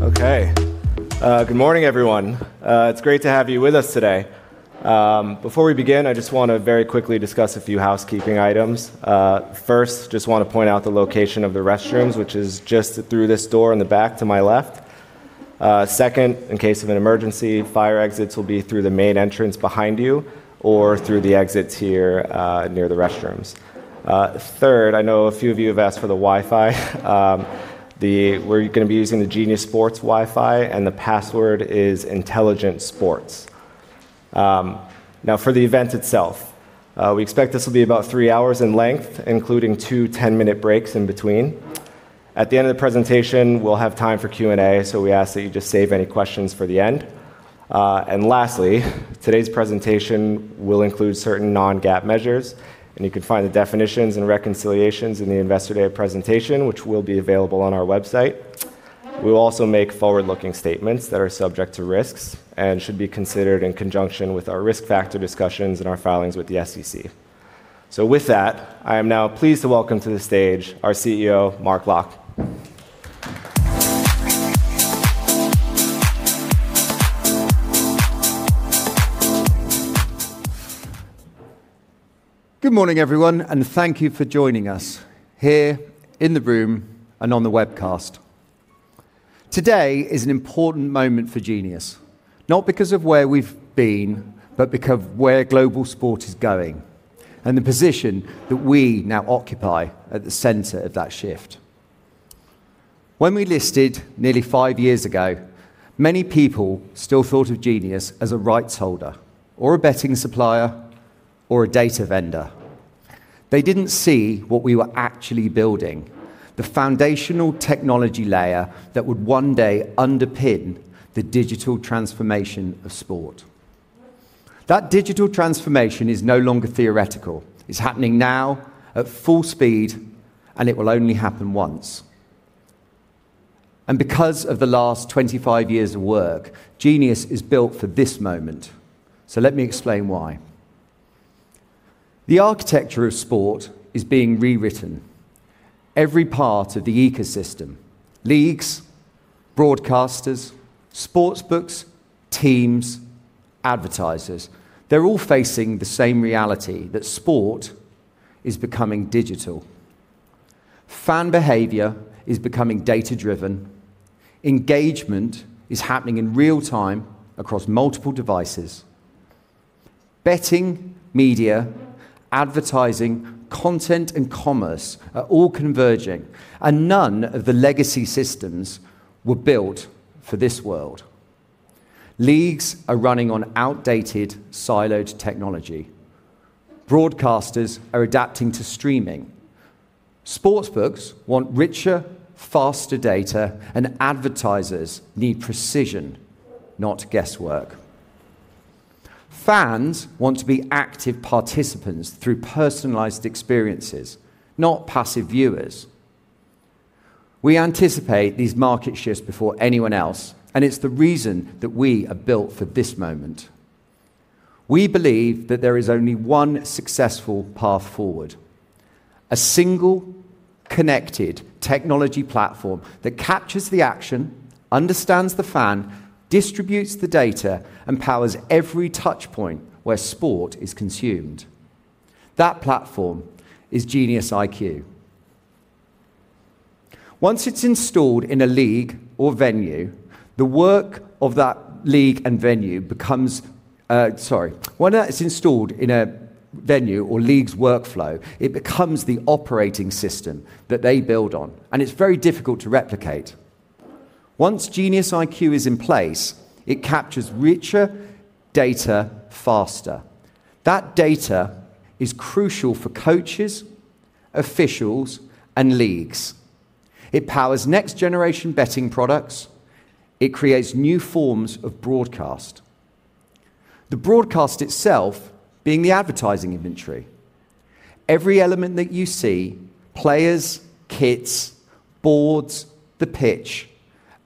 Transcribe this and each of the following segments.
Okay. Good morning, everyone. It's great to have you with us today. Before we begin, I just want to very quickly discuss a few housekeeping items. First, just want to point out the location of the restrooms, which is just through this door in the back to my left. Second, in case of an emergency, fire exits will be through the main entrance behind you or through the exits here near the restrooms. Third, I know a few of you have asked for the Wi-Fi. We're going to be using the Genius Sports Wi-Fi, and the password is Intelligent Sports. Now, for the event itself, we expect this will be about three hours in length, including two 10-minute breaks in between. At the end of the presentation, we'll have time for Q&A, so we ask that you just save any questions for the end. And lastly, today's presentation will include certain non-GAAP measures, and you can find the definitions and reconciliations in the Investor Day presentation, which will be available on our website. We will also make forward-looking statements that are subject to risks and should be considered in conjunction with our risk factor discussions and our filings with the SEC. So with that, I am now pleased to welcome to the stage our CEO, Mark Locke. Good morning, everyone, and thank you for joining us here in the room and on the webcast. Today is an important moment for Genius, not because of where we've been, but because of where global sport is going and the position that we now occupy at the center of that shift. When we listed nearly five years ago, many people still thought of Genius as a rights holder or a betting supplier or a data vendor. They didn't see what we were actually building, the foundational technology layer that would one day underpin the digital transformation of sport. That digital transformation is no longer theoretical. It's happening now at full speed, and it will only happen once. And because of the last 25 years of work, Genius is built for this moment. So let me explain why. The architecture of sport is being rewritten. Every part of the ecosystem, leagues, broadcasters, sportsbooks, teams, advertisers, they're all facing the same reality: that sport is becoming digital. Fan behavior is becoming data-driven. Engagement is happening in real time across multiple devices. Betting, media, advertising, content, and commerce are all converging, and none of the legacy systems were built for this world. Leagues are running on outdated, siloed technology. Broadcasters are adapting to streaming. sportsbooks want richer, faster data, and advertisers need precision, not guesswork. Fans want to be active participants through personalized experiences, not passive viewers. We anticipate these market shifts before anyone else, and it's the reason that we are built for this moment. We believe that there is only one successful path forward: a single connected technology platform that captures the action, understands the fan, distributes the data, and powers every touchpoint where sport is consumed. That platform is GeniusIQ. Once it's installed in a venue or league's workflow, it becomes the operating system that they build on, and it's very difficult to replicate. Once GeniusIQ is in place, it captures richer data faster. That data is crucial for coaches, officials, and leagues. It powers next-generation betting products. It creates new forms of broadcast. The broadcast itself being the advertising inventory. Every element that you see, players, kits, boards, the pitch,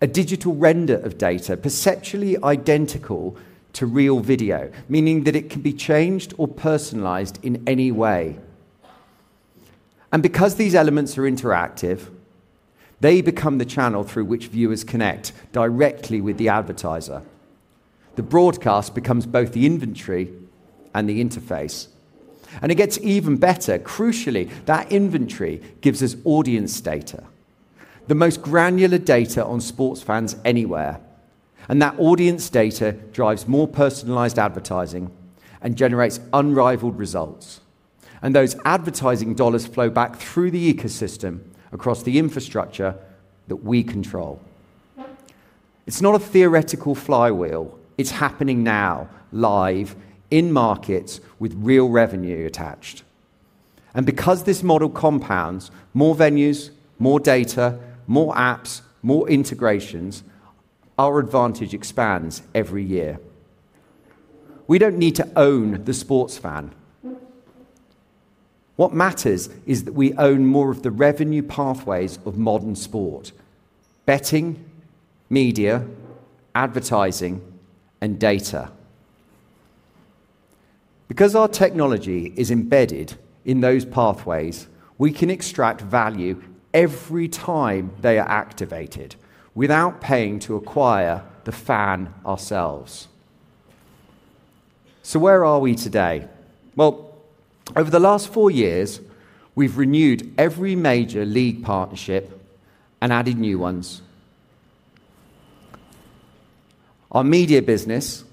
a digital render of data perceptually identical to real video, meaning that it can be changed or personalized in any way. And because these elements are interactive, they become the channel through which viewers connect directly with the advertiser. The broadcast becomes both the inventory and the interface, and it gets even better. Crucially, that inventory gives us audience data, the most granular data on sports fans anywhere. And that audience data drives more personalized advertising and generates unrivaled results. And those advertising dollars flow back through the ecosystem across the infrastructure that we control. It's not a theoretical flywheel. It's happening now, live in markets with real revenue attached. And because this model compounds, more venues, more data, more apps, more integrations, our advantage expands every year. We don't need to own the sports fan. What matters is that we own more of the revenue pathways of modern sport: betting, media, advertising, and data. Because our technology is embedded in those pathways, we can extract value every time they are activated without paying to acquire the fan ourselves. So where are we today? Well, over the last four years, we've renewed every major league partnership and added new ones. Our media business,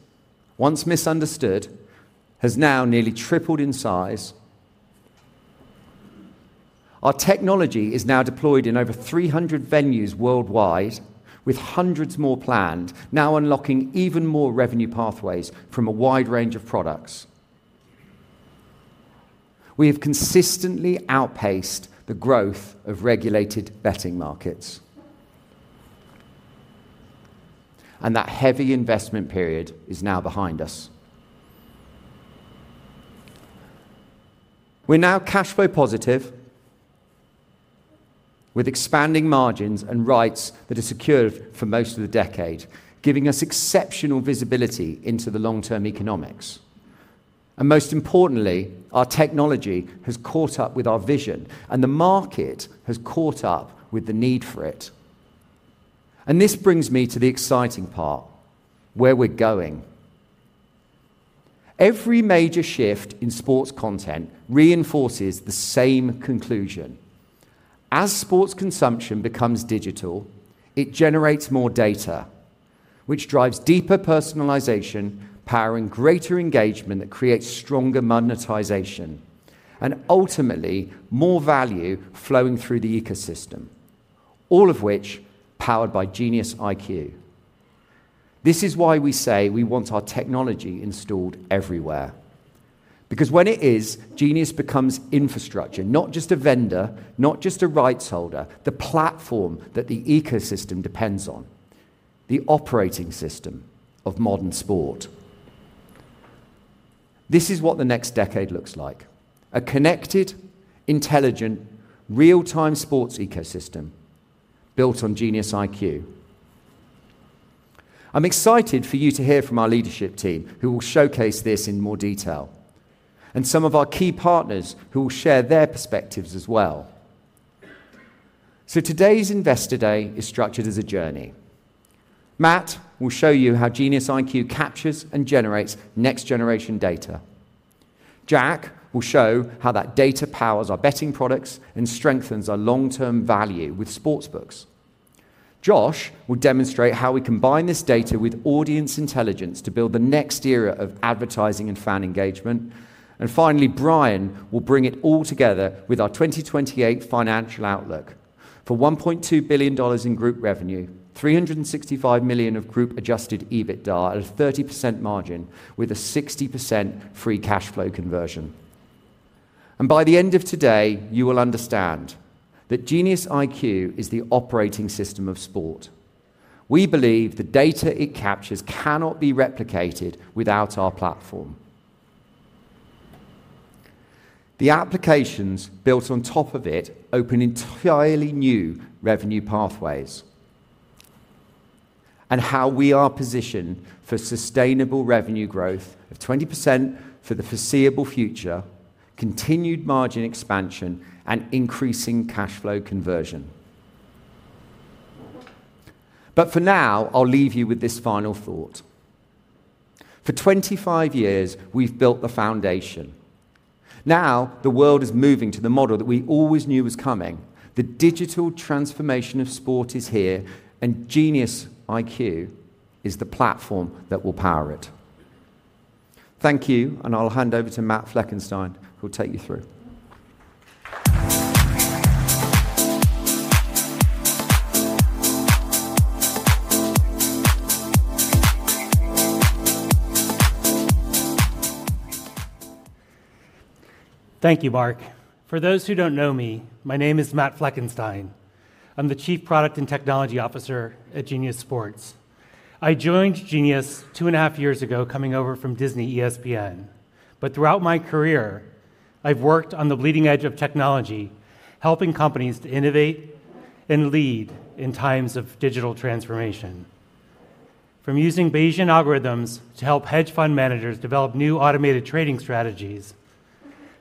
once misunderstood, has now nearly tripled in size. Our technology is now deployed in over 300 venues worldwide, with hundreds more planned, now unlocking even more revenue pathways from a wide range of products. We have consistently outpaced the growth of regulated betting markets, and that heavy investment period is now behind us. We're now cash flow positive with expanding margins and rights that are secured for most of the decade, giving us exceptional visibility into the long-term economics. Most importantly, our technology has caught up with our vision, and the market has caught up with the need for it. This brings me to the exciting part: where we're going. Every major shift in sports content reinforces the same conclusion. As sports consumption becomes digital, it generates more data, which drives deeper personalization, powering greater engagement that creates stronger monetization, and ultimately more value flowing through the ecosystem, all of which is powered by GeniusIQ. This is why we say we want our technology installed everywhere. Because when it is, Genius becomes infrastructure, not just a vendor, not just a rights holder, the platform that the ecosystem depends on, the operating system of modern sport. This is what the next decade looks like: a connected, intelligent, real-time sports ecosystem built on GeniusIQ. I'm excited for you to hear from our leadership team, who will showcase this in more detail, and some of our key partners who will share their perspectives as well. So today's Investor Day is structured as a journey. Matt will show you how GeniusIQ captures and generates next-generation data. Jack will show how that data powers our betting products and strengthens our long-term value with sportsbooks. Josh will demonstrate how we combine this data with audience intelligence to build the next era of advertising and fan engagement. And finally, Bryan will bring it all together with our 2028 financial outlook for $1.2 billion in group revenue, $365 million of group-adjusted EBITDA at a 30% margin with a 60% free cash flow conversion. And by the end of today, you will understand that GeniusIQ is the operating system of sport. We believe the data it captures cannot be replicated without our platform. The applications built on top of it open entirely new revenue pathways and how we are positioned for sustainable revenue growth of 20% for the foreseeable future, continued margin expansion, and increasing cash flow conversion. But for now, I'll leave you with this final thought. For 25 years, we've built the foundation. Now the world is moving to the model that we always knew was coming. The digital transformation of sport is here, and GeniusIQ is the platform that will power it. Thank you, and I'll hand over to Matt Fleckenstein, who will take you through. Thank you, Mark. For those who don't know me, my name is Matt Fleckenstein. I'm the Chief Product and Technology Officer at Genius Sports. I joined Genius two and a half years ago, coming over from Disney ESPN. But throughout my career, I've worked on the leading edge of technology, helping companies to innovate and lead in times of digital transformation. From using Bayesian algorithms to help hedge fund managers develop new automated trading strategies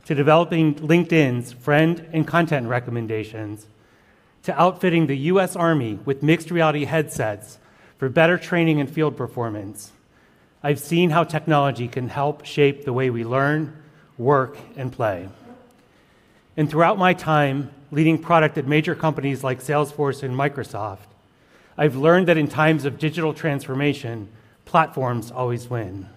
to developing LinkedIn's friend and content recommendations to outfitting the U.S. Army with mixed reality headsets for better training and field performance, I've seen how technology can help shape the way we learn, work, and play. And throughout my time leading product at major companies like Salesforce and Microsoft, I've learned that in times of digital transformation, platforms always win.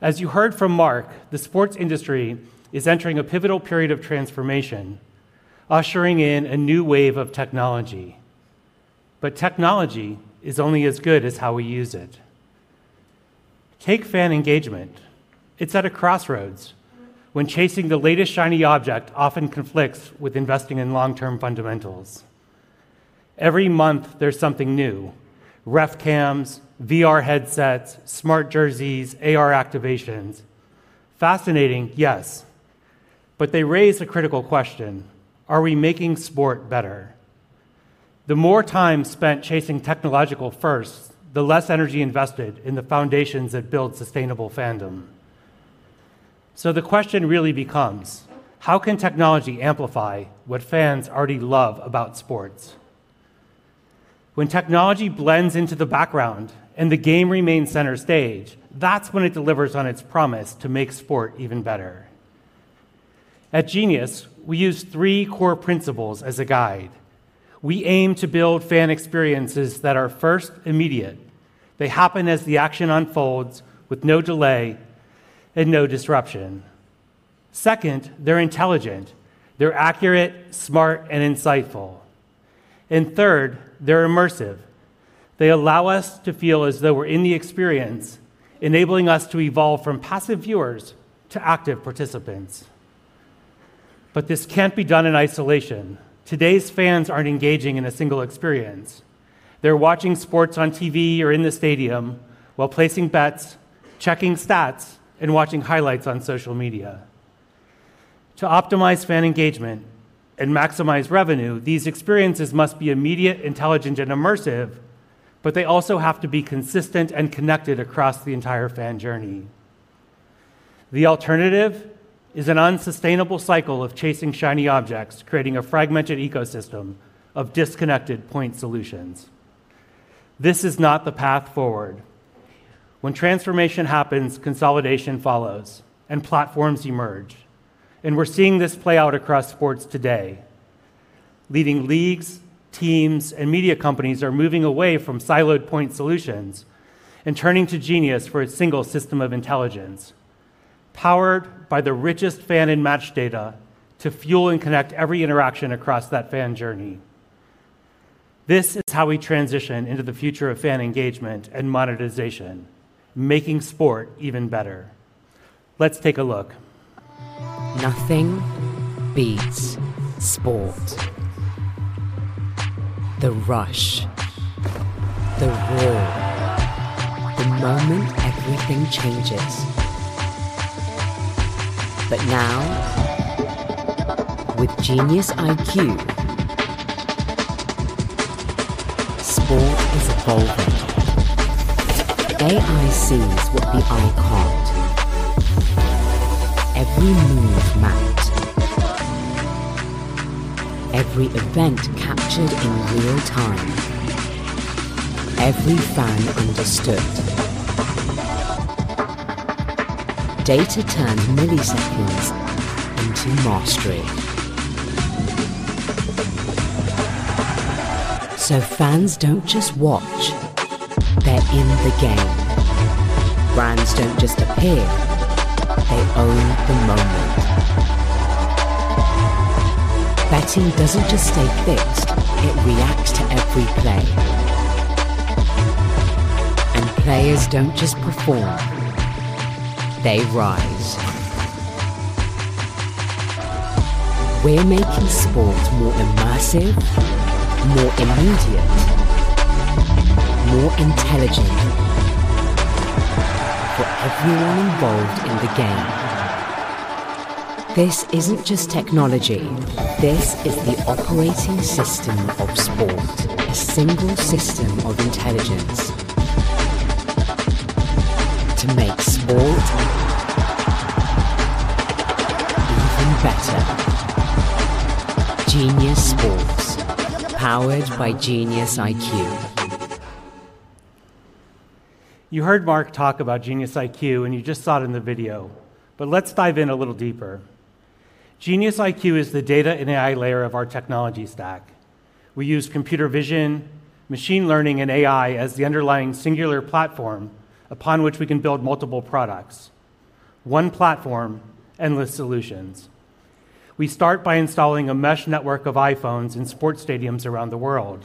As you heard from Mark, the sports industry is entering a pivotal period of transformation, ushering in a new wave of technology. But technology is only as good as how we use it. Take fan engagement. It's at a crossroads when chasing the latest shiny object often conflicts with investing in long-term fundamentals. Every month, there's something new: ref cams, VR headsets, smart jerseys, AR activations. Fascinating, yes. But they raise a critical question: Are we making sport better? The more time spent chasing technological firsts, the less energy invested in the foundations that build sustainable fandom. So the question really becomes: How can technology amplify what fans already love about sports? When technology blends into the background and the game remains center stage, that's when it delivers on its promise to make sport even better. At Genius, we use three core principles as a guide. We aim to build fan experiences that are first, immediate. They happen as the action unfolds with no delay and no disruption. Second, they're intelligent. They're accurate, smart, and insightful. And third, they're immersive. They allow us to feel as though we're in the experience, enabling us to evolve from passive viewers to active participants. But this can't be done in isolation. Today's fans aren't engaging in a single experience. They're watching sports on TV or in the stadium while placing bets, checking stats, and watching highlights on social media. To optimize fan engagement and maximize revenue, these experiences must be immediate, intelligent, and immersive, but they also have to be consistent and connected across the entire fan journey. The alternative is an unsustainable cycle of chasing shiny objects, creating a fragmented ecosystem of disconnected point solutions. This is not the path forward. When transformation happens, consolidation follows, and platforms emerge. And we're seeing this play out across sports today. Leading leagues, teams, and media companies are moving away from siloed point solutions and turning to Genius for a single system of intelligence, powered by the richest fan and match data to fuel and connect every interaction across that fan journey. This is how we transition into the future of fan engagement and monetization, making sport even better. Let's take a look. Nothing beats sport. The rush, the roar, the moment everything changes. But now, with GeniusIQ, sport is evolving. AI sees what the eye can't. Every move mapped. Every event captured in real time. Every fan understood. Data turned milliseconds into mastery. So fans don't just watch. They're in the game. Brands don't just appear. They own the moment. Betting doesn't just stay fixed. It reacts to every play. And players don't just perform. They rise. We're making sport more immersive, more immediate, more intelligent for everyone involved in the game. This isn't just technology. This is the operating system of sport. A single system of intelligence to make sport even better. Genius Sports, powered by GeniusIQ. You heard Mark talk about GeniusIQ, and you just saw it in the video. But let's dive in a little deeper. GeniusIQ is the data and AI layer of our technology stack. We use computer vision, machine learning, and AI as the underlying singular platform upon which we can build multiple products. One platform, endless solutions. We start by installing a mesh network of iPhones in sports stadiums around the world.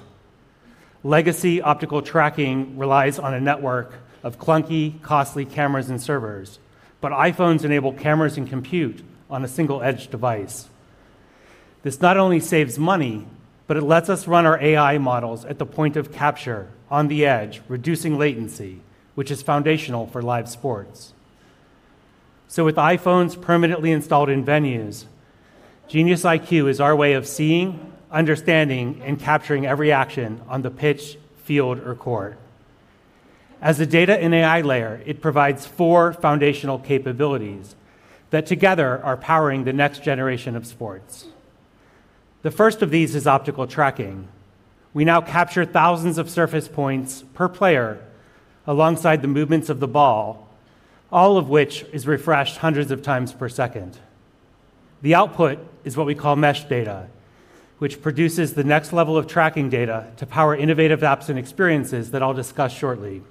Legacy optical tracking relies on a network of clunky, costly cameras and servers, but iPhones enable cameras and compute on a single edge device. This not only saves money, but it lets us run our AI models at the point of capture on the edge, reducing latency, which is foundational for live sports. With iPhones permanently installed in venues, GeniusIQ is our way of seeing, understanding, and capturing every action on the pitch, field, or court. As a data and AI layer, it provides four foundational capabilities that together are powering the next generation of sports. The first of these is optical tracking. We now capture thousands of surface points per player alongside the movements of the ball, all of which is refreshed hundreds of times per second. The output is what we call mesh data, which produces the next level of tracking data to power innovative apps and experiences that I'll discuss shortly.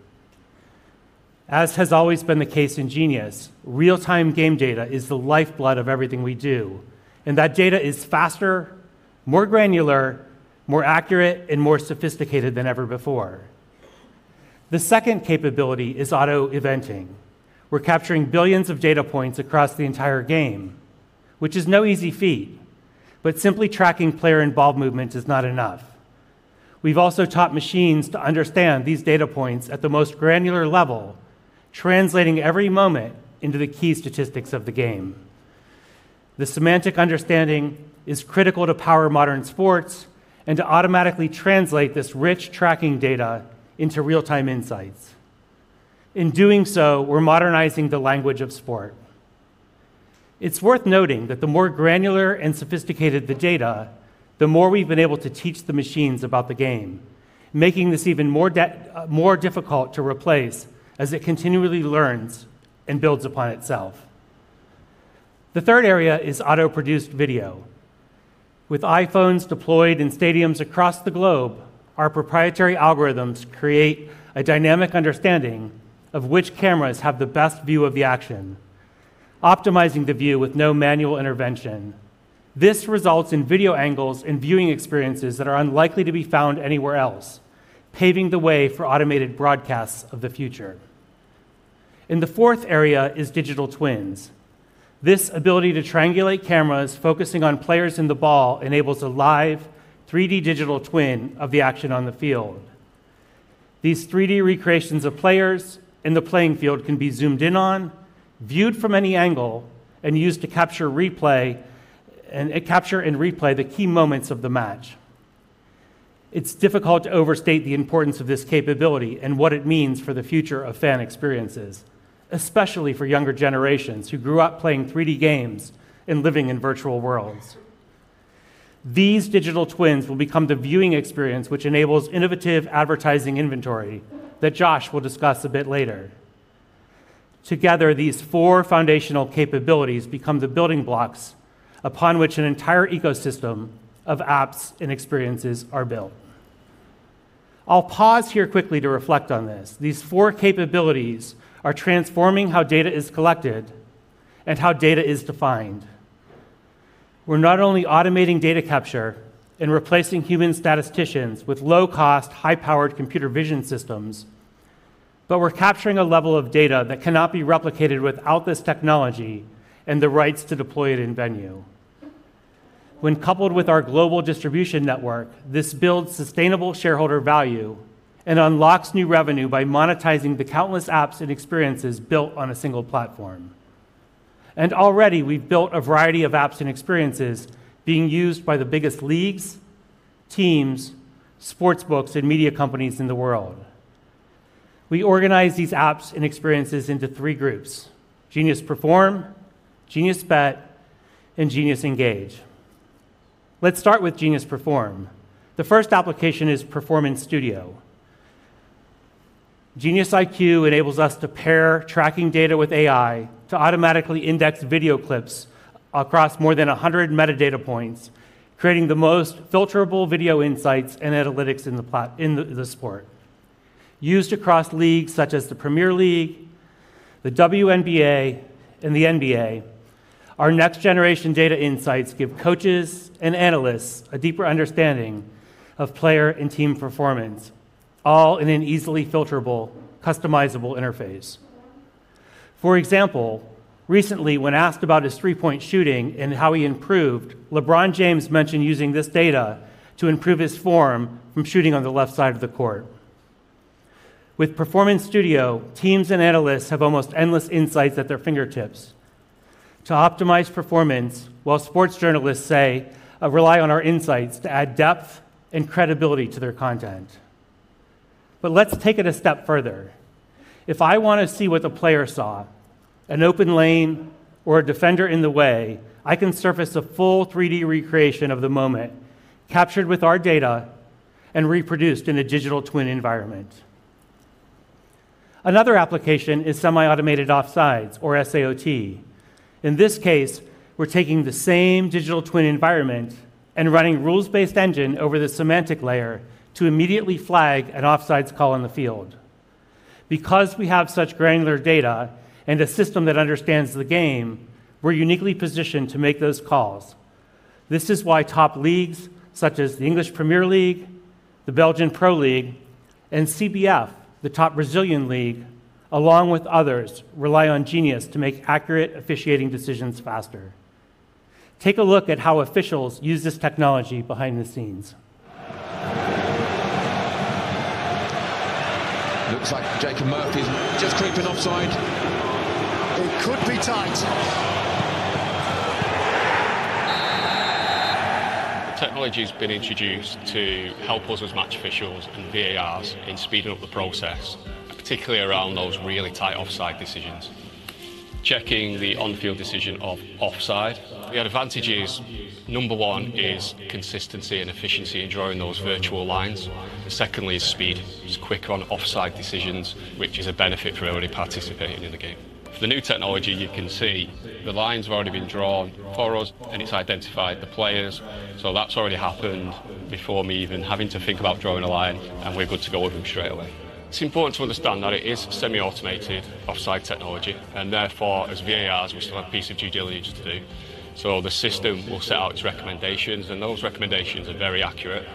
As has always been the case in Genius, real-time game data is the lifeblood of everything we do. And that data is faster, more granular, more accurate, and more sophisticated than ever before. The second capability is auto-eventing. We're capturing billions of data points across the entire game, which is no easy feat. But simply tracking player involved movement is not enough. We've also taught machines to understand these data points at the most granular level, translating every moment into the key statistics of the game. The semantic understanding is critical to power modern sports and to automatically translate this rich tracking data into real-time insights. In doing so, we're modernizing the language of sport. It's worth noting that the more granular and sophisticated the data, the more we've been able to teach the machines about the game, making this even more difficult to replace as it continually learns and builds upon itself. The third area is auto-produced video. With iPhones deployed in stadiums across the globe, our proprietary algorithms create a dynamic understanding of which cameras have the best view of the action, optimizing the view with no manual intervention. This results in video angles and viewing experiences that are unlikely to be found anywhere else, paving the way for automated broadcasts of the future. And the fourth area is digital twins. This ability to triangulate cameras focusing on players and the ball enables a live 3D digital twin of the action on the field. These 3D recreations of players in the playing field can be zoomed in on, viewed from any angle, and used to capture and replay the key moments of the match. It's difficult to overstate the importance of this capability and what it means for the future of fan experiences, especially for younger generations who grew up playing 3D games and living in virtual worlds. These digital twins will become the viewing experience which enables innovative advertising inventory that Josh will discuss a bit later. Together, these four foundational capabilities become the building blocks upon which an entire ecosystem of apps and experiences are built. I'll pause here quickly to reflect on this. These four capabilities are transforming how data is collected and how data is defined. We're not only automating data capture and replacing human statisticians with low-cost, high-powered computer vision systems, but we're capturing a level of data that cannot be replicated without this technology and the rights to deploy it in venue. When coupled with our global distribution network, this builds sustainable shareholder value and unlocks new revenue by monetizing the countless apps and experiences built on a single platform, and already, we've built a variety of apps and experiences being used by the biggest leagues, teams, sportsbooks, and media companies in the world. We organize these apps and experiences into three groups: Genius Perform, Genius Bet, and Genius Engage. Let's start with Genius Perform. The first application is Performance Studio. GeniusIQ enables us to pair tracking data with AI to automatically index video clips across more than 100 metadata points, creating the most filterable video insights and analytics in the sport. Used across leagues such as the Premier League, the WNBA, and the NBA, our next-generation data insights give coaches and analysts a deeper understanding of player and team performance, all in an easily filterable, customizable interface. For example, recently, when asked about his three-point shooting and how he improved, LeBron James mentioned using this data to improve his form from shooting on the left side of the court. With Performance Studio, teams and analysts have almost endless insights at their fingertips to optimize performance while sports journalists rely on our insights to add depth and credibility to their content. But let's take it a step further. If I want to see what the player saw, an open lane or a defender in the way, I can surface a full 3D recreation of the moment captured with our data and reproduced in a digital twin environment. Another application is semi-automated offside, or SAOT. In this case, we're taking the same digital twin environment and running a rules-based engine over the semantic layer to immediately flag an offside call on the field. Because we have such granular data and a system that understands the game, we're uniquely positioned to make those calls. This is why top leagues such as the English Premier League, the Belgian Pro League, and CBF, the top Brazilian league, along with others, rely on Genius to make accurate officiating decisions faster. Take a look at how officials use this technology behind the scenes. Looks like Jacob Murphy's just creeping offside. It could be tight. Technology has been introduced to help us as match officials and VARs in speeding up the process, particularly around those really tight offside decisions. Checking the on-field decision of offside. The advantages, number one, is consistency and efficiency in drawing those virtual lines. And secondly, is speed. It's quicker on offside decisions, which is a benefit for everybody participating in the game. For the new technology, you can see the lines have already been drawn for us, and it's identified the players. So that's already happened before me even having to think about drawing a line, and we're good to go with them straight away. It's important to understand that it is Semi-Automated Offside Technology, and therefore, as VARs, we still have a piece of due diligence to do. So the system will set out its recommendations, and those recommendations are very accurate,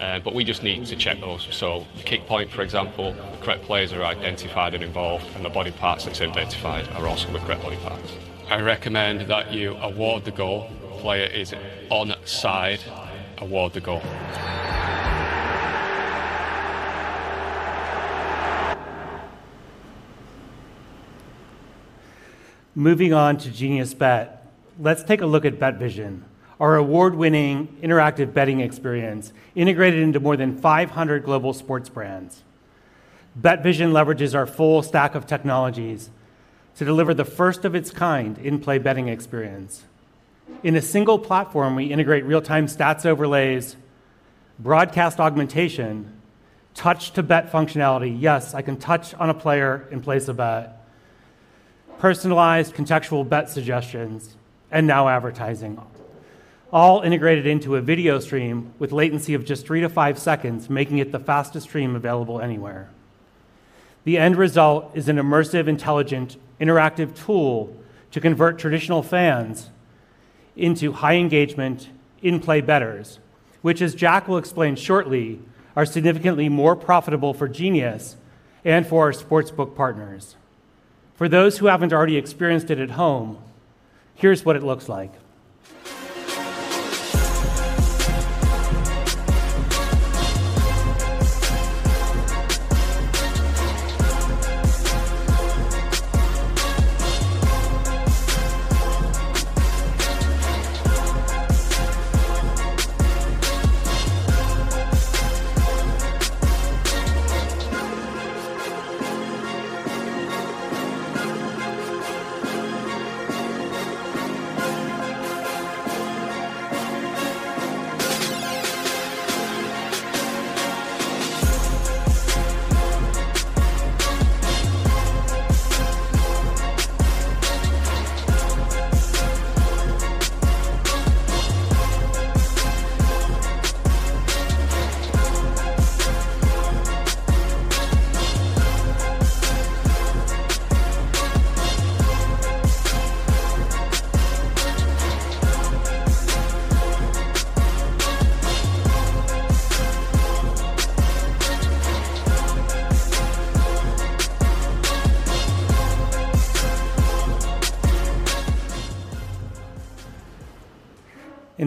but we just need to check those. So the kick point, for example, the correct players are identified and involved, and the body parts that's identified are also the correct body parts. I recommend that you award the goal. Player is onside, award the goal. Moving on to Genius Bet, let's take a look at BetVision, our award-winning interactive betting experience integrated into more than 500 global sports brands. BetVision leverages our full stack of technologies to deliver the first of its kind in-play betting experience. In a single platform, we integrate real-time stats overlays, broadcast augmentation, touch-to-bet functionality, yes, I can touch on a player and place a bet, personalized contextual bet suggestions, and now advertising, all integrated into a video stream with latency of just three-to-five seconds, making it the fastest stream available anywhere. The end result is an immersive, intelligent, interactive tool to convert traditional fans into high-engagement in-play bettors, which, as Jack will explain shortly, are significantly more profitable for Genius and for our sports book partners. For those who haven't already experienced it at home, here's what it looks like.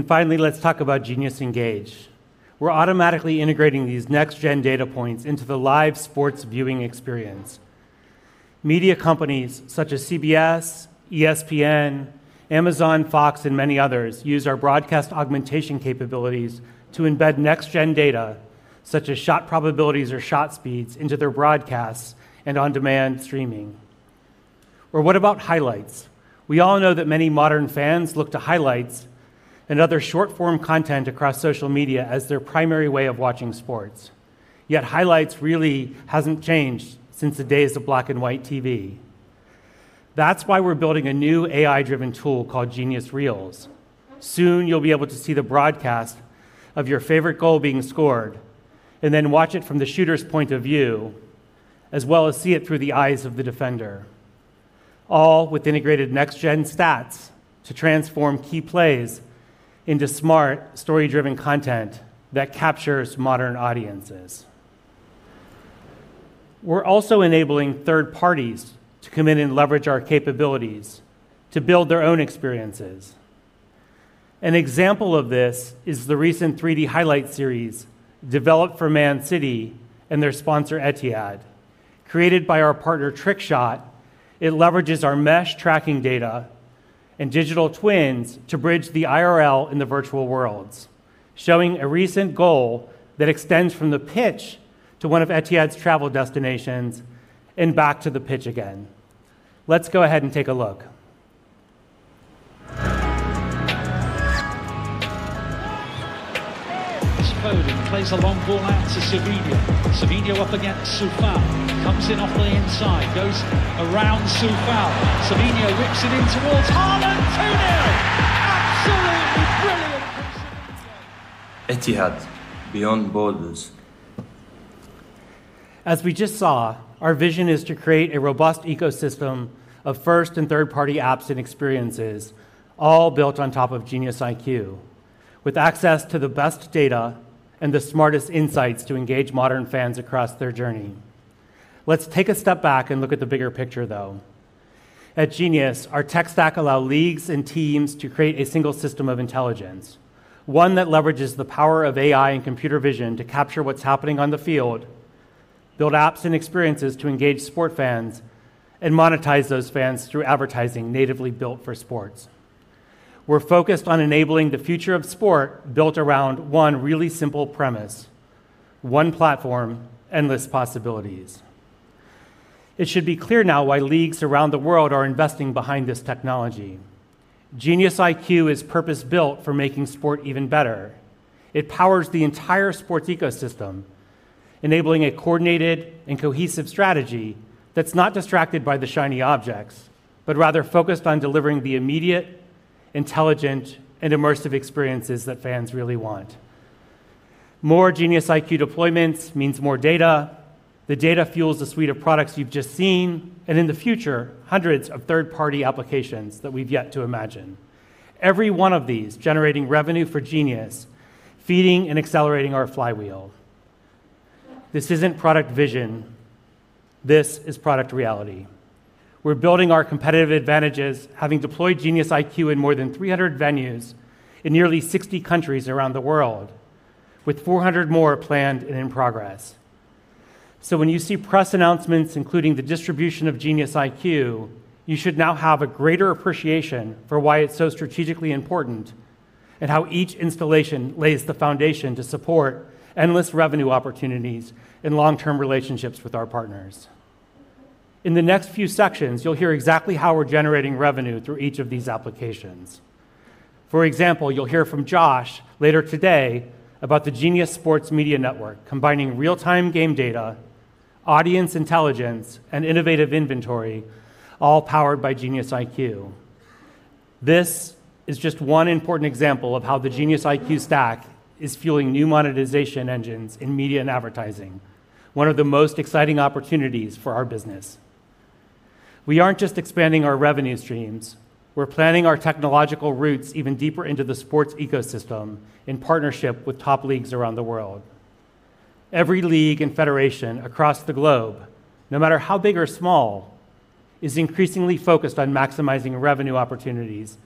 Finally, let's talk about Genius Engage. We're automatically integrating these next-gen data points into the live sports viewing experience. Media companies such as CBS, ESPN, Amazon, Fox, and many others use our broadcast augmentation capabilities to embed next-gen data such as shot probabilities or shot speeds into their broadcasts and on-demand streaming. Or what about highlights? We all know that many modern fans look to highlights and other short-form content across social media as their primary way of watching sports. Yet highlights really haven't changed since the days of black and white TV. That's why we're building a new AI-driven tool called Genius Reels. Soon, you'll be able to see the broadcast of your favorite goal being scored and then watch it from the shooter's point of view, as well as see it through the eyes of the defender, all with integrated next-gen stats to transform key plays into smart, story-driven content that captures modern audiences. We're also enabling third parties to come in and leverage our capabilities to build their own experiences. An example of this is the recent 3D highlight series developed for Man City and their sponsor, Etihad. Created by our partner, Trickshot, it leverages our mesh tracking data and digital twins to bridge the IRL and the virtual worlds, showing a recent goal that extends from the pitch to one of Etihad's travel destinations and back to the pitch again. Let's go ahead and take a look. This is Foden plays a long ball out to Savinho. Savinho up against Fofana. Comes in off the inside, goes around Fofana. Savinho whips it in towards Haaland. 2-0! Absolutely brilliant from Savinho. Etihad, beyond borders. As we just saw, our vision is to create a robust ecosystem of first and third-party apps and experiences, all built on top of GeniusIQ, with access to the best data and the smartest insights to engage modern fans across their journey. Let's take a step back and look at the bigger picture, though. At Genius, our tech stack allows leagues and teams to create a single system of intelligence, one that leverages the power of AI and computer vision to capture what's happening on the field, build apps and experiences to engage sport fans, and monetize those fans through advertising natively built for sports. We're focused on enabling the future of sport built around one really simple premise: one platform, endless possibilities. It should be clear now why leagues around the world are investing behind this technology. GeniusIQ is purpose-built for making sport even better. It powers the entire sports ecosystem, enabling a coordinated and cohesive strategy that's not distracted by the shiny objects, but rather focused on delivering the immediate, intelligent, and immersive experiences that fans really want. More GeniusIQ deployments mean more data. The data fuels the suite of products you've just seen, and in the future, hundreds of third-party applications that we've yet to imagine. Every one of these is generating revenue for Genius, feeding and accelerating our flywheel. This isn't product vision. This is product reality. We're building our competitive advantages, having deployed GeniusIQ in more than 300 venues in nearly 60 countries around the world, with 400 more planned and in progress. When you see press announcements, including the distribution of GeniusIQ, you should now have a greater appreciation for why it's so strategically important and how each installation lays the foundation to support endless revenue opportunities and long-term relationships with our partners. In the next few sections, you'll hear exactly how we're generating revenue through each of these applications. For example, you'll hear from Josh later today about the Genius Media Network, combining real-time game data, audience intelligence, and innovative inventory, all powered by GeniusIQ. This is just one important example of how the GeniusIQ stack is fueling new monetization engines in media and advertising, one of the most exciting opportunities for our business. We aren't just expanding our revenue streams. We're planting our technological roots even deeper into the sports ecosystem in partnership with top leagues around the world. Every league and federation across the globe, no matter how big or small, is increasingly focused on maximizing revenue opportunities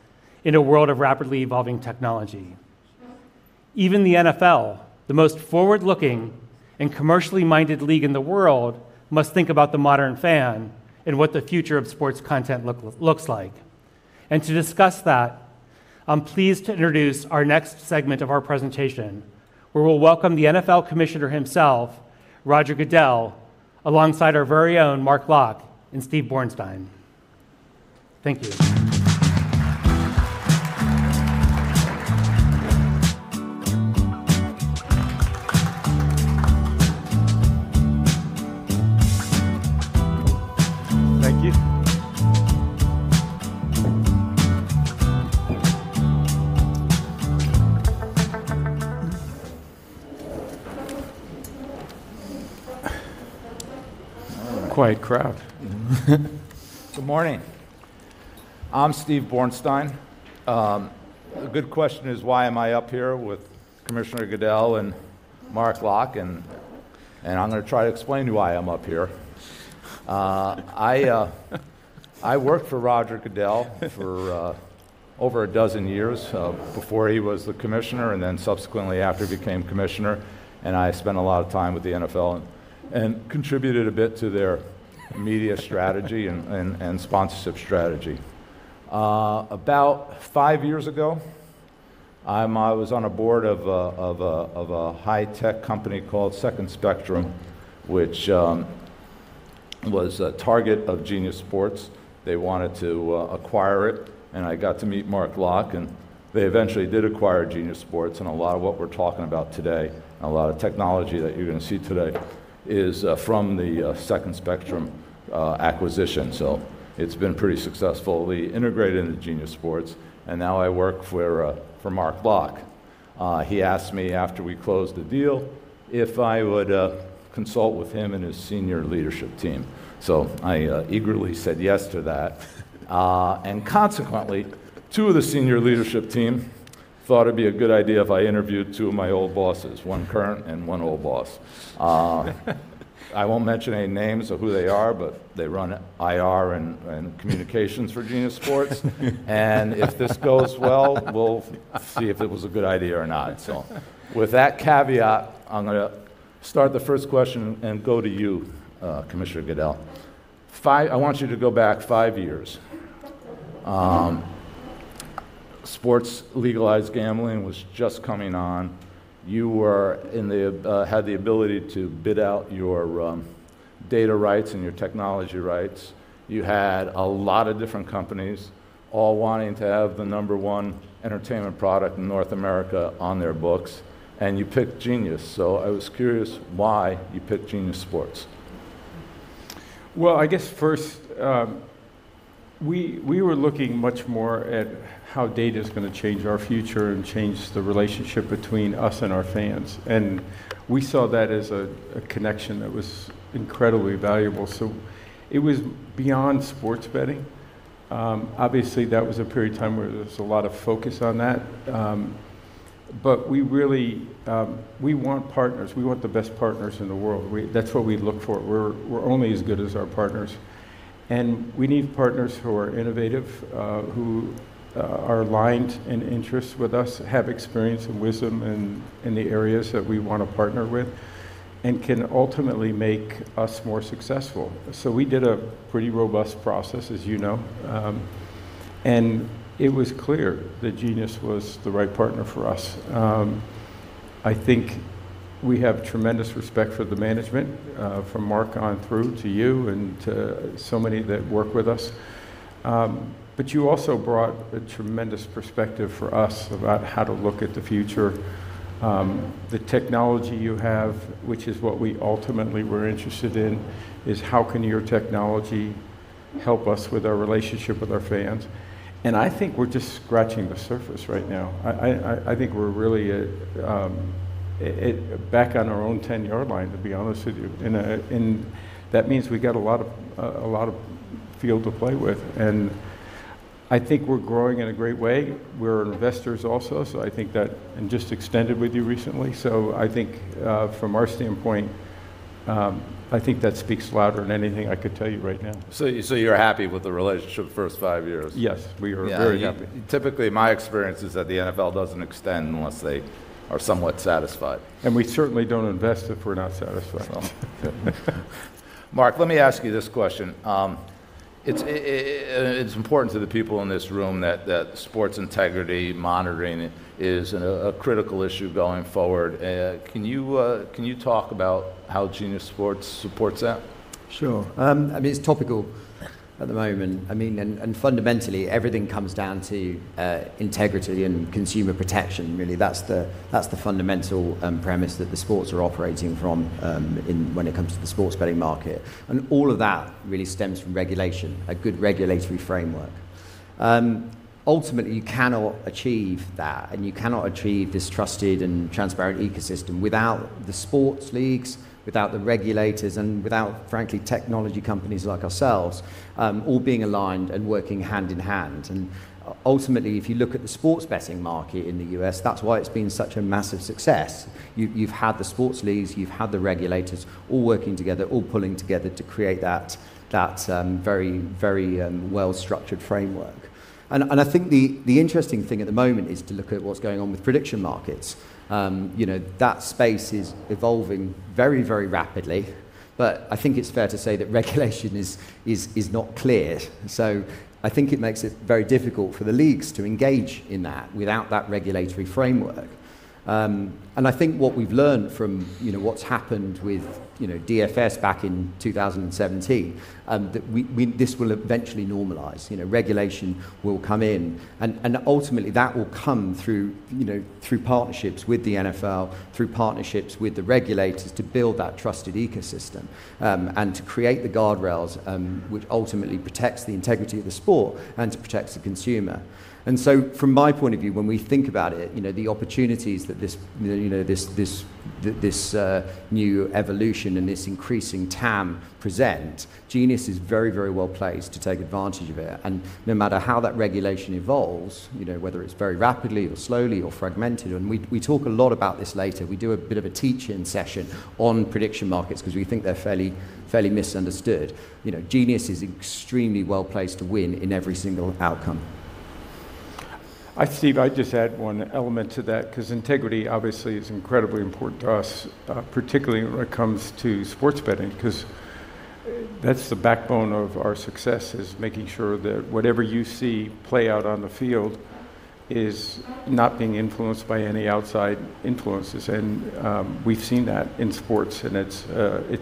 in a world of rapidly evolving technology. Even the NFL, the most forward-looking and commercially minded league in the world, must think about the modern fan and what the future of sports content looks like. To discuss that, I'm pleased to introduce our next segment of our presentation, where we'll welcome the NFL Commissioner himself, Roger Goodell, alongside our very own Mark Locke and Steve Bornstein. Thank you. Thank you. Quiet crowd. Good morning. I'm Steve Bornstein. A good question is, why am I up here with Commissioner Goodell and Mark Locke? And I'm going to try to explain to you why I'm up here. I worked for Roger Goodell for over a dozen years before he was the Commissioner, and then subsequently after he became Commissioner. And I spent a lot of time with the NFL and contributed a bit to their media strategy and sponsorship strategy. About five years ago, I was on a Board of a high-tech company called Second Spectrum, which was a target of Genius Sports. They wanted to acquire it, and I got to meet Mark Locke. And they eventually did acquire Second Spectrum. And a lot of what we're talking about today, and a lot of technology that you're going to see today, is from the Second Spectrum acquisition. So it's been pretty successful. We integrated into Genius Sports, and now I work for Mark Locke. He asked me, after we closed the deal, if I would consult with him and his senior leadership team. So I eagerly said yes to that. And consequently, two of the senior leadership team thought it'd be a good idea if I interviewed two of my old bosses, one current and one old boss. I won't mention any names of who they are, but they run IR and communications for Genius Sports. And if this goes well, we'll see if it was a good idea or not. So with that caveat, I'm going to start the first question and go to you, Commissioner Goodell. I want you to go back five years. Sports legalized gambling was just coming on. You had the ability to bid out your data rights and your technology rights. You had a lot of different companies all wanting to have the number one entertainment product in North America on their books, and you picked Genius. So I was curious why you picked Genius Sports. Well, I guess first, we were looking much more at how data is going to change our future and change the relationship between us and our fans. And we saw that as a connection that was incredibly valuable. So it was beyond sports betting. Obviously, that was a period of time where there was a lot of focus on that. But we want partners. We want the best partners in the world. That's what we look for. We're only as good as our partners. And we need partners who are innovative, who are aligned in interests with us, have experience and wisdom in the areas that we want to partner with, and can ultimately make us more successful. So we did a pretty robust process, as you know. And it was clear that Genius was the right partner for us. I think we have tremendous respect for the management, from Mark on through to you and to so many that work with us. But you also brought a tremendous perspective for us about how to look at the future. The technology you have, which is what we ultimately were interested in, is how can your technology help us with our relationship with our fans? And I think we're just scratching the surface right now. I think we're really back on our own 10-yard line, to be honest with you. And that means we've got a lot of field to play with. And I think we're growing in a great way. We're investors also, so I think that, and just extended with you recently. So I think from our standpoint, I think that speaks louder than anything I could tell you right now. So you're happy with the relationship the first five years? Yes, we are very happy. Typically, my experience is that the NFL doesn't extend unless they are somewhat satisfied. We certainly don't invest if we're not satisfied. Mark, let me ask you this question. It's important to the people in this room that sports integrity monitoring is a critical issue going forward. Can you talk about how Genius Sports supports that? Sure. I mean, it's topical at the moment. I mean, and fundamentally, everything comes down to integrity and consumer protection, really. That's the fundamental premise that the sports are operating from when it comes to the sports betting market. And all of that really stems from regulation, a good regulatory framework. Ultimately, you cannot achieve that, and you cannot achieve this trusted and transparent ecosystem without the sports leagues, without the regulators, and without, frankly, technology companies like ourselves, all being aligned and working hand in hand. And ultimately, if you look at the sports betting market in the U.S., that's why it's been such a massive success. You've had the sports leagues, you've had the regulators all working together, all pulling together to create that very, very well-structured framework. And I think the interesting thing at the moment is to look at what's going on with prediction markets. That space is evolving very, very rapidly, but I think it's fair to say that regulation is not clear. So I think it makes it very difficult for the leagues to engage in that without that regulatory framework. And I think what we've learned from what's happened with DFS back in 2017, that this will eventually normalize. Regulation will come in. And ultimately, that will come through partnerships with the NFL, through partnerships with the regulators to build that trusted ecosystem and to create the guardrails, which ultimately protects the integrity of the sport and protects the consumer. And so from my point of view, when we think about it, the opportunities that this new evolution and this increasing TAM present, Genius is very, very well placed to take advantage of it. No matter how that regulation evolves, whether it's very rapidly or slowly or fragmented, and we talk a lot about this later, we do a bit of a teach-in session on prediction markets because we think they're fairly misunderstood. Genius is extremely well placed to win in every single outcome. I think I'd just add one element to that because integrity obviously is incredibly important to us, particularly when it comes to sports betting because that's the backbone of our success, is making sure that whatever you see play out on the field is not being influenced by any outside influences. And we've seen that in sports, and it's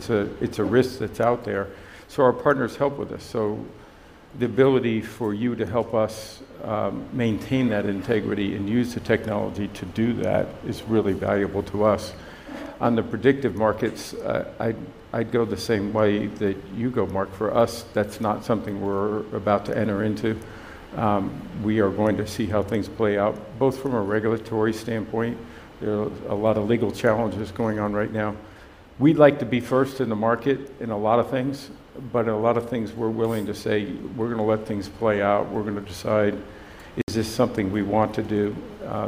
a risk that's out there. So our partners help with us. So the ability for you to help us maintain that integrity and use the technology to do that is really valuable to us. On the prediction markets, I'd go the same way that you go, Mark. For us, that's not something we're about to enter into. We are going to see how things play out, both from a regulatory standpoint. There are a lot of legal challenges going on right now. We'd like to be first in the market in a lot of things, but in a lot of things, we're willing to say, "We're going to let things play out. We're going to decide, is this something we want to do?"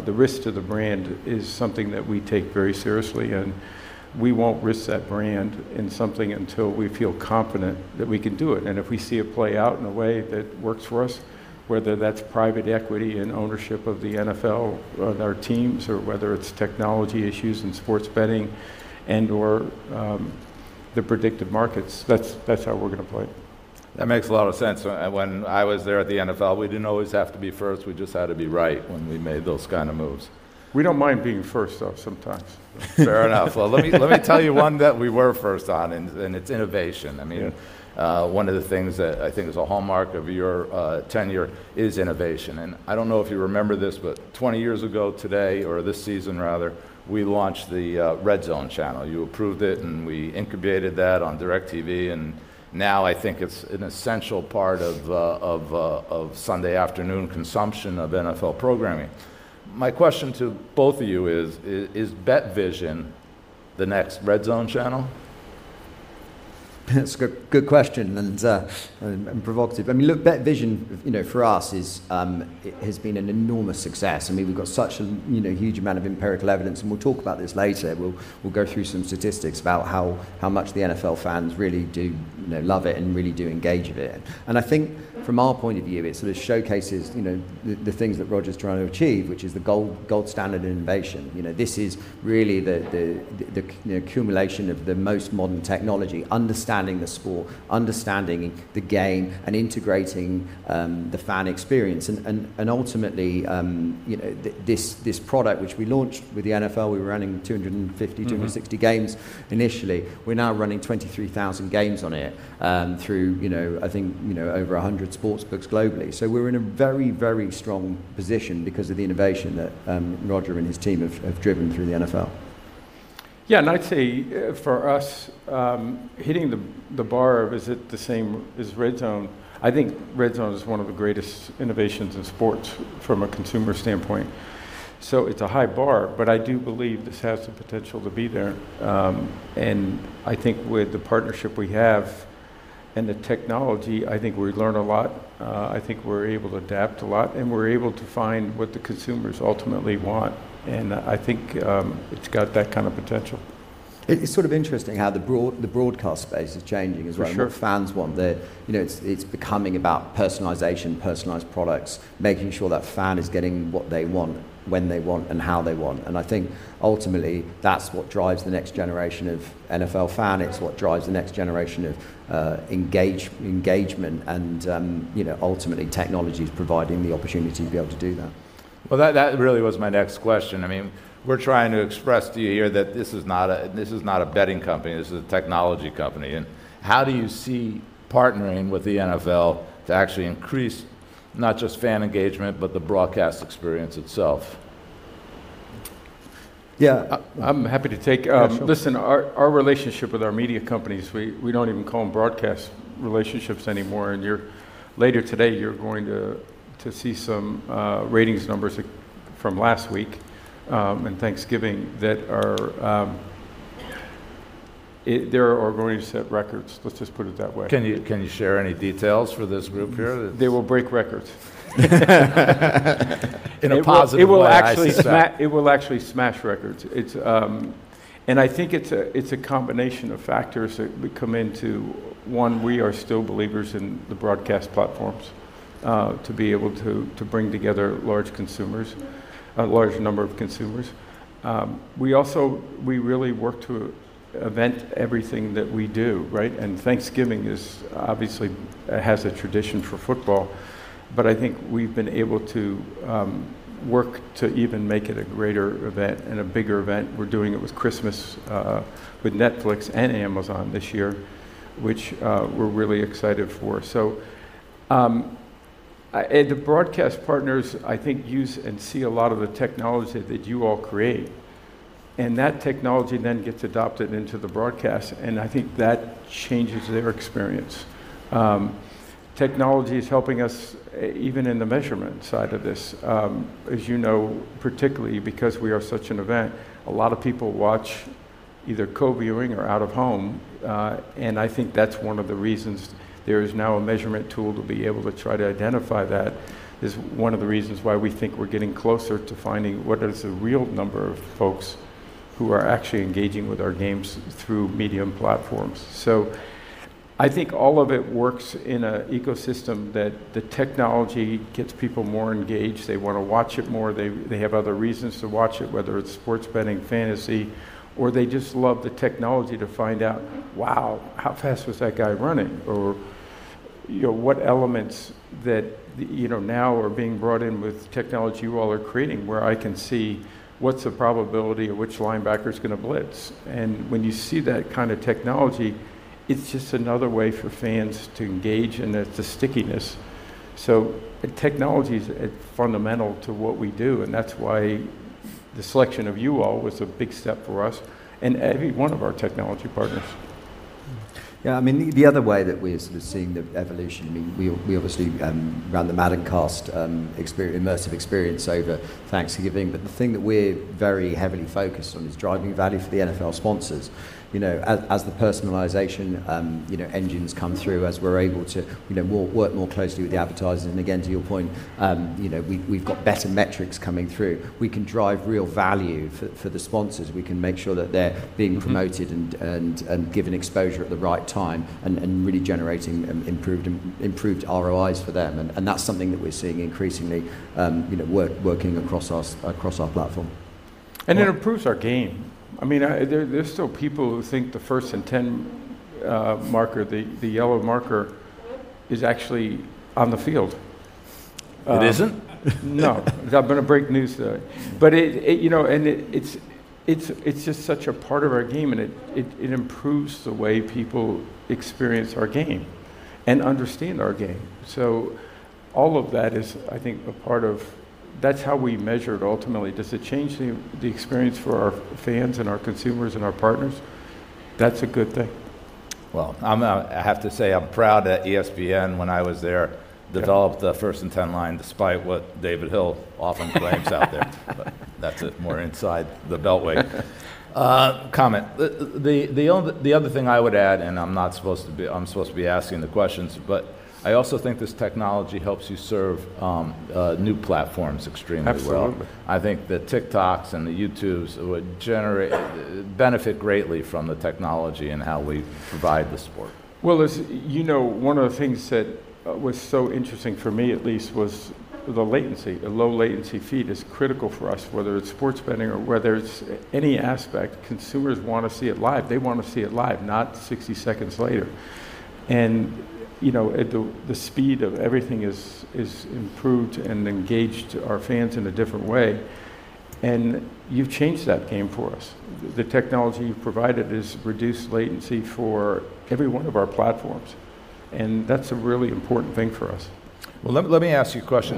The risk to the brand is something that we take very seriously, and we won't risk that brand in something until we feel confident that we can do it, and if we see it play out in a way that works for us, whether that's private equity and ownership of the NFL and our teams, or whether it's technology issues in sports betting and/or the prediction markets, that's how we're going to play. That makes a lot of sense. When I was there at the NFL, we didn't always have to be first. We just had to be right when we made those kinds of moves. We don't mind being first, though, sometimes. Fair enough. Well, let me tell you one that we were first on, and it's innovation. I mean, one of the things that I think is a hallmark of your tenure is innovation. And I don't know if you remember this, but 20 years ago today, or this season rather, we launched the RedZone channel. You approved it, and we incubated that on DirecTV. And now I think it's an essential part of Sunday afternoon consumption of NFL programming. My question to both of you is, is BetVision the next RedZone channel? That's a good question and provocative. I mean, look, BetVision for us has been an enormous success. I mean, we've got such a huge amount of empirical evidence, and we'll talk about this later. We'll go through some statistics about how much the NFL fans really do love it and really do engage with it. And I think from our point of view, it sort of showcases the things that Roger's trying to achieve, which is the gold standard in innovation. This is really the accumulation of the most modern technology, understanding the sport, understanding the game, and integrating the fan experience. And ultimately, this product, which we launched with the NFL, we were running 250-260 games initially. We're now running 23,000 games on it through, I think, over 100 sportsbooks globally. So we're in a very, very strong position because of the innovation that Roger and his team have driven through the NFL. Yeah, and I'd say for us, hitting the bar of, is it the same as RedZone? I think RedZone is one of the greatest innovations in sports from a consumer standpoint. So it's a high bar, but I do believe this has the potential to be there. And I think with the partnership we have and the technology, I think we learn a lot. I think we're able to adapt a lot, and we're able to find what the consumers ultimately want. And I think it's got that kind of potential. It's sort of interesting how the broadcast space is changing, as well. The fans want their. It's becoming about personalization, personalized products, making sure that fan is getting what they want, when they want, and how they want. And I think ultimately, that's what drives the next generation of NFL fan. It's what drives the next generation of engagement. And ultimately, technology is providing the opportunity to be able to do that. Well, that really was my next question. I mean, we're trying to express to you here that this is not a betting company. This is a technology company. And how do you see partnering with the NFL to actually increase not just fan engagement, but the broadcast experience itself? Yeah, I'm happy to take, listen, our relationship with our media companies. We don't even call them broadcast relationships anymore, and later today, you're going to see some ratings numbers from last week and Thanksgiving that are, they are going to set records. Let's just put it that way. Can you share any details for this group here? They will break records. In a positive way? It will actually smash records, and I think it's a combination of factors that come into one, we are still believers in the broadcast platforms to be able to bring together large consumers, a large number of consumers. We really work to event everything that we do, right, and Thanksgiving obviously has a tradition for football, but I think we've been able to work to even make it a greater event and a bigger event. We're doing it with Christmas, with Netflix and Amazon this year, which we're really excited for, so the broadcast partners, I think, use and see a lot of the technology that you all create. And that technology then gets adopted into the broadcast, and I think that changes their experience. Technology is helping us even in the measurement side of this. As you know, particularly because we are such an event, a lot of people watch either co-viewing or out of home. And I think that's one of the reasons there is now a measurement tool to be able to try to identify that, is one of the reasons why we think we're getting closer to finding what is the real number of folks who are actually engaging with our games through media platforms. So I think all of it works in an ecosystem that the technology gets people more engaged. They want to watch it more. They have other reasons to watch it, whether it's sports betting, fantasy, or they just love the technology to find out, "Wow, how fast was that guy running?" Or what elements that now are being brought in with technology you all are creating where I can see what's the probability of which linebacker's going to blitz. And when you see that kind of technology, it's just another way for fans to engage in the stickiness. So technology is fundamental to what we do, and that's why the selection of you all was a big step for us and every one of our technology partners. Yeah, I mean, the other way that we're sort of seeing the evolution. I mean, we obviously ran the MaddenCast immersive experience over Thanksgiving, but the thing that we're very heavily focused on is driving value for the NFL sponsors. As the personalization engines come through, as we're able to work more closely with the advertisers, and again, to your point, we've got better metrics coming through. We can drive real value for the sponsors. We can make sure that they're being promoted and given exposure at the right time and really generating improved ROIs for them. And that's something that we're seeing increasingly working across our platform. It improves our game. I mean, there's still people who think the First and 10 marker, the yellow marker, is actually on the field. It isn't? No. I'm going to break news today. But it's just such a part of our game, and it improves the way people experience our game and understand our game. So all of that is, I think, a part of that. That's how we measure it ultimately. Does it change the experience for our fans and our consumers and our partners? That's a good thing. I have to say I'm proud that ESPN, when I was there, developed the First and 10 line despite what David Hill often claims out there. But that's more inside the Beltway comment. The other thing I would add, and I'm not supposed to be, I'm supposed to be asking the questions, but I also think this technology helps you serve new platforms extremely well. Absolutely. I think that TikToks and the YouTubes would benefit greatly from the technology and how we provide the support. One of the things that was so interesting for me, at least, was the latency. A low-latency feed is critical for us, whether it's sports betting or whether it's any aspect. Consumers want to see it live. They want to see it live, not 60 seconds later. And the speed of everything is improved and engaged our fans in a different way. And you've changed that game for us. The technology you've provided has reduced latency for every one of our platforms. And that's a really important thing for us. Let me ask you a question.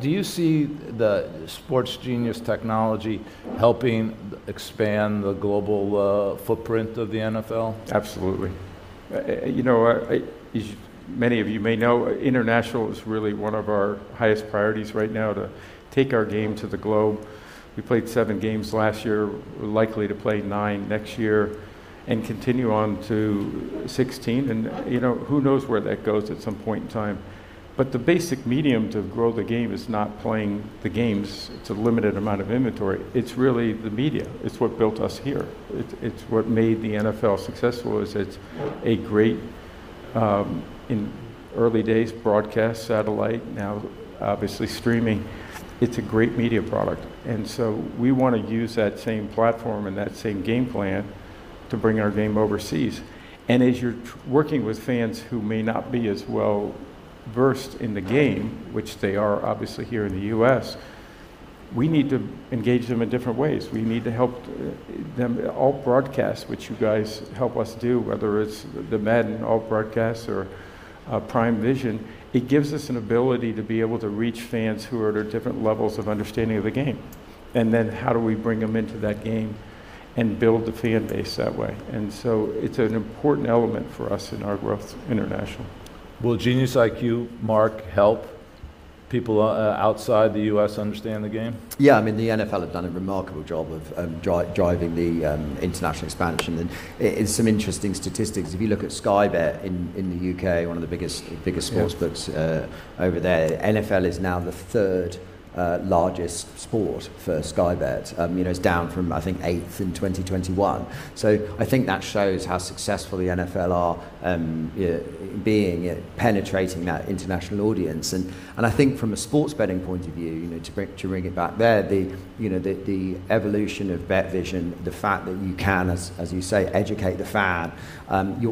Do you see the Genius Sports technology helping expand the global footprint of the NFL? Absolutely. You know, many of you may know, international is really one of our highest priorities right now to take our game to the globe. We played seven games last year, likely to play nine next year, and continue on to 16. And who knows where that goes at some point in time. But the basic medium to grow the game is not playing the games. It's a limited amount of inventory. It's really the media. It's what built us here. It's what made the NFL successful. It's a great, in early days, broadcast satellite, now obviously streaming. It's a great media product. And so we want to use that same platform and that same game plan to bring our game overseas. As you're working with fans who may not be as well versed in the game, which they are obviously here in the U.S., we need to engage them in different ways. We need to help them all broadcast, which you guys help us do, whether it's the MaddenCast or Prime Vision. It gives us an ability to be able to reach fans who are at different levels of understanding of the game. Then how do we bring them into that game and build the fan base that way? So it's an important element for us in our international growth. Will GeniusIQ, Mark, help people outside the U.S. understand the game? Yeah, I mean, the NFL have done a remarkable job of driving the international expansion, and it's some interesting statistics. If you look at Sky Bet in the U.K., one of the biggest sportsbooks over there, NFL is now the third largest sport for Sky Bet. It's down from, I think, eighth in 2021, so I think that shows how successful the NFL are in penetrating that international audience, and I think from a sports betting point of view, to bring it back there, the evolution of BetVision, the fact that you can, as you say, educate the fan,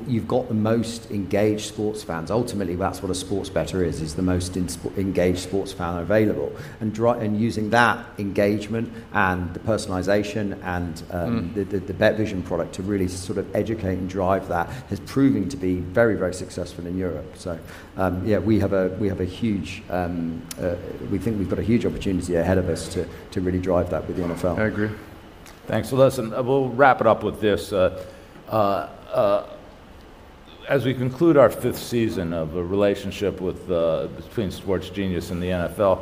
you've got the most engaged sports fans. Ultimately, that's what a sports better is, is the most engaged sports fan available, and using that engagement and the personalization and the BetVision product to really sort of educate and drive that has proven to be very, very successful in Europe. So yeah, we think we've got a huge opportunity ahead of us to really drive that with the NFL. I agree. Thanks. Well, listen, we'll wrap it up with this. As we conclude our fifth season of a relationship between Genius Sports and the NFL,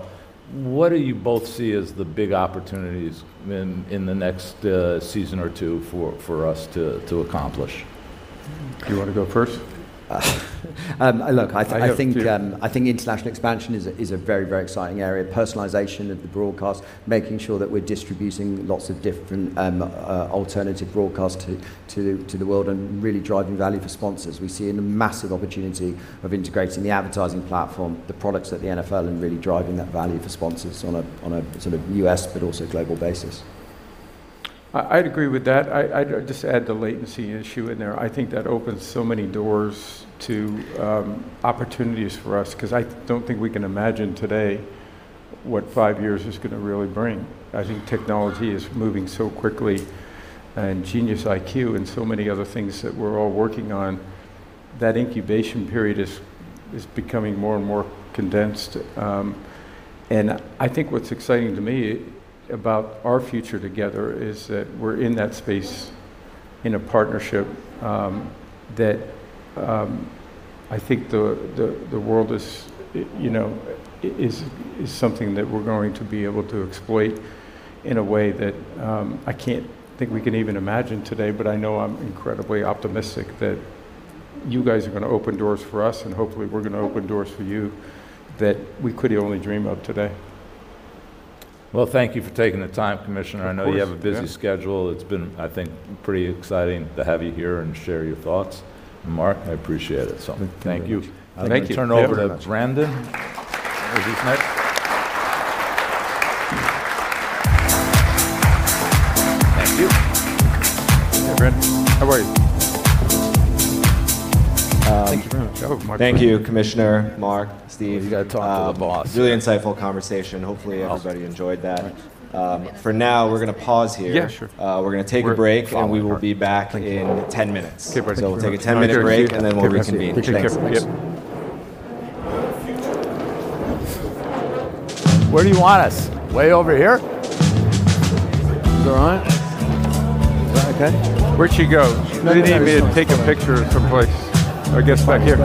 what do you both see as the big opportunities in the next season or two for us to accomplish? You want to go first? Look, I think international expansion is a very, very exciting area. Personalization of the broadcast, making sure that we're distributing lots of different alternative broadcasts to the world and really driving value for sponsors. We see a massive opportunity of integrating the advertising platform, the products at the NFL, and really driving that value for sponsors on a sort of U.S., but also global basis. I'd agree with that. I'd just add the latency issue in there. I think that opens so many doors to opportunities for us because I don't think we can imagine today what five years is going to really bring. I think technology is moving so quickly and GeniusIQ and so many other things that we're all working on, that incubation period is becoming more and more condensed. And I think what's exciting to me about our future together is that we're in that space in a partnership that I think the world is something that we're going to be able to exploit in a way that I can't think we can even imagine today, but I know I'm incredibly optimistic that you guys are going to open doors for us, and hopefully, we're going to open doors for you that we could only dream of today. Thank you for taking the time, Commissioner. I know you have a busy schedule. It's been, I think, pretty exciting to have you here and share your thoughts. Mark, I appreciate it. Thank you. I'm going to turn over to Brandon. Thank you. Hey, Brandon. How are you? Thank you very much. Thank you, Commissioner, Mark, Steve. You got to talk to the boss. Really insightful conversation. Hopefully, everybody enjoyed that. For now, we're going to pause here. We're going to take a break, and we will be back in 10 minutes. So we'll take a 10-minute break, and then we'll reconvene. Take care. Where do you want us? Way over here? Is that right? Is that okay? Where'd she go? She didn't even need me to take a picture of some place. I guess back here.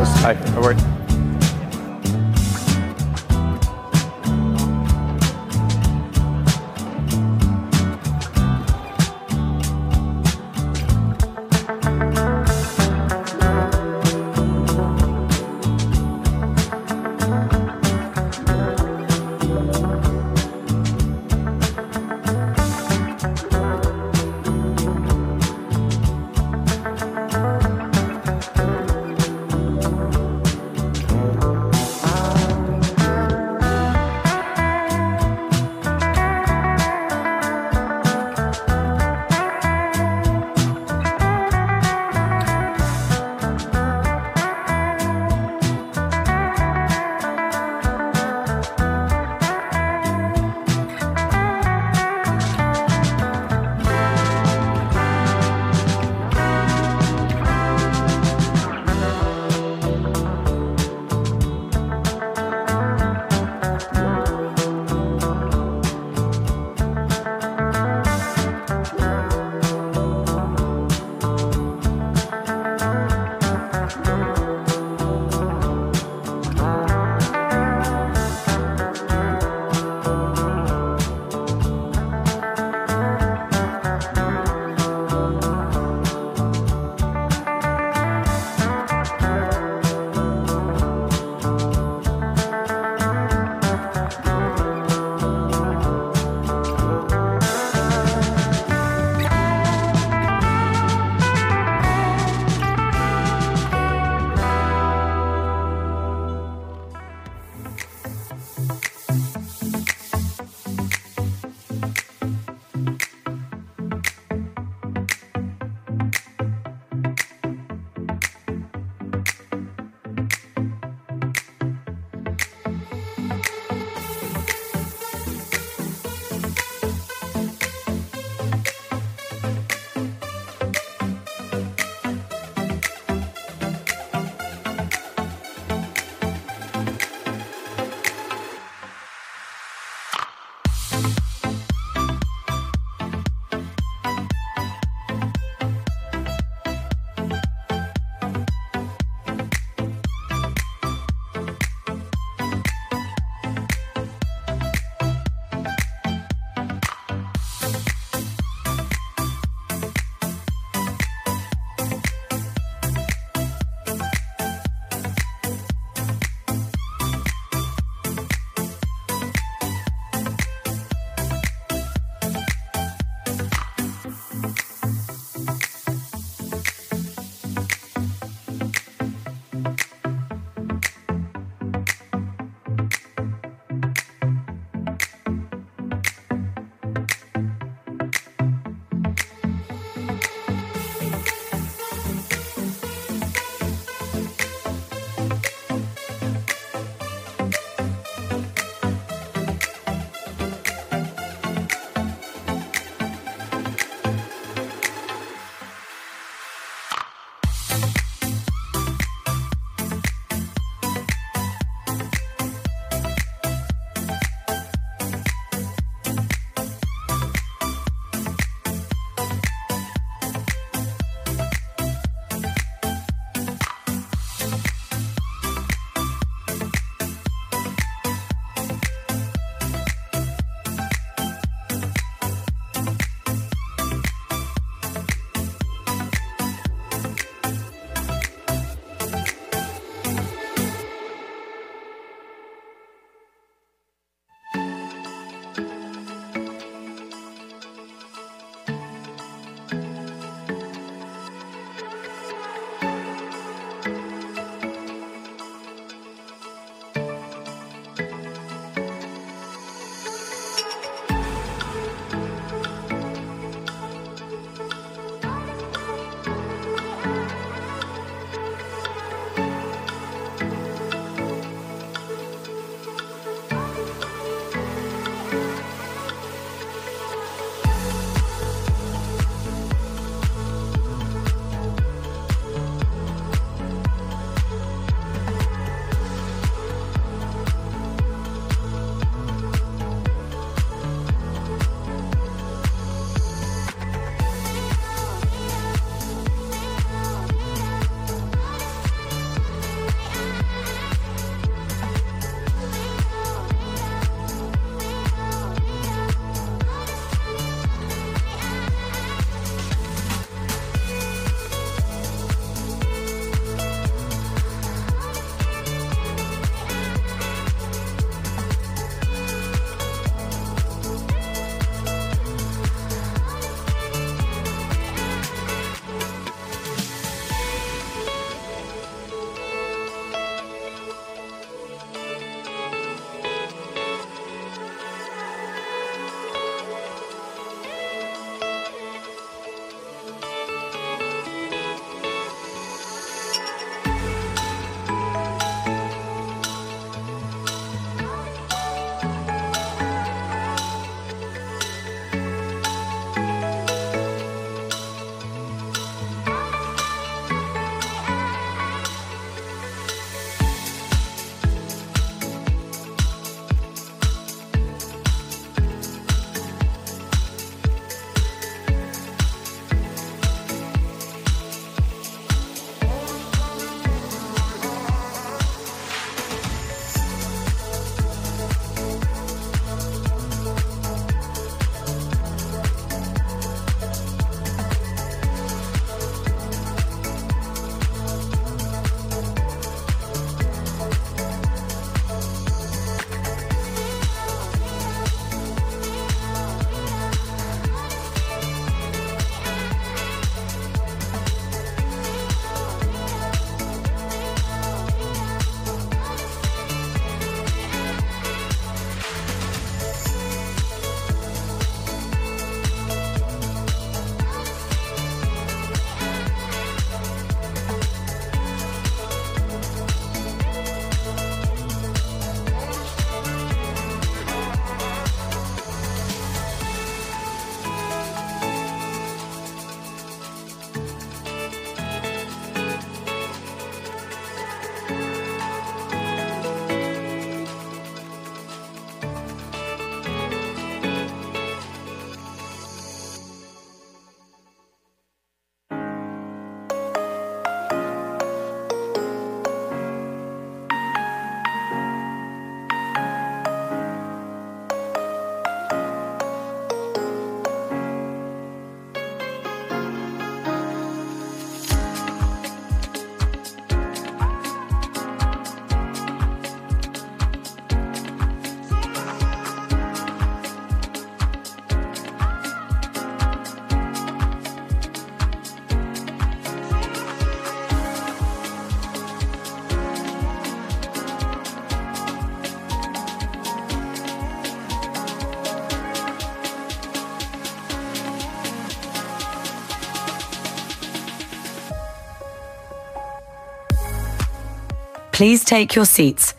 All right. Please take your seats.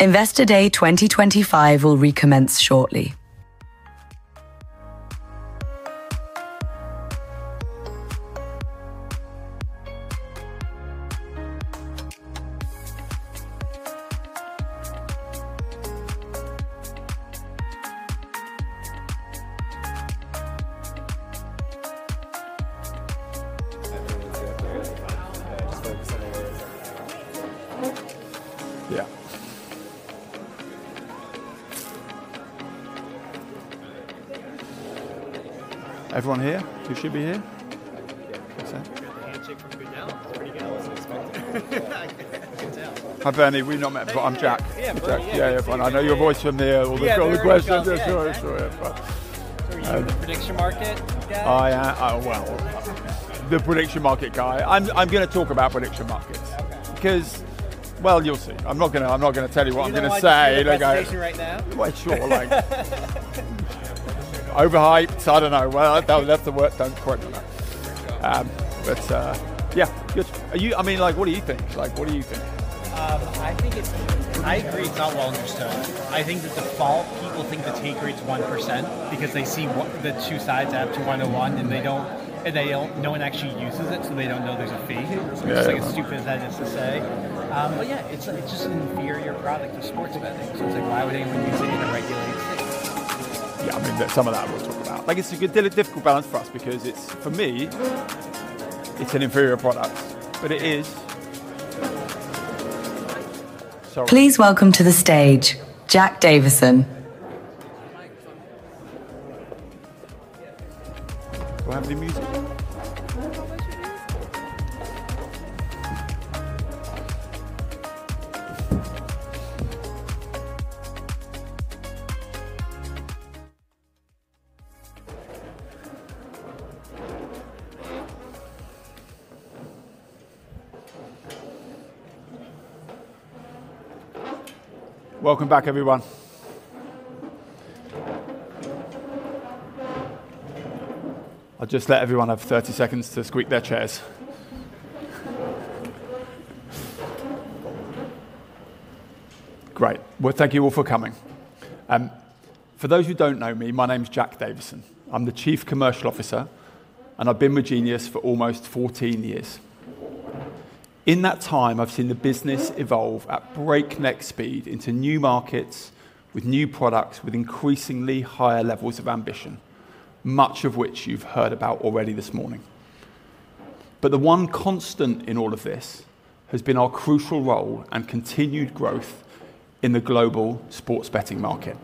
Investor Day 2025 will recommence shortly. Yeah. Everyone here? You should be here. What's that? I'm here at the handshake from Fennell. It's pretty good. I wasn't expecting it. Hi, Bernie. We've not met, but I'm Jack. Yeah, I'm fine. Yeah, yeah, fine. I know your voice from the older school. Sure, sure. You're the prediction market guy? I am. Well, the prediction market guy. I'm going to talk about prediction markets because, well, you'll see. I'm not going to tell you what I'm going to say. Are you in a bad situation right now? Well, sure. Overhyped? I don't know. Well, that's the word. Don't quote me on that. But yeah, good. I mean, what do you think? What do you think? I agree, it's not well understood. I think by default, people think the take rate's 1% because they see the two sides add up to 101, and no one actually uses it, so they don't know there's a fee. It's just as stupid as that is to say. But yeah, it's just an inferior product to sports betting. So it's like, why would anyone use it in a regulated state? Yeah, I think that's something that I will talk about. It's a difficult balance for us because, for me, it's an inferior product, but it is. Please welcome to the stage, Jack Davison. We'll have the music. Welcome back, everyone. I'll just let everyone have 30 seconds to squeak their chairs. Great. Thank you all for coming. For those who don't know me, my name is Jack Davison. I'm the Chief Commercial Officer, and I've been with Genius for almost 14 years. In that time, I've seen the business evolve at breakneck speed into new markets with new products with increasingly higher levels of ambition, much of which you've heard about already this morning. The one constant in all of this has been our crucial role and continued growth in the global sports betting market.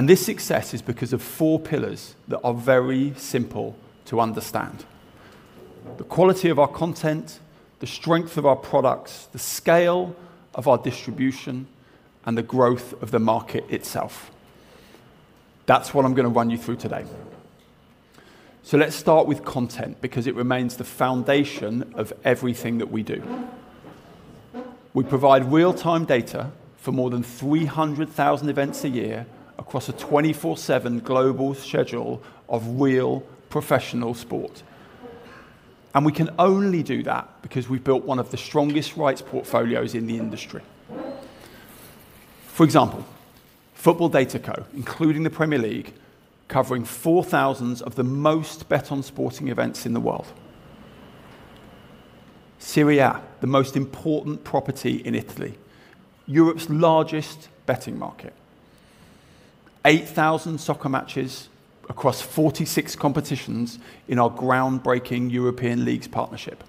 This success is because of four pillars that are very simple to understand: the quality of our content, the strength of our products, the scale of our distribution, and the growth of the market itself. That's what I'm going to run you through today. Let's start with content because it remains the foundation of everything that we do. We provide real-time data for more than 300,000 events a year across a 24/7 global schedule of real professional sport. We can only do that because we've built one of the strongest rights portfolios in the industry. For example, Football DataCo, including the Premier League, covering 4,000 of the most bet on sporting events in the world. Serie A, the most important property in Italy, Europe's largest betting market. 8,000 soccer matches across 46 competitions in our groundbreaking European leagues partnership.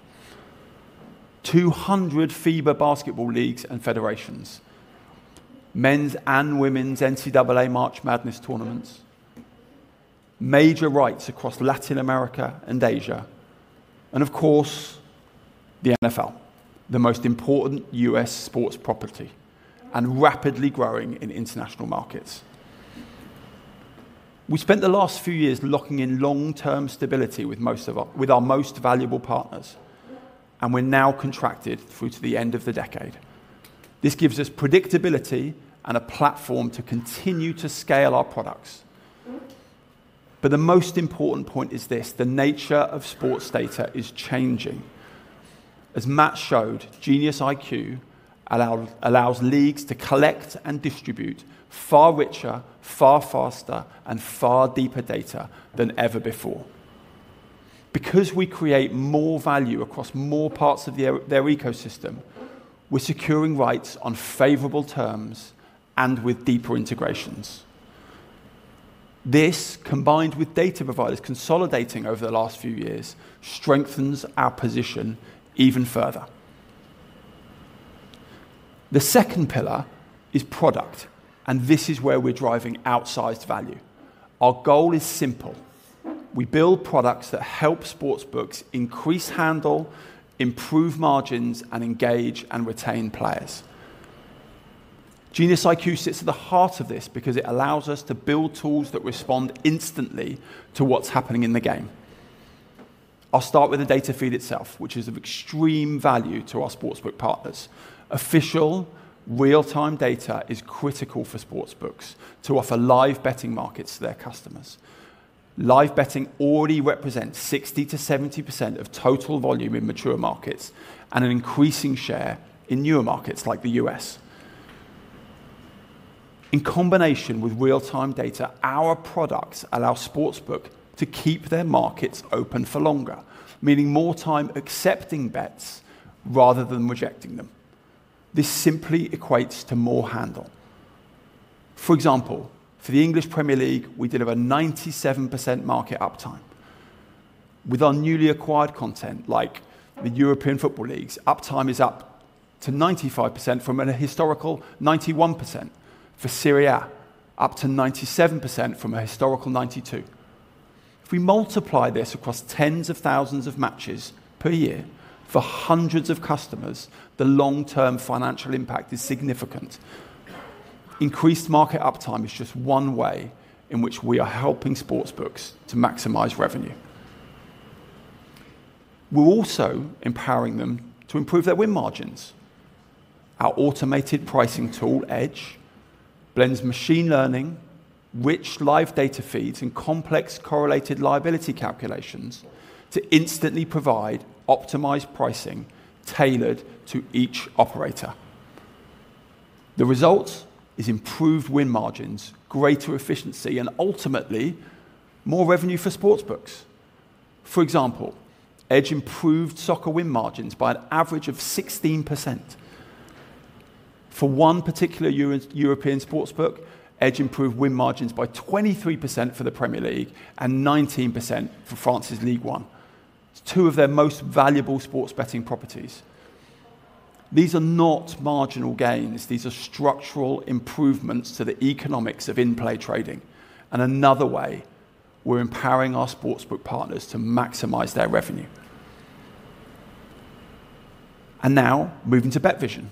200 FIBA basketball leagues and federations. Men's and women's NCAA March Madness tournaments. Major rights across Latin America and Asia. Of course, the NFL, the most important U.S. sports property and rapidly growing in international markets. We spent the last few years locking in long-term stability with our most valuable partners, and we're now contracted through to the end of the decade. This gives us predictability and a platform to continue to scale our products. But the most important point is this: the nature of sports data is changing. As Matt showed, GeniusIQ allows leagues to collect and distribute far richer, far faster, and far deeper data than ever before. Because we create more value across more parts of their ecosystem, we're securing rights on favorable terms and with deeper integrations. This, combined with data providers consolidating over the last few years, strengthens our position even further. The second pillar is product, and this is where we're driving outsized value. Our goal is simple. We build products that help sportsbooks increase handle, improve margins, and engage and retain players. GeniusIQ sits at the heart of this because it allows us to build tools that respond instantly to what's happening in the game. I'll start with the data feed itself, which is of extreme value to our sportsbook partners. Official, real-time data is critical for sportsbooks to offer live betting markets to their customers. Live betting already represents 60%-70% of total volume in mature markets and an increasing share in newer markets like the U.S. In combination with real-time data, our products allow sportsbooks to keep their markets open for longer, meaning more time accepting bets rather than rejecting them. This simply equates to more handle. For example, for the English Premier League, we deliver 97% market uptime. With our newly acquired content, like the European football leagues, uptime is up to 95% from a historical 91%. For Serie A, up to 97% from a historical 92%. If we multiply this across tens of thousands of matches per year for hundreds of customers, the long-term financial impact is significant. Increased market uptime is just one way in which we are helping sportsbooks to maximize revenue. We're also empowering them to improve their win margins. Our automated pricing tool, EDGE, blends machine learning, rich live data feeds, and complex correlated liability calculations to instantly provide optimized pricing tailored to each operator. The result is improved win margins, greater efficiency, and ultimately, more revenue for sportsbooks. For example, EDGE improved soccer win margins by an average of 16%. For one particular European sports book, EDGE improved win margins by 23% for the Premier League and 19% for France's Ligue 1. It's two of their most valuable sports betting properties. These are not marginal gains. These are structural improvements to the economics of in-play trading and another way we're empowering our sports book partners to maximize their revenue, and now, moving to BetVision.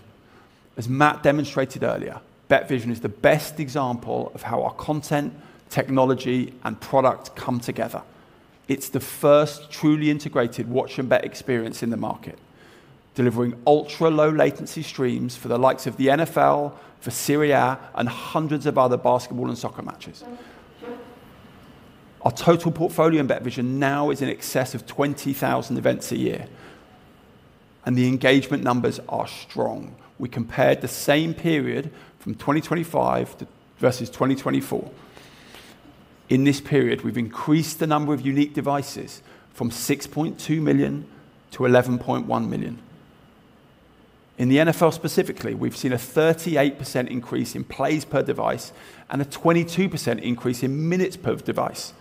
As Matt demonstrated earlier, BetVision is the best example of how our content, technology, and product come together. It's the first truly integrated watch and bet experience in the market, delivering ultra-low-latency streams for the likes of the NFL, for Serie A, and hundreds of other basketball and soccer matches. Our total portfolio in BetVision now is in excess of 20,000 events a year, and the engagement numbers are strong. We compared the same period from 2025 versus 2024. In this period, we've increased the number of unique devices from 6.2 million to 11.1 million. In the NFL specifically, we've seen a 38% increase in plays per device and a 22% increase in minutes per device.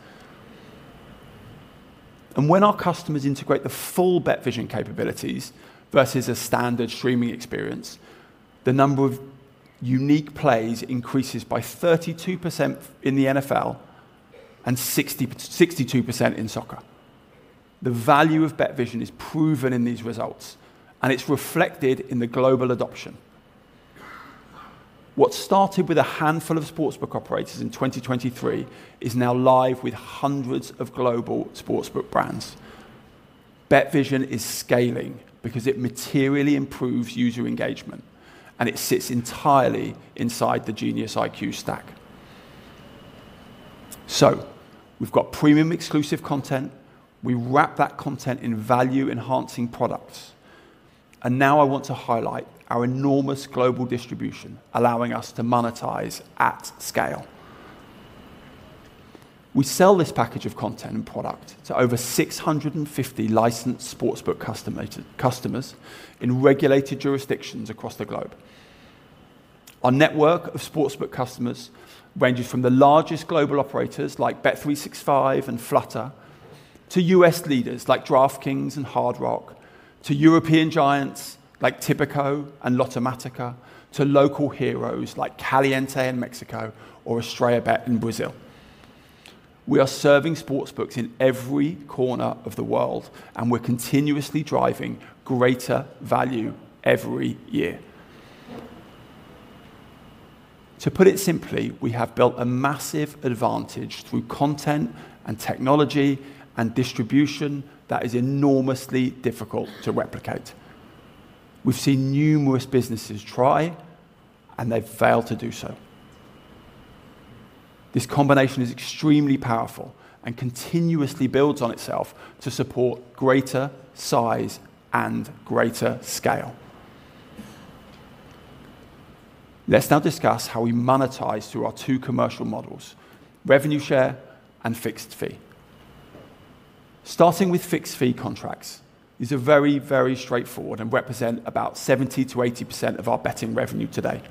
When our customers integrate the full BetVision capabilities versus a standard streaming experience, the number of unique plays increases by 32% in the NFL and 62% in soccer. The value of BetVision is proven in these results, and it's reflected in the global adoption. What started with a handful of sports book operators in 2023 is now live with hundreds of global sports book brands. BetVision is scaling because it materially improves user engagement, and it sits entirely inside the GeniusIQ stack. We've got premium exclusive content. We wrap that content in value-enhancing products. Now I want to highlight our enormous global distribution, allowing us to monetize at scale. We sell this package of content and product to over 650 licensed sports book customers in regulated jurisdictions across the globe. Our network of sports book customers ranges from the largest global operators like Bet365 and Flutter to U.S. leaders like DraftKings and Hard Rock, to European giants like Tipico and Lottomatica, to local heroes like Caliente in Mexico or EstrelaBet in Brazil. We are serving sportsbooks in every corner of the world, and we're continuously driving greater value every year. To put it simply, we have built a massive advantage through content and technology and distribution that is enormously difficult to replicate. We've seen numerous businesses try, and they've failed to do so. This combination is extremely powerful and continuously builds on itself to support greater size and greater scale. Let's now discuss how we monetize through our two commercial models, revenue share and fixed fee. Starting with fixed fee contracts is very, very straightforward and represents about 70%-80% of our betting revenue today.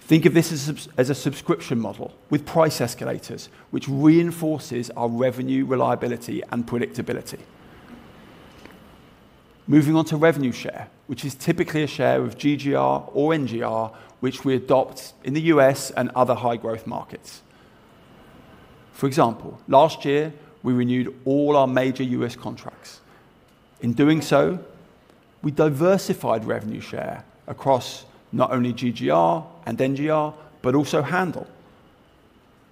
Think of this as a subscription model with price escalators, which reinforces our revenue reliability and predictability. Moving on to revenue share, which is typically a share of GGR or NGR, which we adopt in the U.S. and other high-growth markets. For example, last year, we renewed all our major U.S. contracts. In doing so, we diversified revenue share across not only GGR and NGR, but also handle.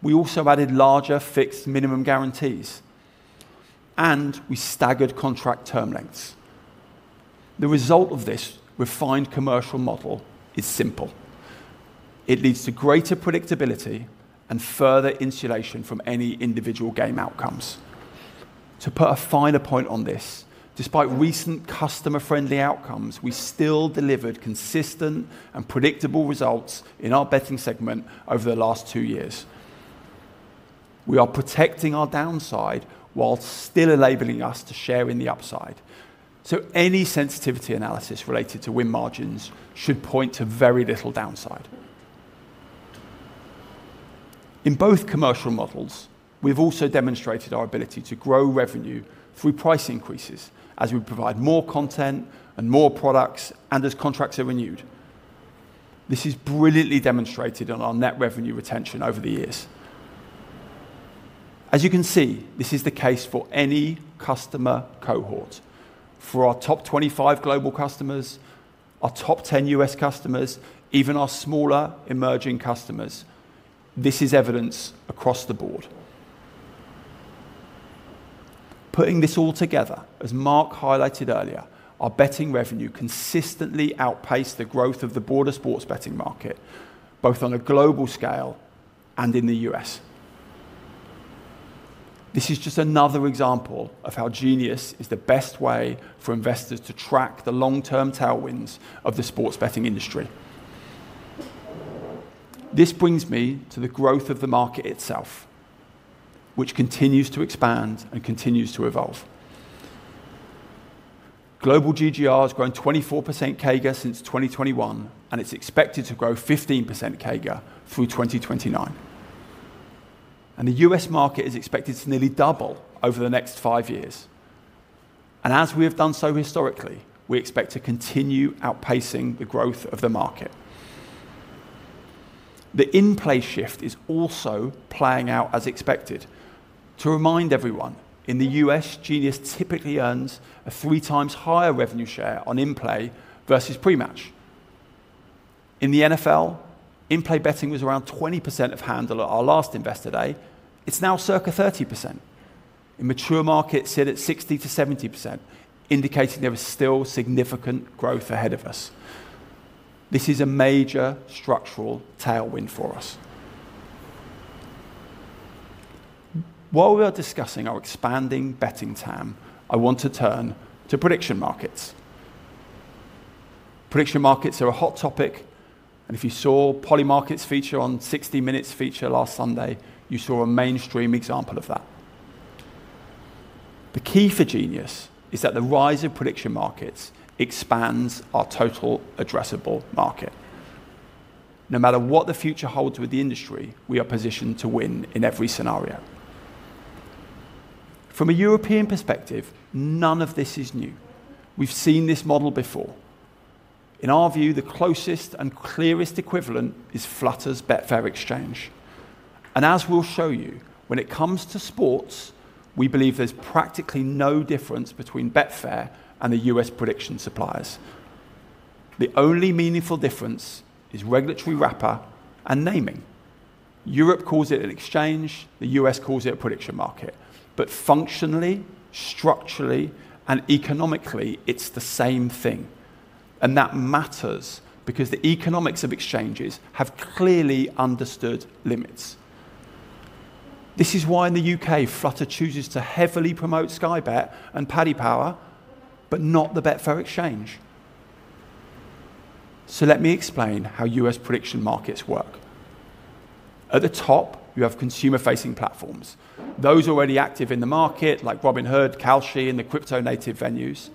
We also added larger fixed minimum guarantees, and we staggered contract term lengths. The result of this refined commercial model is simple. It leads to greater predictability and further insulation from any individual game outcomes. To put a finer point on this, despite recent customer-friendly outcomes, we still delivered consistent and predictable results in our betting segment over the last two years. We are protecting our downside while still enabling us to share in the upside. So any sensitivity analysis related to win margins should point to very little downside. In both commercial models, we've also demonstrated our ability to grow revenue through price increases as we provide more content and more products and as contracts are renewed. This is brilliantly demonstrated on our net revenue retention over the years. As you can see, this is the case for any customer cohort. For our top 25 global customers, our top 10 U.S. customers, even our smaller emerging customers, this is evidence across the board. Putting this all together, as Mark highlighted earlier, our betting revenue consistently outpaces the growth of the broader sports betting market, both on a global scale and in the U.S. This is just another example of how Genius is the best way for investors to track the long-term tailwinds of the sports betting industry. This brings me to the growth of the market itself, which continues to expand and continues to evolve. Global GGR has grown 24% CAGR since 2021, and it's expected to grow 15% CAGR through 2029, and the U.S. market is expected to nearly double over the next five years, and as we have done so historically, we expect to continue outpacing the growth of the market. The in-play shift is also playing out as expected. To remind everyone, in the U.S., Genius typically earns a three times higher revenue share on in-play versus pre-match. In the NFL, in-play betting was around 20% of handle at our last Investor Day. It's now circa 30%. In mature markets, it's at 60%-70%, indicating there is still significant growth ahead of us. This is a major structural tailwind for us. While we are discussing our expanding betting TAM, I want to turn to prediction markets. Prediction markets are a hot topic, and if you saw Polymarket's feature on 60 Minutes last Sunday, you saw a mainstream example of that. The key for Genius is that the rise of prediction markets expands our total addressable market. No matter what the future holds with the industry, we are positioned to win in every scenario. From a European perspective, none of this is new. We've seen this model before. In our view, the closest and clearest equivalent is Flutter's Betfair Exchange. As we'll show you, when it comes to sports, we believe there's practically no difference between Betfair and the U.S. prediction suppliers. The only meaningful difference is regulatory wrapper and naming. Europe calls it an exchange. The U.S. calls it a prediction market. But functionally, structurally, and economically, it's the same thing. And that matters because the economics of exchanges have clearly understood limits. This is why in the U.K., Flutter chooses to heavily promote Sky Bet and Paddy Power, but not the Betfair Exchange. So let me explain how U.S. prediction markets work. At the top, you have consumer-facing platforms. Those already active in the market, like Robinhood, Kalshi, and the crypto-native venues,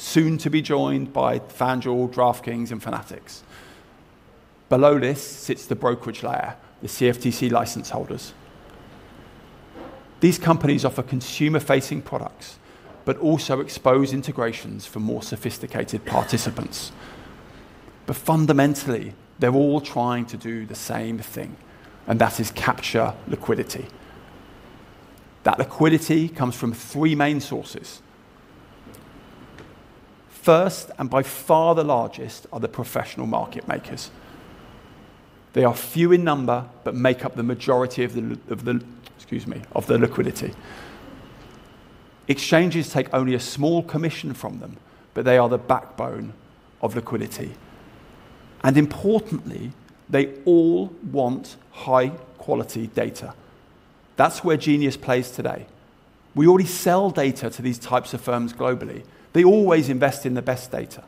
soon to be joined by FanDuel, DraftKings, and Fanatics. Below this sits the brokerage layer, the CFTC license holders. These companies offer consumer-facing products, but also expose integrations for more sophisticated participants. But fundamentally, they're all trying to do the same thing, and that is capture liquidity. That liquidity comes from three main sources. First and by far the largest are the professional market makers. They are few in number, but make up the majority of the liquidity. Exchanges take only a small commission from them, but they are the backbone of liquidity, and importantly, they all want high-quality data. That's where Genius plays today. We already sell data to these types of firms globally. They always invest in the best data.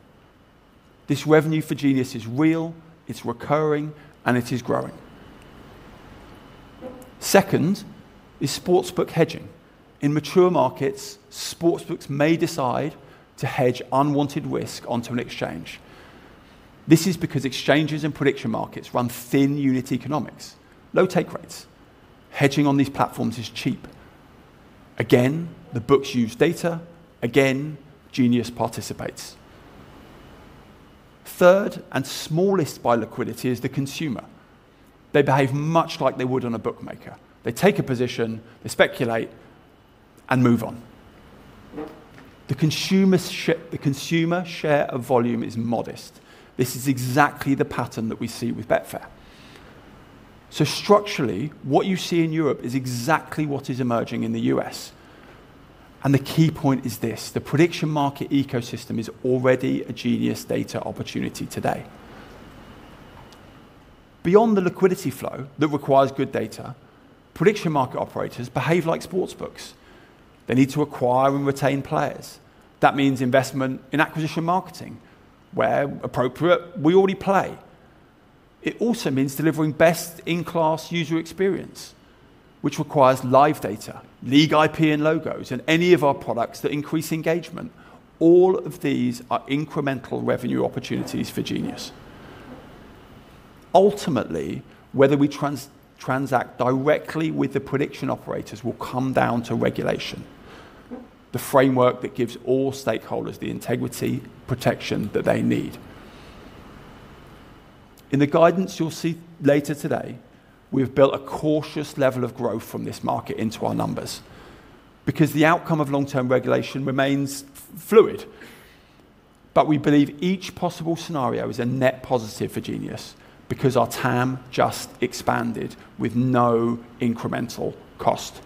This revenue for Genius is real, it's recurring, and it is growing. Second is sports book hedging. In mature markets, sportsbooks may decide to hedge unwanted risk onto an exchange. This is because exchanges and prediction markets run thin unit economics, low take rates. Hedging on these platforms is cheap. Again, the books use data. Again, Genius participates. Third and smallest by liquidity is the consumer. They behave much like they would on a bookmaker. They take a position, they speculate, and move on. The consumer share of volume is modest. This is exactly the pattern that we see with Betfair. Structurally, what you see in Europe is exactly what is emerging in the U.S. And the key point is this: the prediction market ecosystem is already a Genius data opportunity today. Beyond the liquidity flow that requires good data, prediction market operators behave like sportsbooks. They need to acquire and retain players. That means investment in acquisition marketing, where appropriate, we already play. It also means delivering best-in-class user experience, which requires live data, League IP and logos, and any of our products that increase engagement. All of these are incremental revenue opportunities for Genius. Ultimately, whether we transact directly with the prediction operators will come down to regulation, the framework that gives all stakeholders the integrity protection that they need. In the guidance you'll see later today, we've built a cautious level of growth from this market into our numbers because the outcome of long-term regulation remains fluid. But we believe each possible scenario is a net positive for Genius because our TAM just expanded with no incremental cost.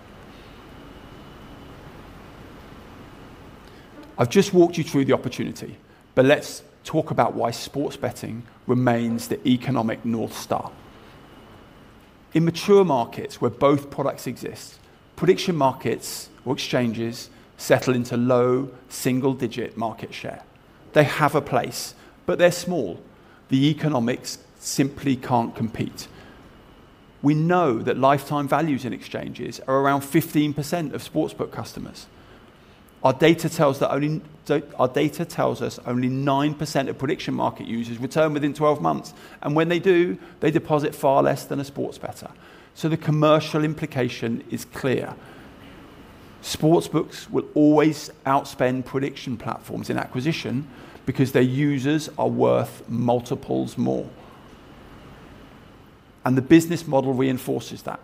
I've just walked you through the opportunity, but let's talk about why sports betting remains the economic North Star. In mature markets where both products exist, prediction markets or exchanges settle into low single-digit market share. They have a place, but they're small. The economics simply can't compete. We know that lifetime values in exchanges are around 15% of sports book customers. Our data tells us only 9% of prediction market users return within 12 months. And when they do, they deposit far less than a sports bettor. So the commercial implication is clear. sportsbooks will always outspend prediction platforms in acquisition because their users are worth multiples more. And the business model reinforces that.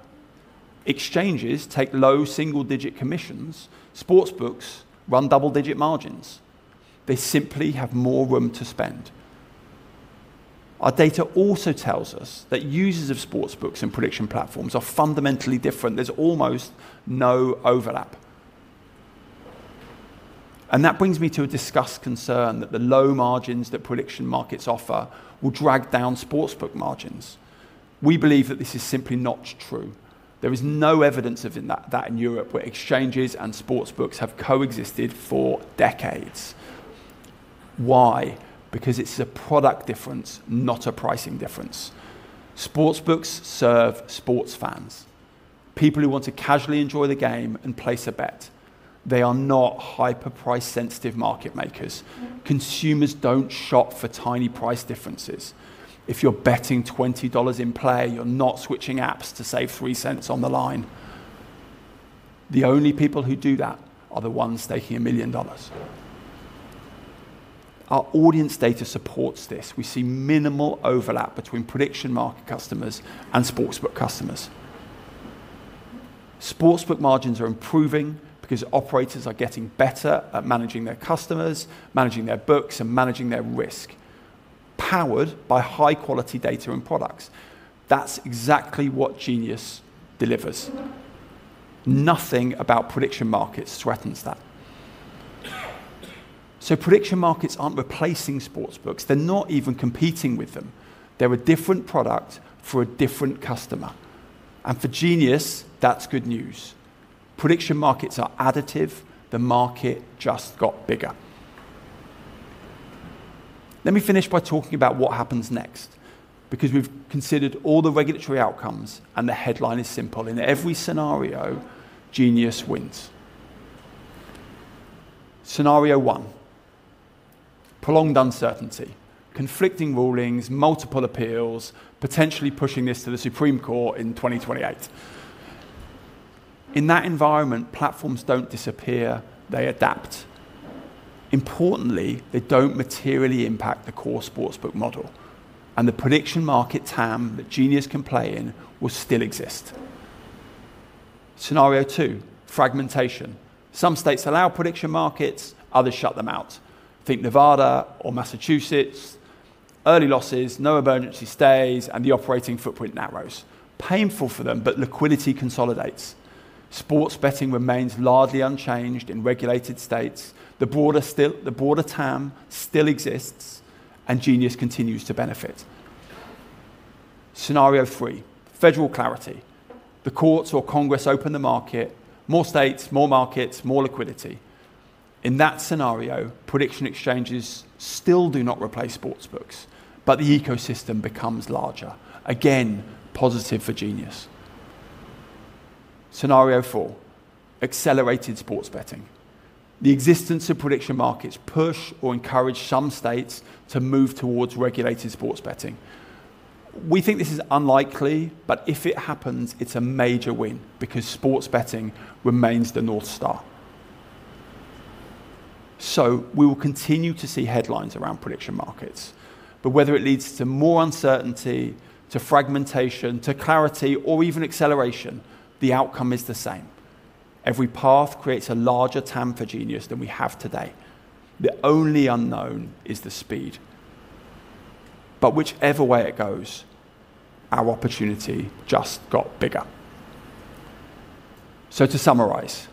Exchanges take low single-digit commissions. sportsbooks run double-digit margins. They simply have more room to spend. Our data also tells us that users of sportsbooks and prediction platforms are fundamentally different. There's almost no overlap. And that brings me to a discussed concern that the low margins that prediction markets offer will drag down sports book margins. We believe that this is simply not true. There is no evidence of that in Europe where exchanges and sportsbooks have coexisted for decades. Why? Because it's a product difference, not a pricing difference. sportsbooks serve sports fans, people who want to casually enjoy the game and place a bet. They are not hyper-price-sensitive market makers. Consumers don't shop for tiny price differences. If you're betting $20 in play, you're not switching apps to save three cents on the line. The only people who do that are the ones taking $1 million. Our audience data supports this. We see minimal overlap between prediction market customers and sports book customers. Sports book margins are improving because operators are getting better at managing their customers, managing their books, and managing their risk, powered by high-quality data and products. That's exactly what Genius delivers. Nothing about prediction markets threatens that. So prediction markets aren't replacing sportsbooks. They're not even competing with them. They're a different product for a different customer. And for Genius, that's good news. Prediction markets are additive. The market just got bigger. Let me finish by talking about what happens next because we've considered all the regulatory outcomes, and the headline is simple. In every scenario, Genius wins. Scenario one: prolonged uncertainty, conflicting rulings, multiple appeals, potentially pushing this to the Supreme Court in 2028. In that environment, platforms don't disappear. They adapt. Importantly, they don't materially impact the core sports book model. And the prediction market TAM that Genius can play in will still exist. Scenario two: fragmentation. Some states allow prediction markets. Others shut them out. Think Nevada or Massachusetts. Early losses, no emergency stays, and the operating footprint narrows. Painful for them, but liquidity consolidates. Sports betting remains largely unchanged in regulated states. The broader TAM still exists, and Genius continues to benefit. Scenario three: federal clarity. The courts or Congress open the market. More states, more markets, more liquidity. In that scenario, prediction exchanges still do not replace sportsbooks, but the ecosystem becomes larger. Again, positive for Genius. Scenario four: accelerated sports betting. The existence of prediction markets push or encourage some states to move towards regulated sports betting. We think this is unlikely, but if it happens, it's a major win because sports betting remains the North Star. So we will continue to see headlines around prediction markets. But whether it leads to more uncertainty, to fragmentation, to clarity, or even acceleration, the outcome is the same. Every path creates a larger TAM for Genius than we have today. The only unknown is the speed. But whichever way it goes, our opportunity just got bigger. So to summarize,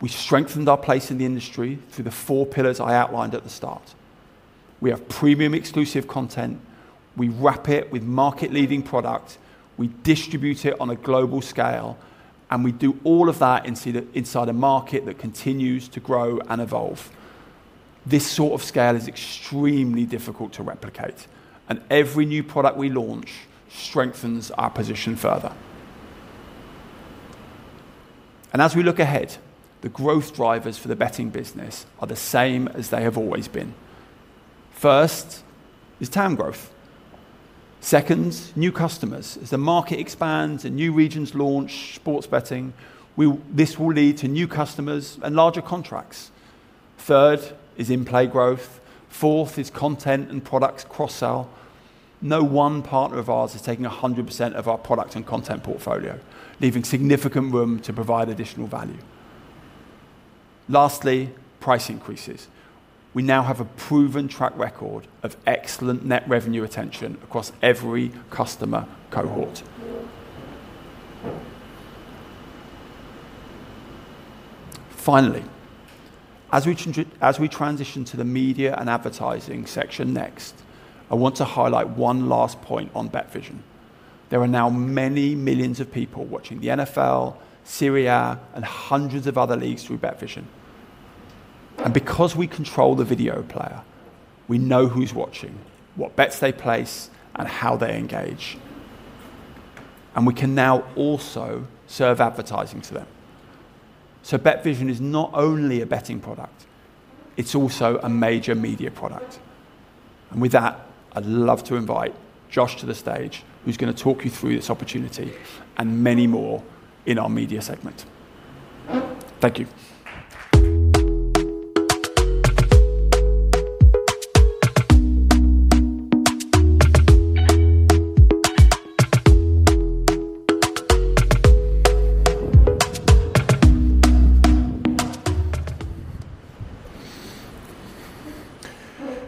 we strengthened our place in the industry through the four pillars I outlined at the start. We have premium exclusive content. We wrap it with market-leading product. We distribute it on a global scale, and we do all of that inside a market that continues to grow and evolve. This sort of scale is extremely difficult to replicate, and every new product we launch strengthens our position further, and as we look ahead, the growth drivers for the betting business are the same as they have always been. First is TAM growth. Second, new customers. As the market expands and new regions launch sports betting, this will lead to new customers and larger contracts. Third is in-play growth. Fourth is content and products cross-sell. No one partner of ours is taking 100% of our product and content portfolio, leaving significant room to provide additional value. Lastly, price increases. We now have a proven track record of excellent net revenue retention across every customer cohort. Finally, as we transition to the media and advertising section next, I want to highlight one last point on BetVision. There are now many millions of people watching the NFL, Serie A, and hundreds of other leagues through BetVision. Because we control the video player, we know who's watching, what bets they place, and how they engage. We can now also serve advertising to them. BetVision is not only a betting product, it's also a major media product. With that, I'd love to invite Josh to the stage, who's going to talk you through this opportunity and many more in our media segment. Thank you.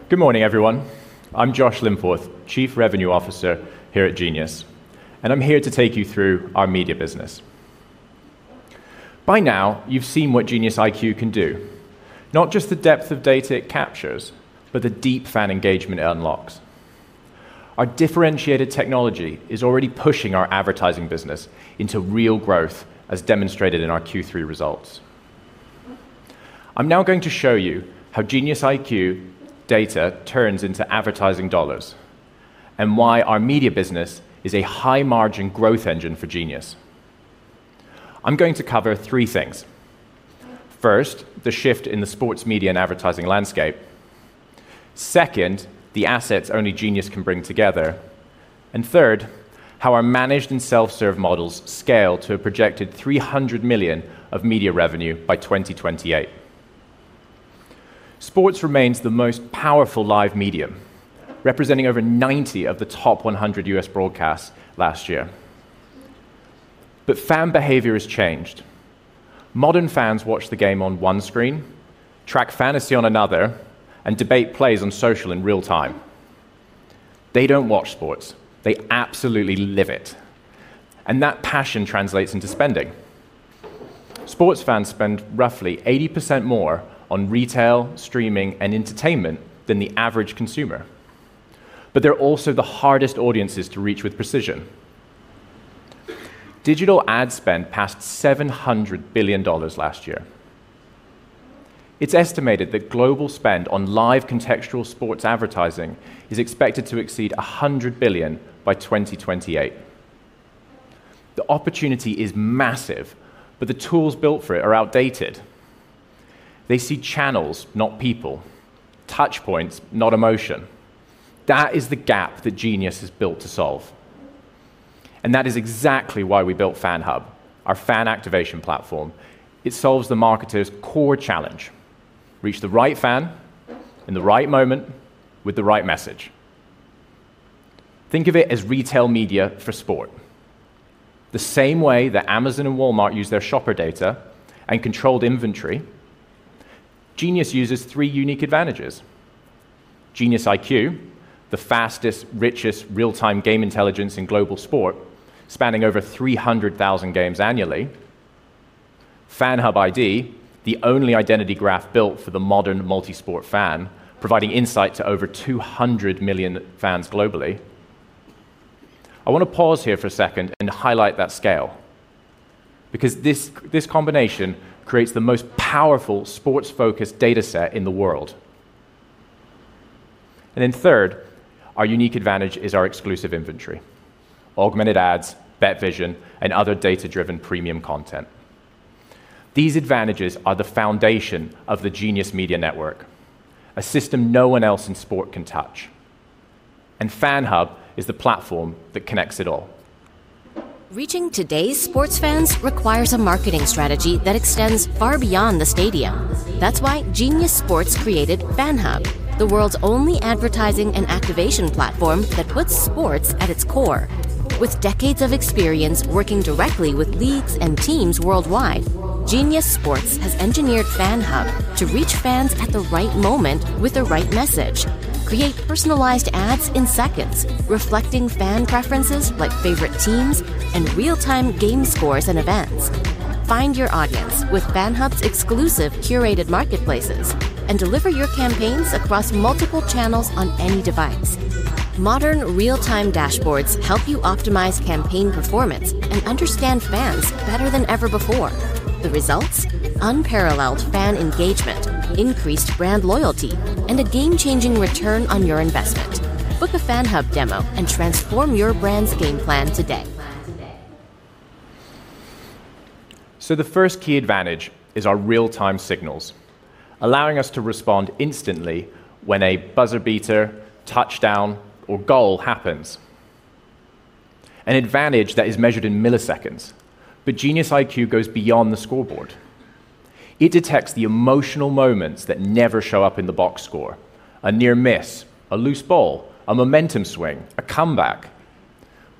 Good morning, everyone. I'm Josh Linforth, Chief Revenue Officer here at Genius. I'm here to take you through our media business. By now, you've seen what GeniusIQ can do, not just the depth of data it captures, but the deep fan engagement it unlocks. Our differentiated technology is already pushing our advertising business into real growth, as demonstrated in our Q3 results. I'm now going to show you how GeniusIQ data turns into advertising dollars and why our media business is a high-margin growth engine for Genius. I'm going to cover three things. First, the shift in the sports media and advertising landscape. Second, the assets only Genius can bring together. And third, how our managed and self-serve models scale to a projected $300 million of media revenue by 2028. Sports remains the most powerful live medium, representing over 90 of the top 100 U.S. broadcasts last year. But fan behavior has changed. Modern fans watch the game on one screen, track fantasy on another, and debate plays on social in real time. They don't watch sports. They absolutely live it. And that passion translates into spending. Sports fans spend roughly 80% more on retail, streaming, and entertainment than the average consumer. But they're also the hardest audiences to reach with precision. Digital ad spend passed $700 billion last year. It's estimated that global spend on live contextual sports advertising is expected to exceed $100 billion by 2028. The opportunity is massive, but the tools built for it are outdated. They see channels, not people. Touch points, not emotion. That is the gap that Genius has built to solve. And that is exactly why we built FanHub, our fan activation platform. It solves the marketer's core challenge: reach the right fan in the right moment with the right message. Think of it as retail media for sport. The same way that Amazon and Walmart use their shopper data and controlled inventory, Genius uses three unique advantages. GeniusIQ, the fastest, richest real-time game intelligence in global sport, spanning over 300,000 games annually. FanHub ID, the only identity graph built for the modern multi-sport fan, providing insight to over 200 million fans globally. I want to pause here for a second and highlight that scale because this combination creates the most powerful sports-focused data set in the world. And then third, our unique advantage is our exclusive inventory: augmented ads, BetVision, and other data-driven premium content. These advantages are the foundation of the Genius Media Network, a system no one else in sport can touch. And FanHub is the platform that connects it all. Reaching today's sports fans requires a marketing strategy that extends far beyond the stadium. That's why Genius Sports created FanHub, the world's only advertising and activation platform that puts sports at its core. With decades of experience working directly with leagues and teams worldwide, Genius Sports has engineered FanHub to reach fans at the right moment with the right message, create personalized ads in seconds reflecting fan preferences like favorite teams and real-time game scores and events. Find your audience with FanHub's exclusive curated marketplaces and deliver your campaigns across multiple channels on any device. Modern real-time dashboards help you optimize campaign performance and understand fans better than ever before. The results? Unparalleled fan engagement, increased brand loyalty, and a game-changing return on your investment. Book a FanHub demo and transform your brand's game plan today. So the first key advantage is our real-time signals, allowing us to respond instantly when a buzzer beater, touchdown, or goal happens. An advantage that is measured in milliseconds. But GeniusIQ goes beyond the scoreboard. It detects the emotional moments that never show up in the box score: a near miss, a loose ball, a momentum swing, a comeback.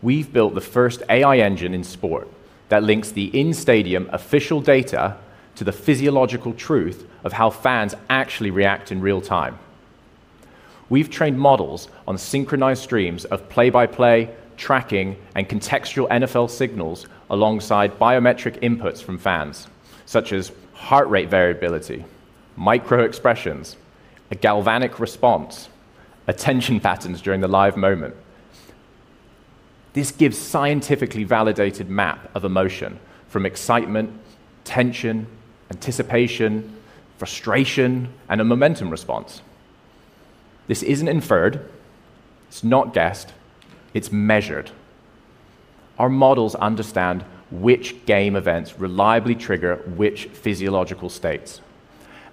We've built the first AI engine in sport that links the in-stadium official data to the physiological truth of how fans actually react in real time. We've trained models on synchronized streams of play-by-play, tracking, and contextual NFL signals alongside biometric inputs from fans, such as heart rate variability, micro-expressions, a galvanic response, attention patterns during the live moment. This gives a scientifically validated map of emotion from excitement, tension, anticipation, frustration, and a momentum response. This isn't inferred. It's not guessed. It's measured. Our models understand which game events reliably trigger which physiological states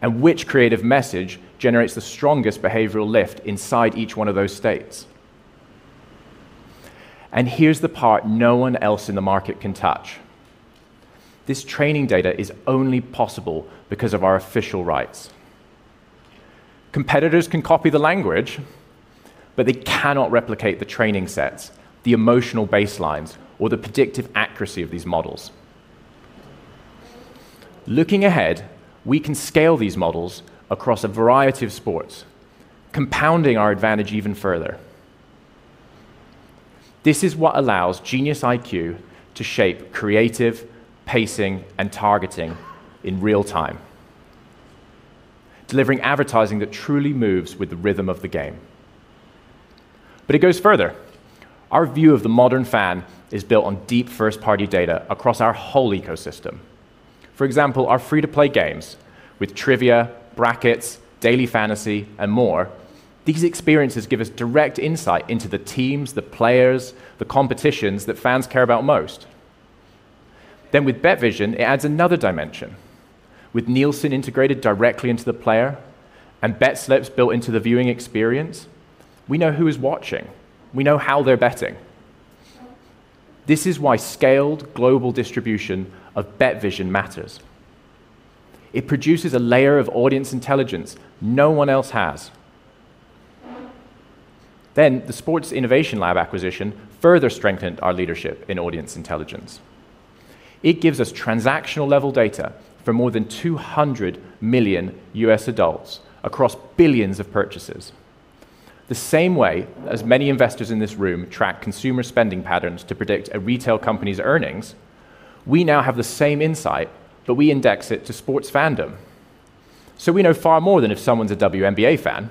and which creative message generates the strongest behavioral lift inside each one of those states. And here's the part no one else in the market can touch. This training data is only possible because of our official rights. Competitors can copy the language, but they cannot replicate the training sets, the emotional baselines, or the predictive accuracy of these models. Looking ahead, we can scale these models across a variety of sports, compounding our advantage even further. This is what allows GeniusIQ to shape creative pacing and targeting in real time, delivering advertising that truly moves with the rhythm of the game. But it goes further. Our view of the modern fan is built on deep first-party data across our whole ecosystem. For example, our free-to-play games with trivia, brackets, daily fantasy, and more, these experiences give us direct insight into the teams, the players, the competitions that fans care about most. Then with BetVision, it adds another dimension. With Nielsen integrated directly into the player and bet slips built into the viewing experience, we know who is watching. We know how they're betting. This is why scaled global distribution of BetVision matters. It produces a layer of audience intelligence no one else has. Then the Sports Innovation Lab acquisition further strengthened our leadership in audience intelligence. It gives us transactional-level data for more than 200 million U.S. adults across billions of purchases. The same way as many investors in this room track consumer spending patterns to predict a retail company's earnings, we now have the same insight, but we index it to sports fandom. So we know far more than if someone's a WNBA fan.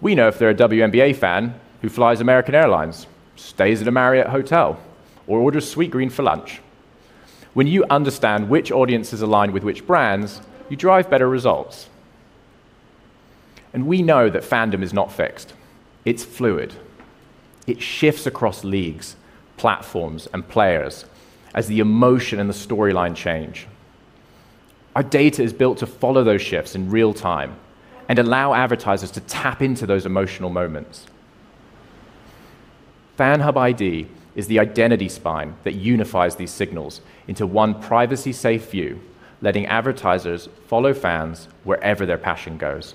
We know if they're a WNBA fan who flies American Airlines, stays at a Marriott hotel, or orders sweetgreen for lunch. When you understand which audiences align with which brands, you drive better results. And we know that fandom is not fixed. It's fluid. It shifts across leagues, platforms, and players as the emotion and the storyline change. Our data is built to follow those shifts in real time and allow advertisers to tap into those emotional moments. FanHub ID is the identity spine that unifies these signals into one privacy-safe view, letting advertisers follow fans wherever their passion goes.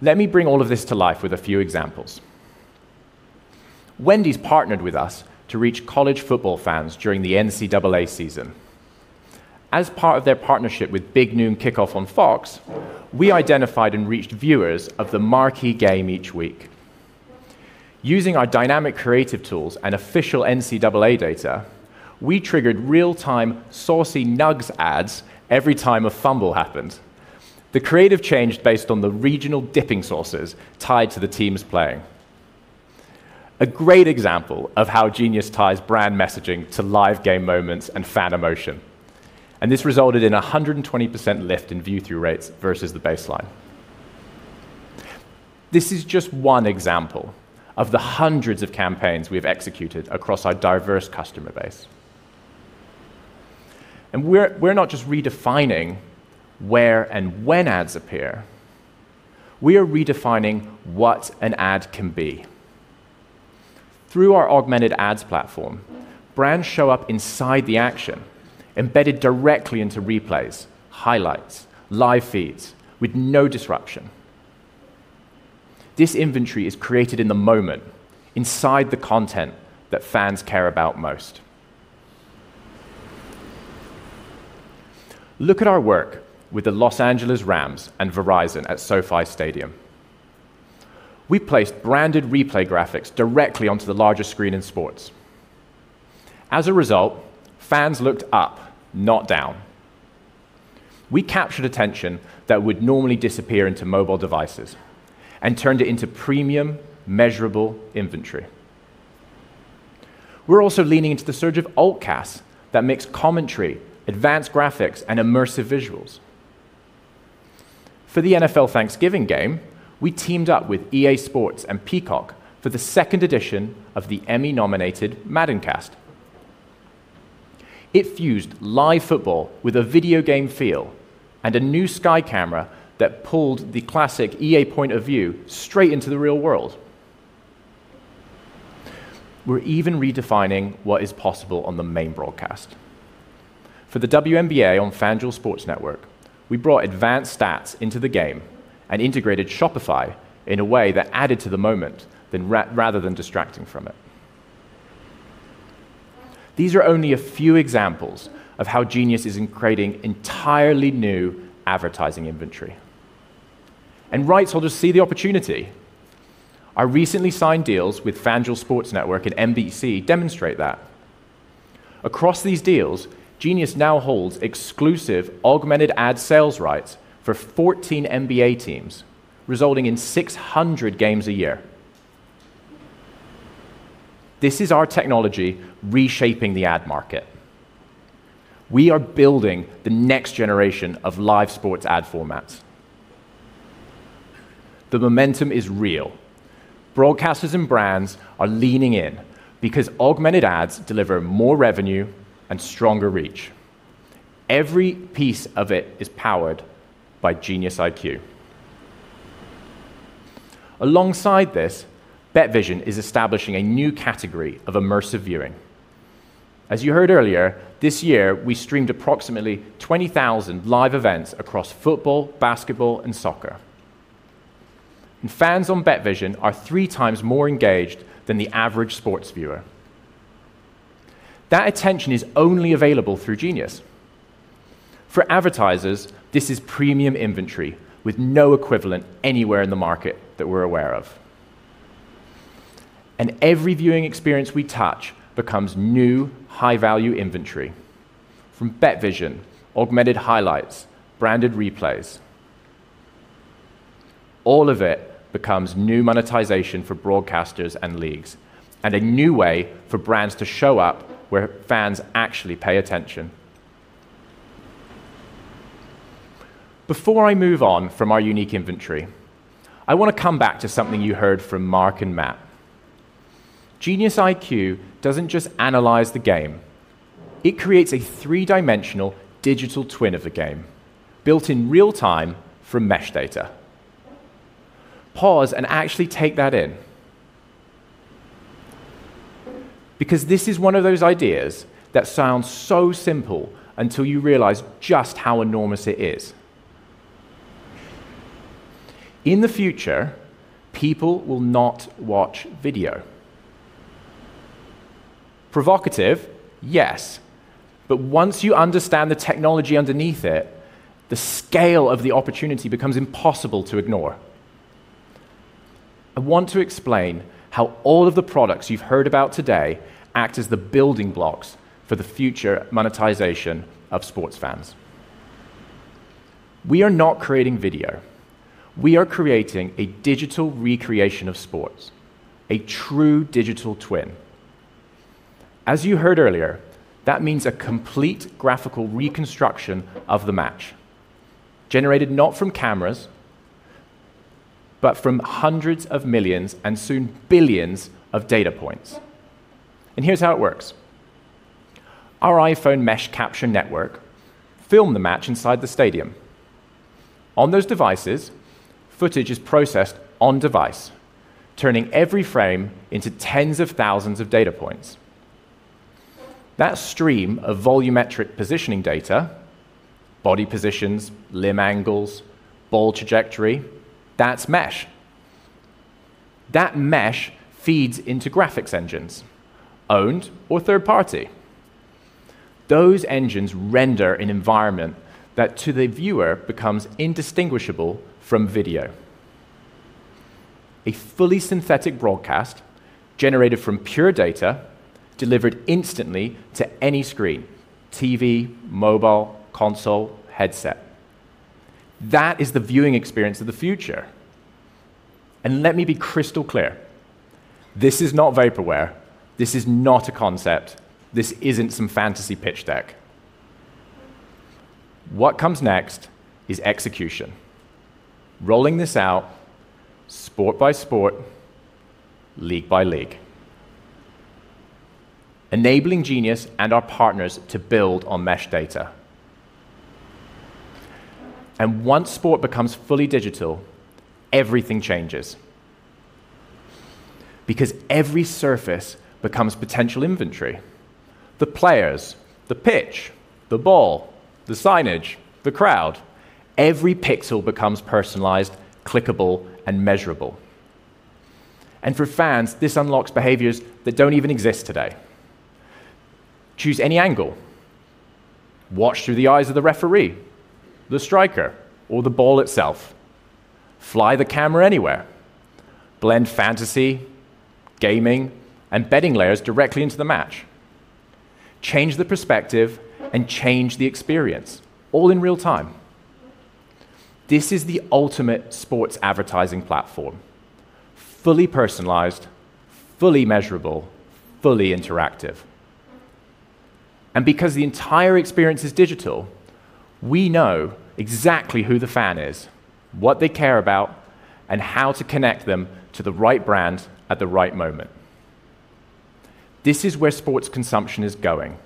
Let me bring all of this to life with a few examples. Wendy's partnered with us to reach college football fans during the NCAA season. As part of their partnership with Big Noon Kickoff on Fox, we identified and reached viewers of the marquee game each week. Using our dynamic creative tools and official NCAA data, we triggered real-time Saucy Nuggs ads every time a fumble happened. The creative changed based on the regional demographic sources tied to the teams playing. A great example of how Genius ties brand messaging to live game moments and fan emotion. And this resulted in a 120% lift in view-through rates versus the baseline. This is just one example of the hundreds of campaigns we have executed across our diverse customer base. And we're not just redefining where and when ads appear. We are redefining what an ad can be. Through our augmented ads platform, brands show up inside the action, embedded directly into the replays, highlights, live feeds with no disruption. This inventory is created in the moment, inside the content that fans care about most. Look at our work with the Los Angeles Rams and Verizon at SoFi Stadium. We placed branded replay graphics directly onto the larger screen in stadiums. As a result, fans looked up, not down. We captured attention that would normally disappear into mobile devices and turned it into premium, measurable inventory. We're also leaning into the surge of alt-casts that mix commentary, advanced graphics, and immersive visuals. For the NFL Thanksgiving game, we teamed up with EA Sports and Peacock for the second edition of the Emmy-nominated MaddenCast. It fused live football with a video game feel and a new sky camera that pulled the classic EA point of view straight into the real world. We're even redefining what is possible on the main broadcast. For the WNBA on FanDuel Sports Network, we brought advanced stats into the game and integrated Shopify in a way that added to the moment rather than distracting from it. These are only a few examples of how Genius is creating entirely new advertising inventory, and rights holders see the opportunity. Our recently signed deals with FanDuel Sports Network and NBC demonstrate that. Across these deals, Genius now holds exclusive augmented ad sales rights for 14 NBA teams, resulting in 600 games a year. This is our technology reshaping the ad market. We are building the next generation of live sports ad formats. The momentum is real. Broadcasters and brands are leaning in because augmented ads deliver more revenue and stronger reach. Every piece of it is powered by GeniusIQ. Alongside this, BetVision is establishing a new category of immersive viewing. As you heard earlier, this year, we streamed approximately 20,000 live events across football, basketball, and soccer. And fans on BetVision are three times more engaged than the average sports viewer. That attention is only available through Genius. For advertisers, this is premium inventory with no equivalent anywhere in the market that we're aware of. And every viewing experience we touch becomes new high-value inventory from BetVision, augmented highlights, branded replays. All of it becomes new monetization for broadcasters and leagues and a new way for brands to show up where fans actually pay attention. Before I move on from our unique inventory, I want to come back to something you heard from Mark and Matt. GeniusIQ doesn't just analyze the game. It creates a three-dimensional digital twin of the game built in real time from mesh data. Pause and actually take that in. Because this is one of those ideas that sounds so simple until you realize just how enormous it is. In the future, people will not watch video. Provocative, yes. But once you understand the technology underneath it, the scale of the opportunity becomes impossible to ignore. I want to explain how all of the products you've heard about today act as the building blocks for the future monetization of sports fans. We are not creating video. We are creating a digital recreation of sports, a true digital twin. As you heard earlier, that means a complete graphical reconstruction of the match, generated not from cameras, but from hundreds of millions and soon billions of data points. Here's how it works. Our iPhone mesh capture network filmed the match inside the stadium. On those devices, footage is processed on-device, turning every frame into tens of thousands of data points. That stream of volumetric positioning data (body positions, limb angles, ball trajectory) that's mesh. That mesh feeds into graphics engines, owned or third-party. Those engines render an environment that, to the viewer, becomes indistinguishable from video. A fully synthetic broadcast generated from pure data, delivered instantly to any screen: TV, mobile, console, headset. That is the viewing experience of the future, and let me be crystal clear. This is not vaporware. This is not a concept. This isn't some fantasy pitch deck. What comes next is execution. Rolling this out sport by sport, league by league, enabling Genius and our partners to build on mesh data, and once sport becomes fully digital, everything changes. Because every surface becomes potential inventory: the players, the pitch, the ball, the signage, the crowd. Every pixel becomes personalized, clickable, and measurable, and for fans, this unlocks behaviors that don't even exist today. Choose any angle. Watch through the eyes of the referee, the striker, or the ball itself. Fly the camera anywhere. Blend fantasy, gaming, and betting layers directly into the match. Change the perspective and change the experience, all in real time. This is the ultimate sports advertising platform: fully personalized, fully measurable, fully interactive, and because the entire experience is digital, we know exactly who the fan is, what they care about, and how to connect them to the right brand at the right moment. This is where sports consumption is going,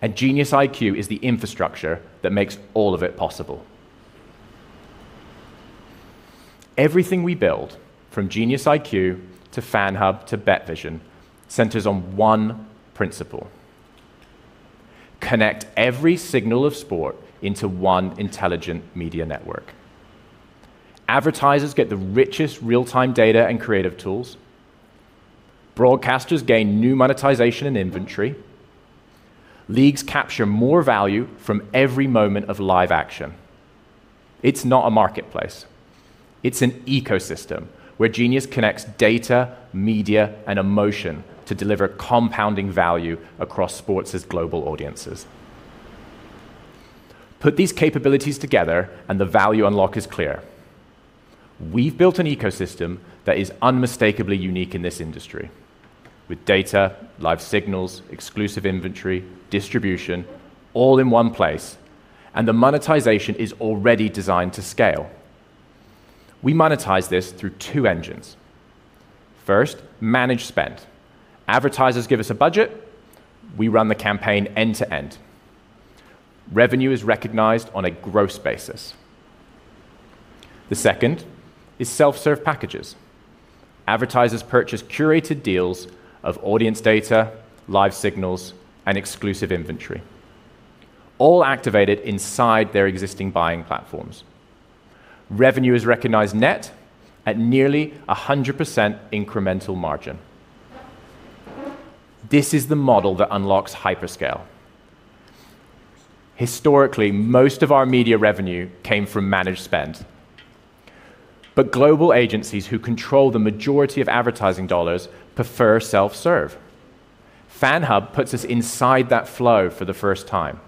and GeniusIQ is the infrastructure that makes all of it possible. Everything we build, from GeniusIQ to FanHub to BetVision, centers on one principle: connect every signal of sport into one intelligent media network. Advertisers get the richest real-time data and creative tools. Broadcasters gain new monetization and inventory. Leagues capture more value from every moment of live action. It's not a marketplace. It's an ecosystem where Genius connects data, media, and emotion to deliver compounding value across sports' global audiences. Put these capabilities together, and the value unlock is clear. We've built an ecosystem that is unmistakably unique in this industry, with data, live signals, exclusive inventory, distribution, all in one place. And the monetization is already designed to scale. We monetize this through two engines. First, managed spend. Advertisers give us a budget. We run the campaign end-to-end. Revenue is recognized on a gross basis. The second is self-serve packages. Advertisers purchase curated deals of audience data, live signals, and exclusive inventory, all activated inside their existing buying platforms. Revenue is recognized net at nearly 100% incremental margin. This is the model that unlocks hyperscale. Historically, most of our media revenue came from managed spend. But global agencies who control the majority of advertising dollars prefer self-serve. FanHub puts us inside that flow for the first time.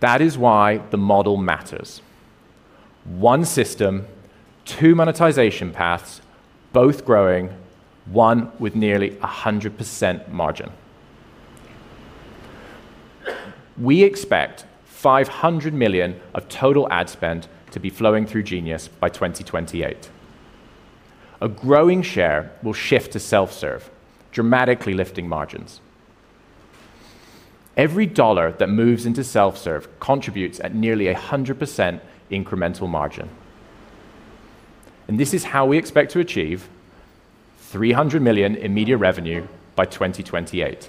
That is why the model matters. One system, two monetization paths, both growing, one with nearly 100% margin. We expect $500 million of total ad spend to be flowing through Genius by 2028. A growing share will shift to self-serve, dramatically lifting margins. Every dollar that moves into self-serve contributes at nearly 100% incremental margin. And this is how we expect to achieve $300 million in media revenue by 2028.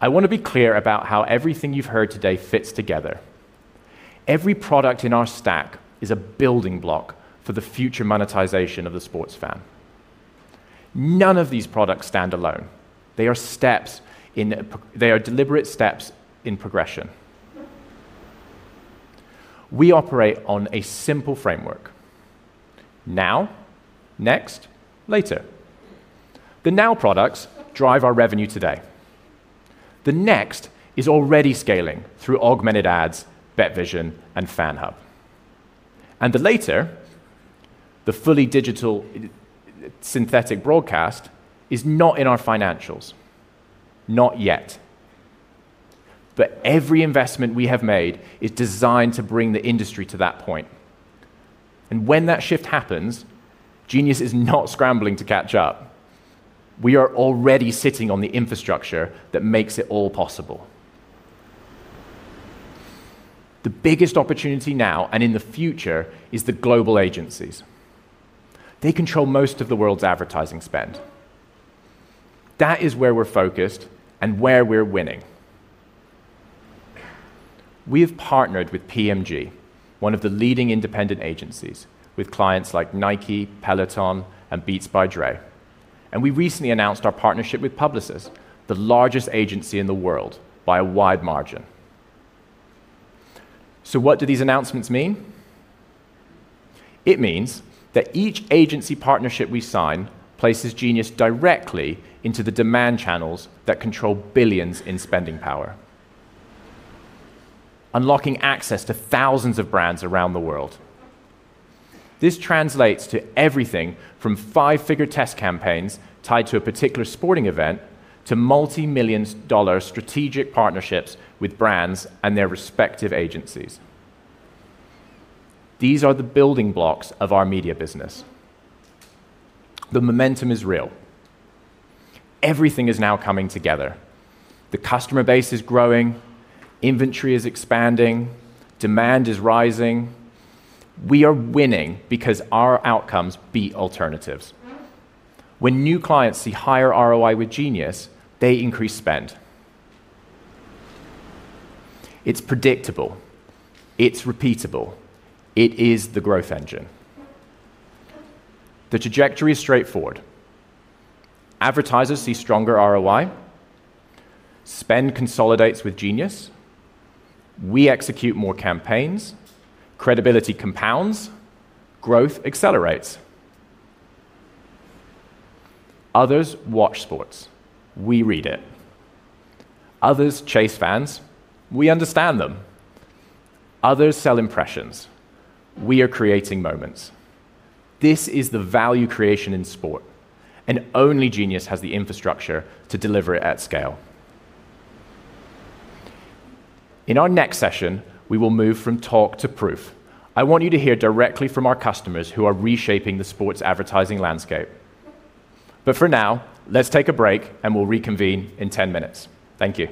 I want to be clear about how everything you've heard today fits together. Every product in our stack is a building block for the future monetization of the sports fan. None of these products stand alone. They are deliberate steps in progression. We operate on a simple framework: now, next, later. The now products drive our revenue today. The next is already scaling through augmented ads, BetVision, and FanHub. And the later, the fully digital synthetic broadcast, is not in our financials. Not yet. But every investment we have made is designed to bring the industry to that point. And when that shift happens, Genius is not scrambling to catch up. We are already sitting on the infrastructure that makes it all possible. The biggest opportunity now and in the future is the global agencies. They control most of the world's advertising spend. That is where we're focused and where we're winning. We have partnered with PMG, one of the leading independent agencies, with clients like Nike, Peloton, and Beats by Dre. And we recently announced our partnership with Publicis, the largest agency in the world, by a wide margin. So what do these announcements mean? It means that each agency partnership we sign places Genius directly into the demand channels that control billions in spending power, unlocking access to thousands of brands around the world. This translates to everything from five-figure test campaigns tied to a particular sporting event to multi-million dollar strategic partnerships with brands and their respective agencies. These are the building blocks of our media business. The momentum is real. Everything is now coming together. The customer base is growing. Inventory is expanding. Demand is rising. We are winning because our outcomes beat alternatives. When new clients see higher ROI with Genius, they increase spend. It's predictable. It's repeatable. It is the growth engine. The trajectory is straightforward. Advertisers see stronger ROI. Spend consolidates with Genius. We execute more campaigns. Credibility compounds. Growth accelerates. Others watch sports. We read it. Others chase fans. We understand them. Others sell impressions. We are creating moments. This is the value creation in sport. And only Genius has the infrastructure to deliver it at scale. In our next session, we will move from talk to proof. I want you to hear directly from our customers who are reshaping the sports advertising landscape. But for now, let's take a break, and we'll reconvene in 10 minutes. Thank you.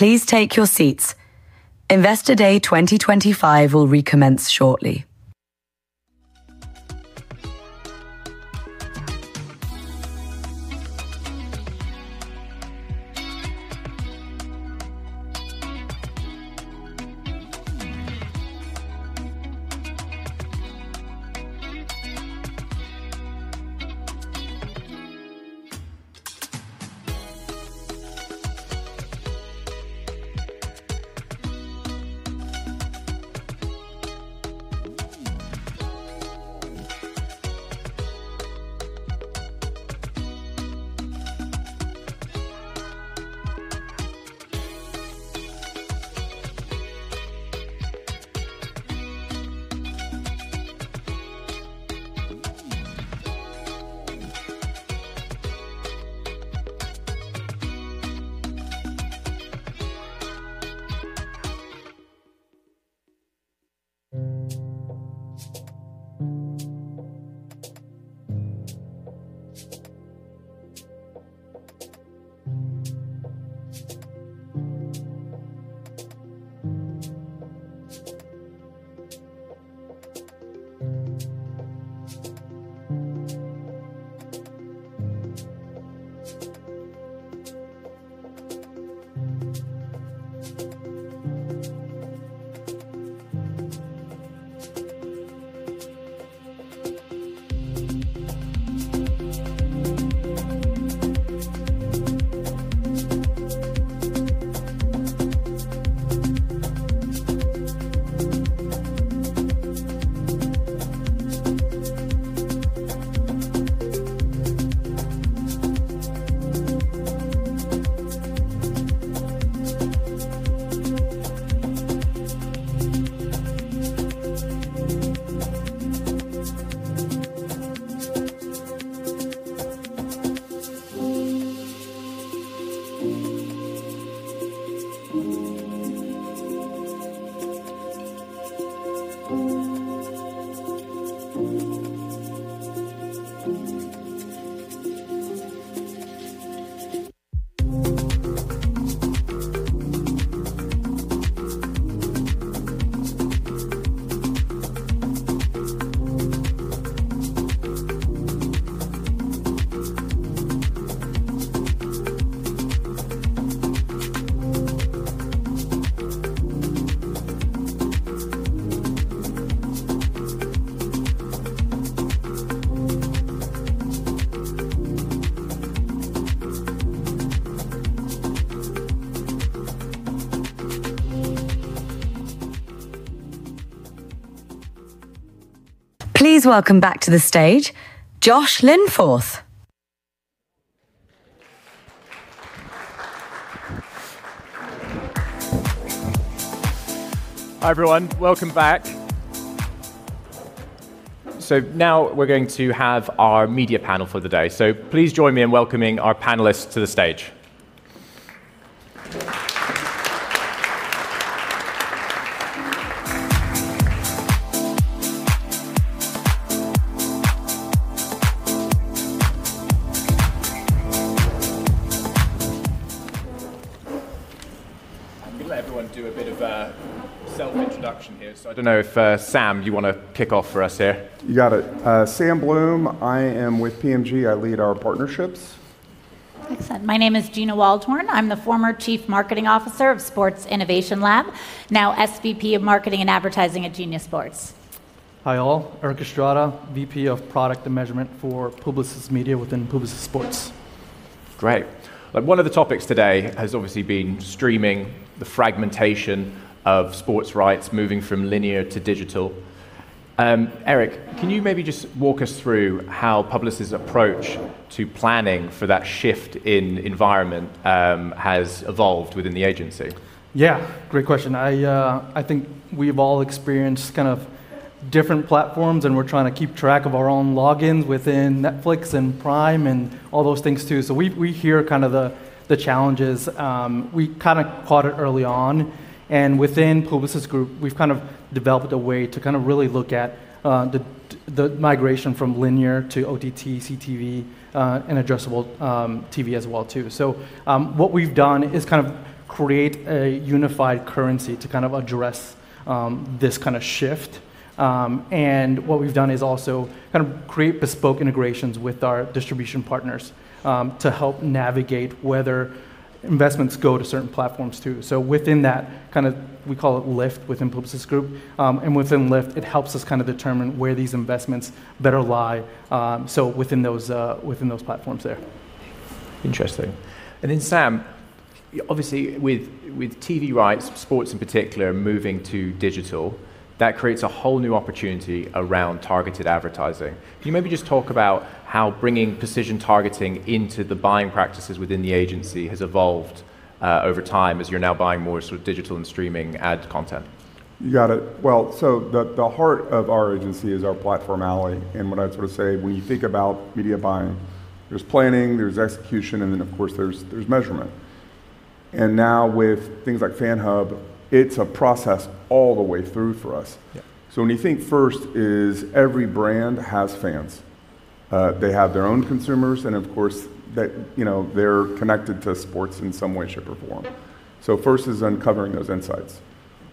Please take your seats. Investor Day 2025 will recommence shortly. Please welcome back to the stage, Josh Linforth. Hi everyone, welcome back. So now we're going to have our media panel for the day. So please join me in welcoming our panelists to the stage. I'm going to let everyone do a bit of a self-introduction here. So I don't know if Sam, you want to kick off for us here. You got it. Sam Bloom, I am with PMG. I lead our partnerships. Excellent. My name is Gina Waldhorn. I'm the former Chief Marketing Officer of Sports Innovation Lab, now SVP of Marketing and Advertising at Genius Sports. Hi all. Erick Estrada, VP of Product and Measurement for Publicis Media within Publicis Sports. Great. One of the topics today has obviously been streaming, the fragmentation of sports rights moving from linear to digital. Erik, can you maybe just walk us through how Publicis' approach to planning for that shift in environment has evolved within the agency? Yeah, great question. I think we've all experienced kind of different platforms, and we're trying to keep track of our own logins within Netflix and Prime and all those things too, so we hear kind of the challenges. We kind of caught it early on, and within Publicis Group, we've kind of developed a way to kind of really look at the migration from linear to OTT, CTV, and addressable TV as well too, so what we've done is kind of create a unified currency to kind of address this kind of shift. What we've done is also kind of create bespoke integrations with our distribution partners to help navigate whether investments go to certain platforms too. Within that, kind of we call it Lift within Publicis Group. Within Lift, it helps us kind of determine where these investments better lie. Within those platforms there. Interesting. Then Sam, obviously with TV rights, sports in particular, moving to digital, that creates a whole new opportunity around targeted advertising. Can you maybe just talk about how bringing precision targeting into the buying practices within the agency has evolved over time as you're now buying more sort of digital and streaming ad content? You got it. The heart of our agency is our platform Alley. When I sort of say when you think about media buying, there's planning, there's execution, and then of course there's measurement. Now with things like FanHub, it's a process all the way through for us. When you think first is every brand has fans. They have their own consumers, and of course they're connected to sports in some way, shape, or form. First is uncovering those insights.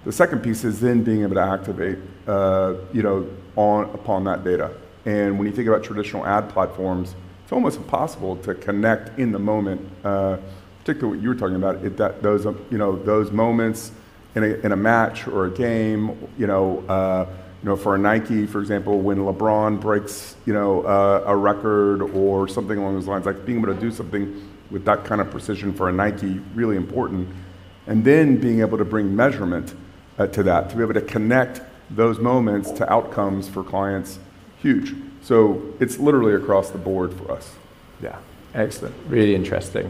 The second piece is then being able to activate upon that data. When you think about traditional ad platforms, it's almost impossible to connect in the moment, particularly what you were talking about, those moments in a match or a game. For a Nike, for example, when LeBron breaks a record or something along those lines, being able to do something with that kind of precision for a Nike is really important. Then being able to bring measurement to that, to be able to connect those moments to outcomes for clients, huge. So it's literally across the board for us. Yeah. Excellent. Really interesting.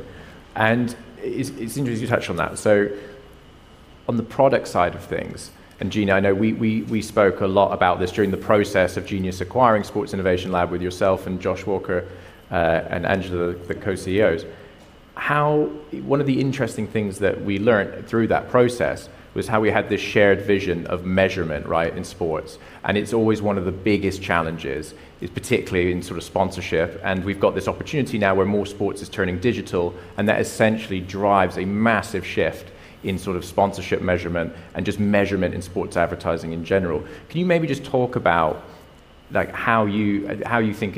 And it's interesting you touched on that. So on the product side of things, and Gina, I know we spoke a lot about this during the process of Genius acquiring Sports Innovation Lab with yourself and Josh Walker and Angela, the co-CEOs. One of the interesting things that we learned through that process was how we had this shared vision of measurement in sports. And it's always one of the biggest challenges, particularly in sort of sponsorship. And we've got this opportunity now where more sports is turning digital, and that essentially drives a massive shift in sort of sponsorship measurement and just measurement in sports advertising in general. Can you maybe just talk about how you think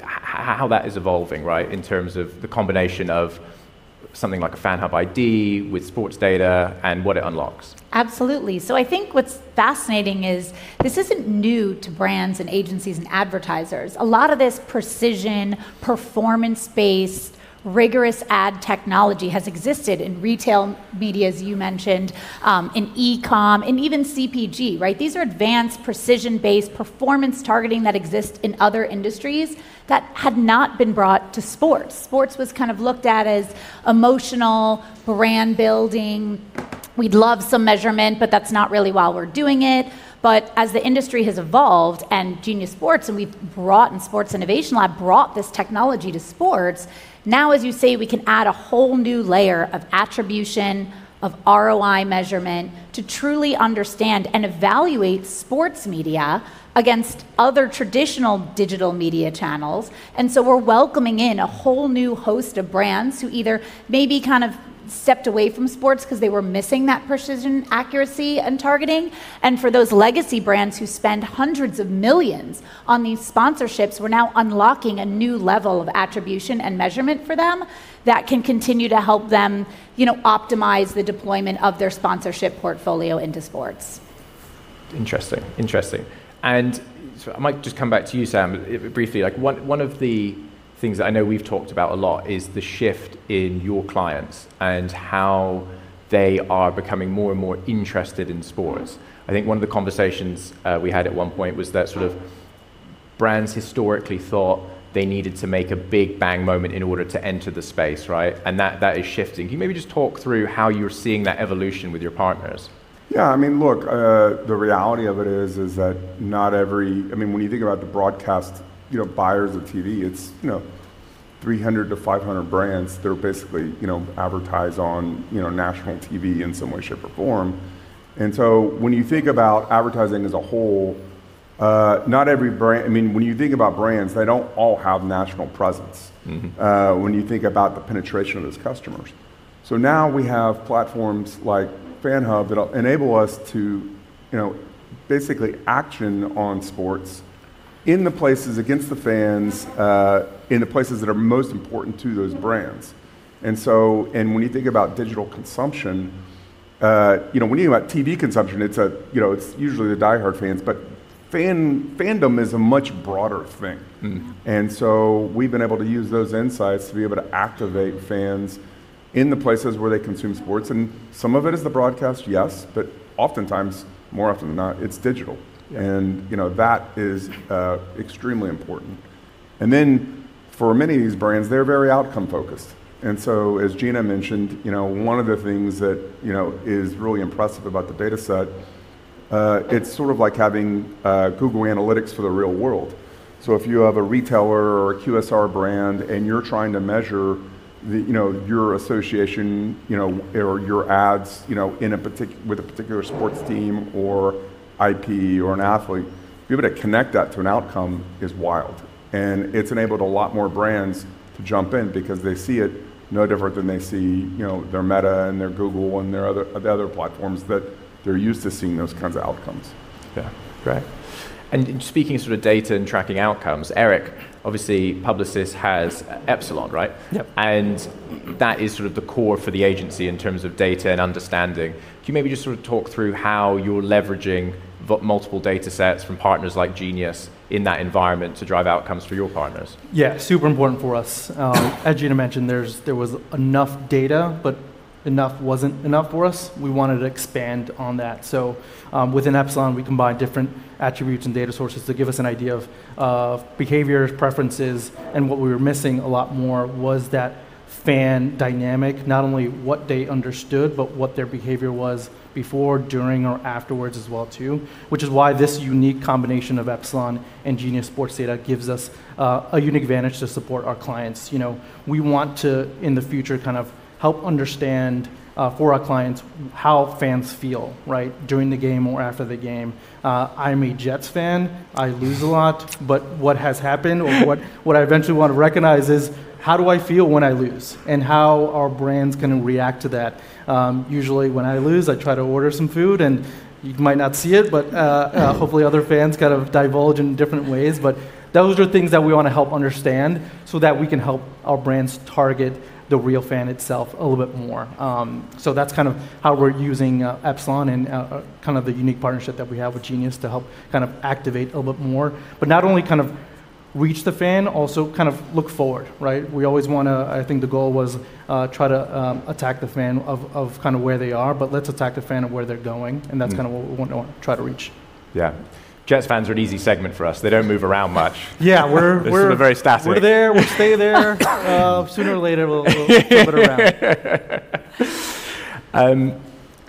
that is evolving in terms of the combination of something like a FanHub ID with sports data and what it unlocks? Absolutely. So I think what's fascinating is this isn't new to brands and agencies and advertisers. A lot of this precision, performance-based, rigorous ad technology has existed in retail media, as you mentioned, in e-comm, and even CPG. These are advanced precision-based performance targeting that exists in other industries that had not been brought to sports. Sports was kind of looked at as emotional, brand building. We'd love some measurement, but that's not really why we're doing it. But as the industry has evolved and Genius Sports and we've brought in Sports Innovation Lab, brought this technology to sports, now, as you say, we can add a whole new layer of attribution, of ROI measurement to truly understand and evaluate sports media against other traditional digital media channels. And so we're welcoming in a whole new host of brands who either maybe kind of stepped away from sports because they were missing that precision, accuracy, and targeting. And for those legacy brands who spend hundreds of millions on these sponsorships, we're now unlocking a new level of attribution and measurement for them that can continue to help them optimize the deployment of their sponsorship portfolio into sports. Interesting. Interesting. And I might just come back to you, Sam, briefly. One of the things that I know we've talked about a lot is the shift in your clients and how they are becoming more and more interested in sports. I think one of the conversations we had at one point was that sort of brands historically thought they needed to make a big bang moment in order to enter the space, and that is shifting. Can you maybe just talk through how you're seeing that evolution with your partners? Yeah. I mean, look, the reality of it is that not every, I mean, when you think about the broadcast buyers of TV, it's 300-500 brands that are basically advertised on national TV in some way, shape, or form. And so when you think about advertising as a whole, not every brand, I mean, when you think about brands, they don't all have national presence when you think about the penetration of those customers. So now we have platforms like FanHub that'll enable us to basically action on sports in the places against the fans, in the places that are most important to those brands. And when you think about digital consumption, when you think about TV consumption, it's usually the diehard fans, but fandom is a much broader thing. And so we've been able to use those insights to be able to activate fans in the places where they consume sports. And some of it is the broadcast, yes, but oftentimes, more often than not, it's digital. And that is extremely important. And then for many of these brands, they're very outcome-focused. As Gina mentioned, one of the things that is really impressive about the data set, it's sort of like having Google Analytics for the real world. So if you have a retailer or a QSR brand and you're trying to measure your association or your ads with a particular sports team or IP or an athlete, to be able to connect that to an outcome is wild. And it's enabled a lot more brands to jump in because they see it no different than they see their Meta and their Google and their other platforms that they're used to seeing those kinds of outcomes. Yeah. Great. And speaking of sort of data and tracking outcomes, Erik, obviously Publicis has Epsilon, right? Yep. And that is sort of the core for the agency in terms of data and understanding. Can you maybe just sort of talk through how you're leveraging multiple data sets from partners like Genius in that environment to drive outcomes for your partners? Yeah. Super important for us. As Gina mentioned, there was enough data, but enough wasn't enough for us. We wanted to expand on that. So within Epsilon, we combined different attributes and data sources to give us an idea of behaviors, preferences. And what we were missing a lot more was that fan dynamic, not only what they understood, but what their behavior was before, during, or afterwards as well too, which is why this unique combination of Epsilon and Genius Sports data gives us a unique advantage to support our clients. We want to, in the future, kind of help understand for our clients how fans feel during the game or after the game. I'm a Jets fan. I lose a lot, but what has happened or what I eventually want to recognize is how do I feel when I lose and how our brands can react to that. Usually, when I lose, I try to order some food, and you might not see it, but hopefully other fans kind of indulge in different ways. But those are things that we want to help understand so that we can help our brands target the real fan itself a little bit more. So that's kind of how we're using Epsilon and kind of the unique partnership that we have with Genius to help kind of activate a little bit more. But not only kind of reach the fan, also kind of look forward. We always want to, I think the goal was try to attack the fan of kind of where they are, but let's attack the fan of where they're going, and that's kind of what we want to try to reach. Yeah. Jets fans are an easy segment for us. They don't move around much. Yeah. We're sort of very static. We're there. We'll stay there. Sooner or later, we'll flip it around.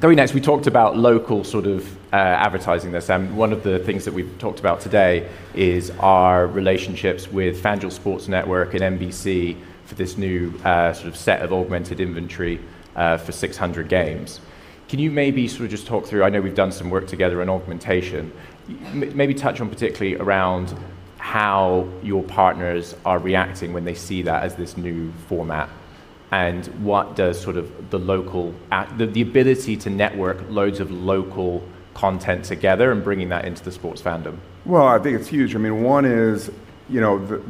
Very nice. We talked about local sort of advertising there. One of the things that we've talked about today is our relationships with FanDuel Sports Network and NBC for this new sort of set of augmented inventory for 600 games. Can you maybe sort of just talk through? I know we've done some work together on augmentation. Maybe touch on particularly around how your partners are reacting when they see that as this new format and what does sort of the local ability to network loads of local content together and bringing that into the sports fandom? Well, I think it's huge. I mean, one is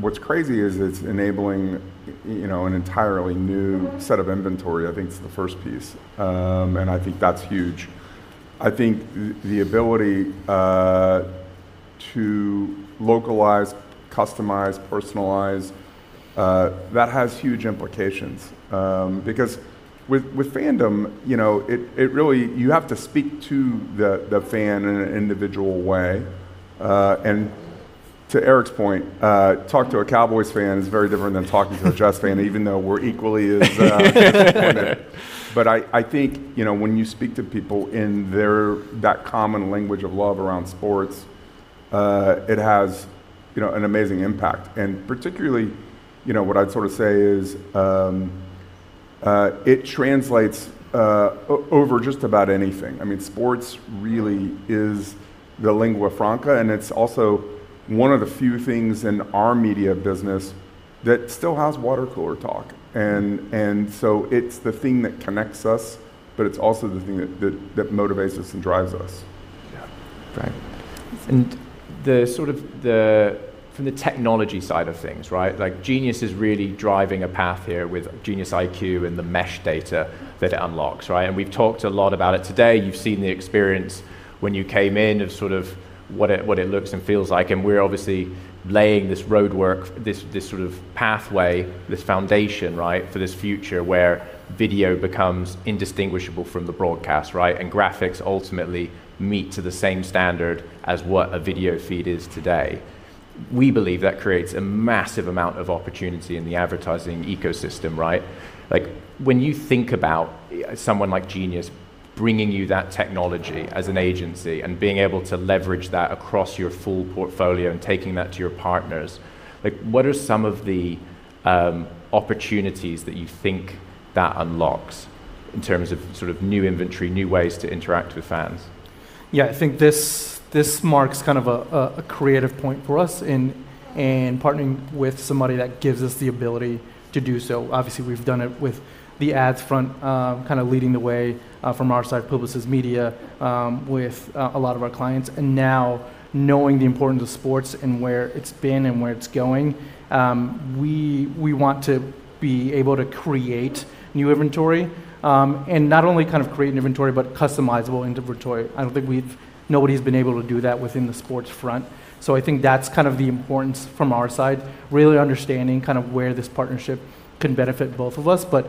what's crazy is it's enabling an entirely new set of inventory. I think it's the first piece. And I think that's huge. I think the ability to localize, customize, personalize, that has huge implications because with fandom, you have to speak to the fan in an individual way. And to Erik's point, talk to a Cowboys fan is very different than talking to a Jets fan, even though we're equally as. But I think when you speak to people in that common language of love around sports, it has an amazing impact. And particularly what I'd sort of say is it translates over just about anything. I mean, sports really is the lingua franca, and it's also one of the few things in our media business that still has water cooler talk. And so it's the thing that connects us, but it's also the thing that motivates us and drives us. Yeah. Great. And sort of from the technology side of things, Genius is really driving a path here with GeniusIQ and the mesh data that it unlocks. And we've talked a lot about it today. You've seen the experience when you came in of sort of what it looks and feels like. We're obviously laying this roadwork, this sort of pathway, this foundation for this future where video becomes indistinguishable from the broadcast, and graphics ultimately meet to the same standard as what a video feed is today. We believe that creates a massive amount of opportunity in the advertising ecosystem. When you think about someone like Genius bringing you that technology as an agency and being able to leverage that across your full portfolio and taking that to your partners, what are some of the opportunities that you think that unlocks in terms of sort of new inventory, new ways to interact with fans? Yeah. I think this marks kind of a creative point for us in partnering with somebody that gives us the ability to do so. Obviously, we've done it with the ads front kind of leading the way from our side, Publicis Media, with a lot of our clients, and now, knowing the importance of sports and where it's been and where it's going, we want to be able to create new inventory and not only kind of create an inventory, but customizable inventory, so I think that's kind of the importance from our side, really understanding kind of where this partnership can benefit both of us, but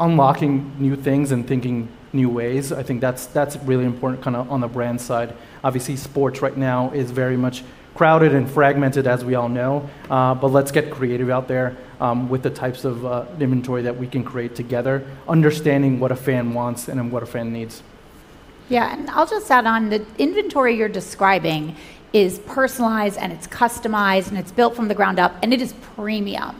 unlocking new things and thinking new ways. I think that's really important kind of on the brand side. Obviously, sports right now is very much crowded and fragmented, as we all know. But let's get creative out there with the types of inventory that we can create together, understanding what a fan wants and what a fan needs. Yeah. And I'll just add on the inventory you're describing is personalized, and it's customized, and it's built from the ground up, and it is premium.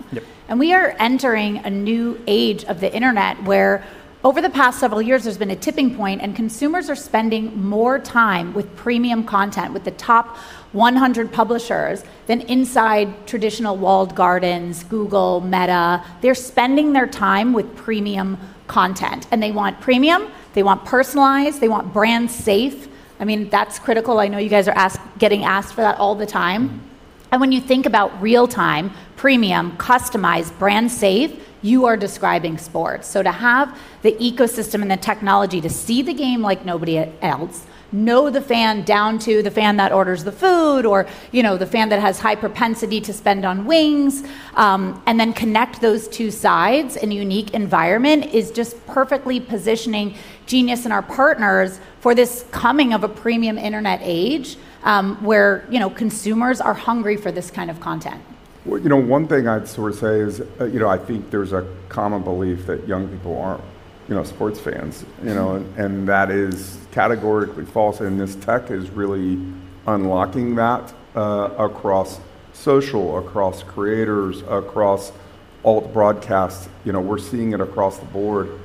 And we are entering a new age of the internet where, over the past several years, there's been a tipping point, and consumers are spending more time with premium content with the top 100 publishers than inside traditional walled gardens, Google, Meta. They're spending their time with premium content, and they want premium. They want personalized. They want brand safe. I mean, that's critical. I know you guys are getting asked for that all the time. And when you think about real-time, premium, customized, brand safe, you are describing sports. So to have the ecosystem and the technology to see the game like nobody else, know the fan down to the fan that orders the food or the fan that has high propensity to spend on wings, and then connect those two sides in a unique environment is just perfectly positioning Genius and our partners for this coming of a premium internet age where consumers are hungry for this kind of content. One thing I'd sort of say is I think there's a common belief that young people aren't sports fans, and that is categorically false, and this tech is really unlocking that across social, across creators, across all the broadcasts. We're seeing it across the board.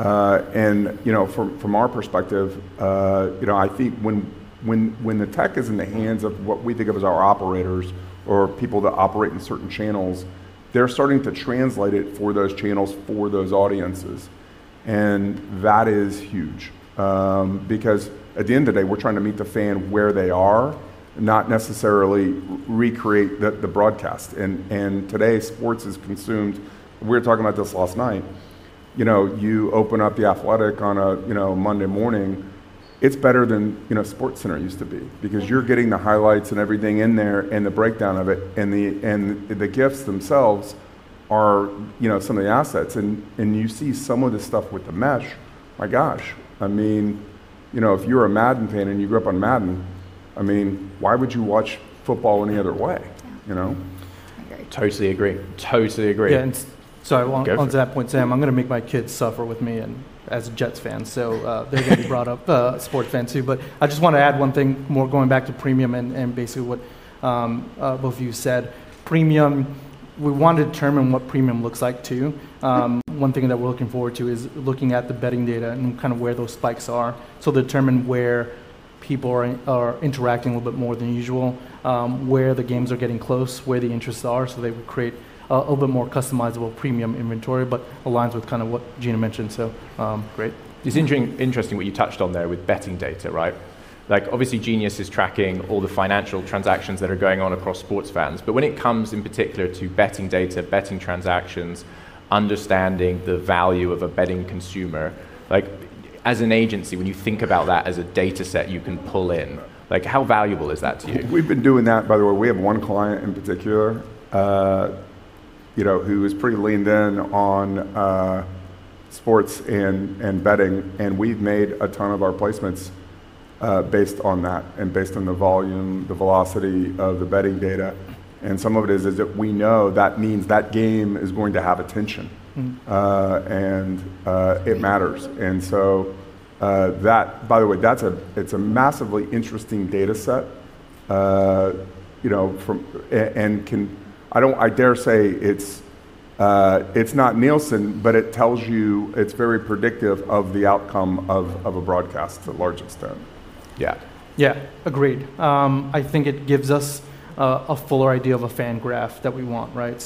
From our perspective, I think when the tech is in the hands of what we think of as our operators or people that operate in certain channels, they're starting to translate it for those channels, for those audiences. That is huge because, at the end of the day, we're trying to meet the fan where they are, not necessarily recreate the broadcast. Today, sports is consumed. We were talking about this last night. You open up The Athletic on a Monday morning. It's better than SportsCenter used to be because you're getting the highlights and everything in there and the breakdown of it. The GIFs themselves are some of the assets. You see some of the stuff with the mesh, my gosh. I mean, if you're a Madden fan and you grew up on Madden, I mean, why would you watch football any other way? Yeah. Totally agree. Totally agree. Yeah, and so on to that point, Sam. I'm going to make my kids suffer with me as a Jets fan, so they're going to be brought up sports fans too, but I just want to add one thing more, going back to premium and basically what both of you said. Premium, we want to determine what premium looks like too. One thing that we're looking forward to is looking at the betting data and kind of where those spikes are to determine where people are interacting a little bit more than usual, where the games are getting close, where the interests are so they would create a little bit more customizable premium inventory, but it aligns with kind of what Gina mentioned, so great. It's interesting what you touched on there with betting data, right? Obviously, Genius is tracking all the financial transactions that are going on across sports fans. But when it comes in particular to betting data, betting transactions, understanding the value of a betting consumer, as an agency, when you think about that as a data set you can pull in, how valuable is that to you? We've been doing that. By the way, we have one client in particular who is pretty leaned in on sports and betting. And we've made a ton of our placements based on that and based on the volume, the velocity of the betting data. And some of it is that we know that means that game is going to have attention, and it matters. And so, by the way, it's a massively interesting data set. I dare say it's not Nielsen, but it tells you it's very predictive of the outcome of a broadcast to a large extent. Yeah. Yeah. Agreed. I think it gives us a fuller idea of a fan graph that we want, right?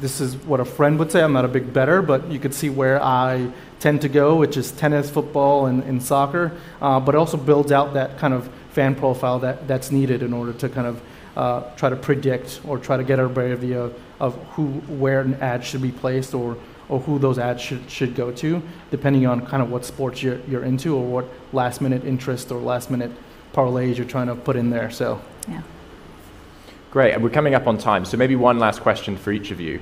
This is what a fan would say. I'm not a big bettor, but you could see where I tend to go, which is tennis, football, and soccer, but also builds out that kind of fan profile that's needed in order to kind of try to predict or try to get a better view of where an ad should be placed or who those ads should go to, depending on kind of what sports you're into or what last-minute interest or last-minute parlays you're trying to put in there, so. Yeah. Great. We're coming up on time. Maybe one last question for each of you.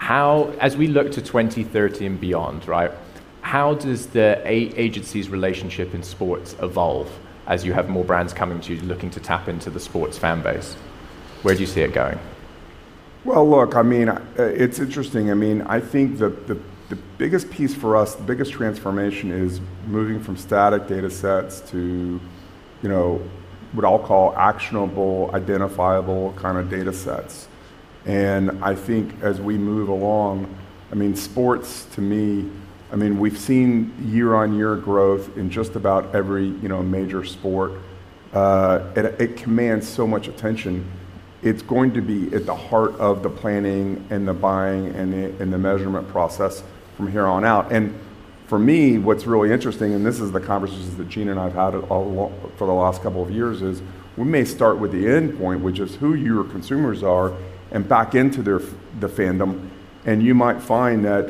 As we look to 2030 and beyond, right, how does the agencies' relationship in sports evolve as you have more brands coming to you looking to tap into the sports fan base? Where do you see it going? Well, look, I mean, it's interesting. I mean, I think the biggest piece for us, the biggest transformation is moving from static data sets to what I'll call actionable, identifiable kind of data sets. And I think as we move along, I mean, sports to me, I mean, we've seen year-on-year growth in just about every major sport. It commands so much attention. It's going to be at the heart of the planning and the buying and the measurement process from here on out. For me, what's really interesting, and this is the conversations that Gina and I have had for the last couple of years, is we may start with the endpoint, which is who your consumers are, and back into the fandom. You might find that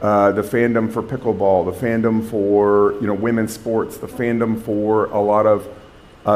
the fandom for pickleball, the fandom for women's sports, the fandom for a lot of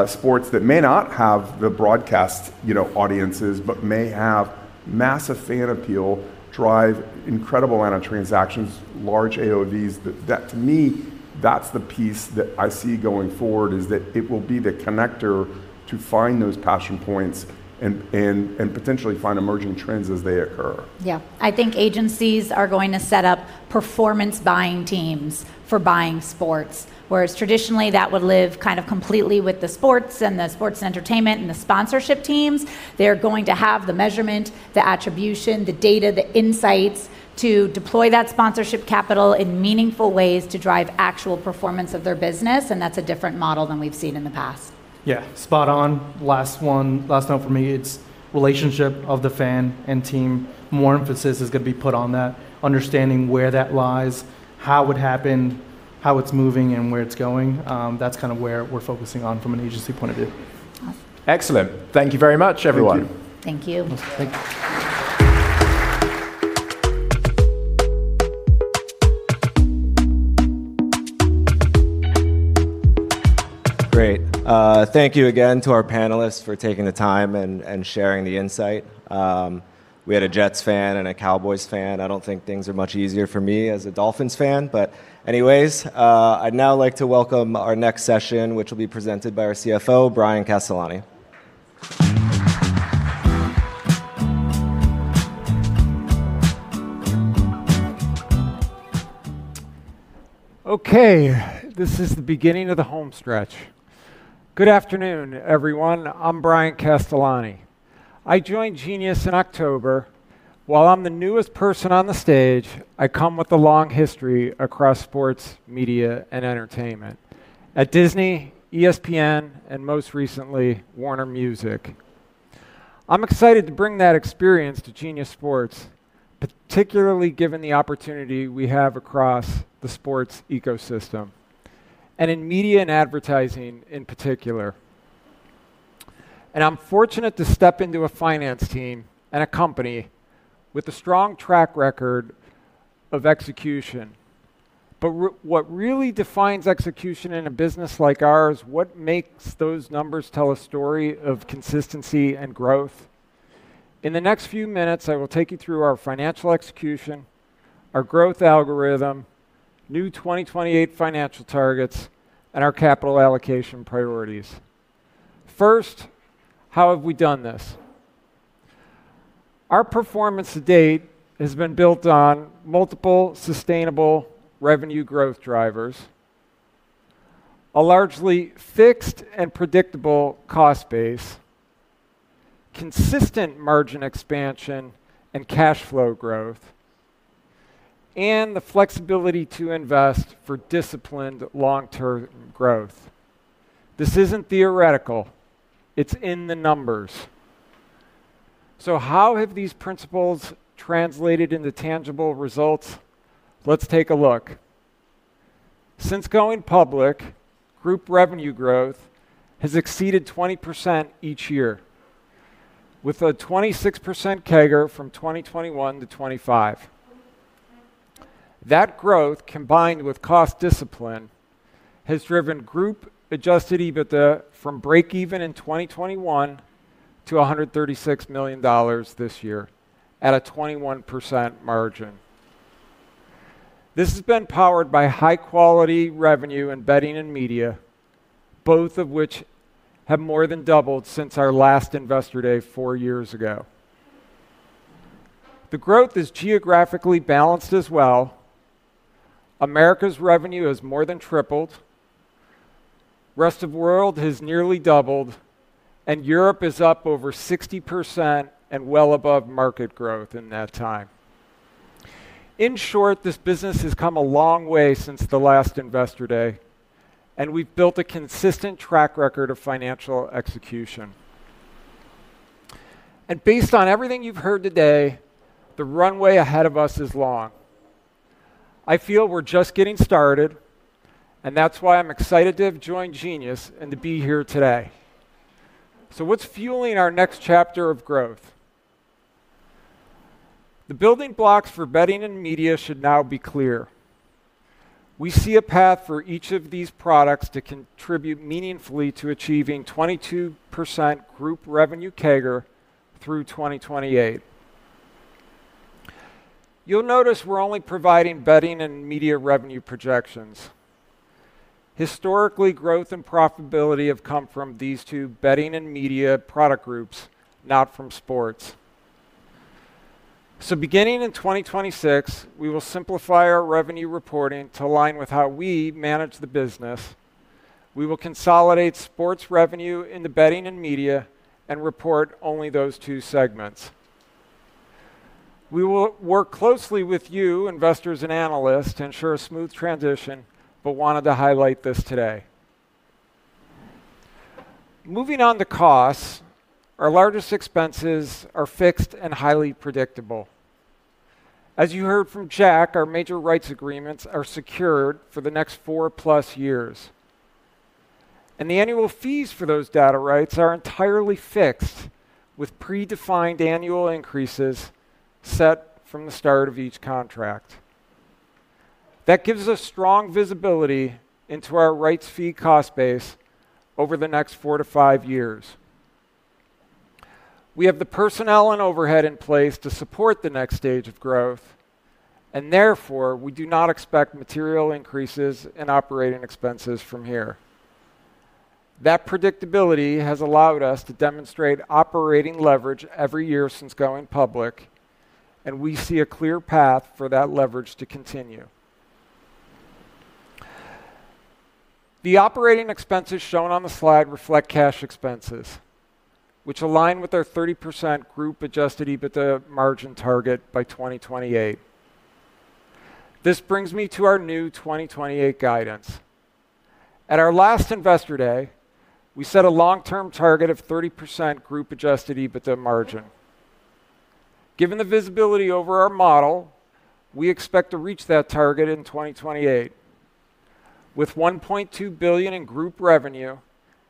sports that may not have the broadcast audiences but may have massive fan appeal, drive incredible amount of transactions, large AOVs. To me, that's the piece that I see going forward is that it will be the connector to find those passion points and potentially find emerging trends as they occur. Yeah. I think agencies are going to set up performance buying teams for buying sports, whereas traditionally that would live kind of completely with the sports and the sports entertainment and the sponsorship teams. They're going to have the measurement, the attribution, the data, the insights to deploy that sponsorship capital in meaningful ways to drive actual performance of their business. And that's a different model than we've seen in the past. Yeah. Spot on. Last note for me, it's relationship of the fan and team. More emphasis is going to be put on that, understanding where that lies, how it happened, how it's moving, and where it's going. That's kind of where we're focusing on from an agency point of view. Excellent. Thank you very much, everyone. Thank you. Thank you. Great. Thank you again to our panelists for taking the time and sharing the insight. We had a Jets fan and a Cowboys fan. I don't think things are much easier for me as a Dolphins fan. But anyways, I'd now like to welcome our next session, which will be presented by our CFO, Bryan Castellani. Okay. This is the beginning of the home stretch. Good afternoon, everyone. I'm Bryan Castellani. I joined Genius in October. While I'm the newest person on the stage, I come with a long history across sports, media, and entertainment at Disney, ESPN, and most recently, Warner Music. I'm excited to bring that experience to Genius Sports, particularly given the opportunity we have across the sports ecosystem and in media and advertising in particular. And I'm fortunate to step into a finance team and a company with a strong track record of execution. But what really defines execution in a business like ours? What makes those numbers tell a story of consistency and growth? In the next few minutes, I will take you through our financial execution, our growth algorithm, new 2028 financial targets, and our capital allocation priorities. First, how have we done this? Our performance to date has been built on multiple sustainable revenue growth drivers, a largely fixed and predictable cost base, consistent margin expansion and cash flow growth, and the flexibility to invest for disciplined long-term growth. This isn't theoretical. It's in the numbers. So how have these principles translated into tangible results? Let's take a look. Since going public, group revenue growth has exceeded 20% each year, with a 26% CAGR from 2021 to 2025. That growth, combined with cost discipline, has driven group Adjusted EBITDA from breakeven in 2021 to $136 million this year at a 21% margin. This has been powered by high-quality revenue and betting and media, both of which have more than doubled since our last Investor Day four years ago. The growth is geographically balanced as well. Americas revenue has more than tripled. The rest of the world has nearly doubled, and Europe is up over 60% and well above market growth in that time. In short, this business has come a long way since the last Investor Day, and we've built a consistent track record of financial execution. And based on everything you've heard today, the runway ahead of us is long. I feel we're just getting started, and that's why I'm excited to have joined Genius and to be here today. So what's fueling our next chapter of growth? The building blocks for betting and media should now be clear. We see a path for each of these products to contribute meaningfully to achieving 22% group revenue CAGR through 2028. You'll notice we're only providing betting and media revenue projections. Historically, growth and profitability have come from these two betting and media product groups, not from sports. So beginning in 2026, we will simplify our revenue reporting to align with how we manage the business. We will consolidate sports revenue into betting and media and report only those two segments. We will work closely with you, investors and analysts, to ensure a smooth transition, but wanted to highlight this today. Moving on to costs, our largest expenses are fixed and highly predictable. As you heard from Jack, our major rights agreements are secured for the next 4+ years, and the annual fees for those data rights are entirely fixed with predefined annual increases set from the start of each contract. That gives us strong visibility into our rights fee cost base over the next four to five years. We have the personnel and overhead in place to support the next stage of growth, and therefore, we do not expect material increases in operating expenses from here. That predictability has allowed us to demonstrate operating leverage every year since going public, and we see a clear path for that leverage to continue. The operating expenses shown on the slide reflect cash expenses, which align with our 30% Group Adjusted EBITDA margin target by 2028. This brings me to our new 2028 guidance. At our last Investor Day, we set a long-term target of 30% Group Adjusted EBITDA margin. Given the visibility over our model, we expect to reach that target in 2028 with $1.2 billion in group revenue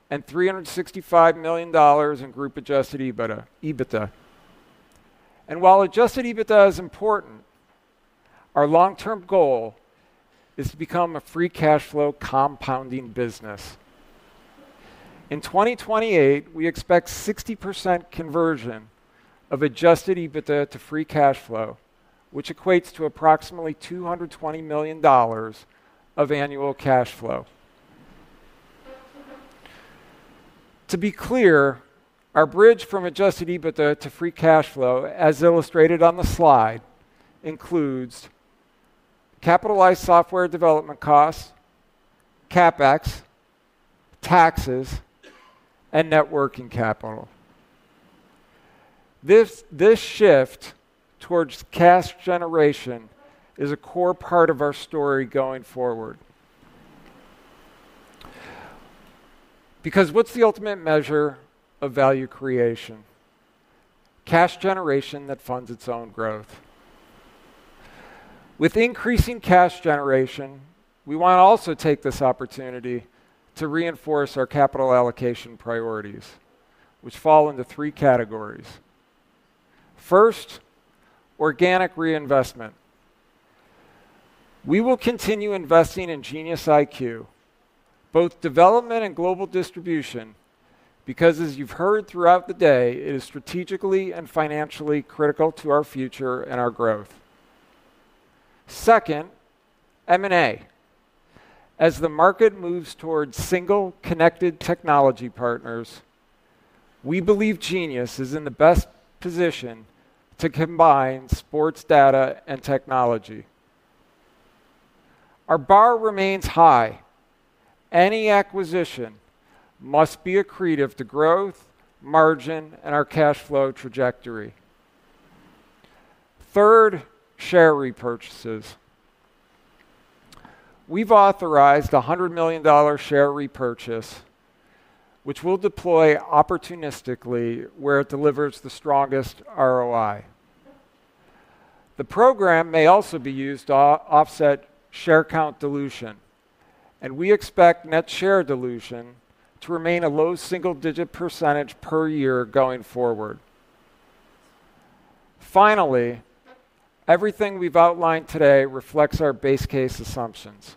and $365 million in Group Adjusted EBITDA. While adjusted EBITDA is important, our long-term goal is to become a free cash flow compounding business. In 2028, we expect 60% conversion of adjusted EBITDA to free cash flow, which equates to approximately $220 million of annual cash flow. To be clear, our bridge from adjusted EBITDA to free cash flow, as illustrated on the slide, includes capitalized software development costs, CapEx, taxes, and working capital. This shift towards cash generation is a core part of our story going forward. Because what's the ultimate measure of value creation? Cash generation that funds its own growth. With increasing cash generation, we want to also take this opportunity to reinforce our capital allocation priorities, which fall into three categories. First, organic reinvestment. We will continue investing in GeniusIQ, both development and global distribution, because, as you've heard throughout the day, it is strategically and financially critical to our future and our growth. Second, M&A. As the market moves towards single connected technology partners, we believe Genius is in the best position to combine sports data and technology. Our bar remains high. Any acquisition must be accretive to growth, margin, and our cash flow trajectory. Third, share repurchases. We've authorized a $100 million share repurchase, which we'll deploy opportunistically where it delivers the strongest ROI. The program may also be used to offset share count dilution, and we expect net share dilution to remain a low single-digit percentage per year going forward. Finally, everything we've outlined today reflects our base case assumptions.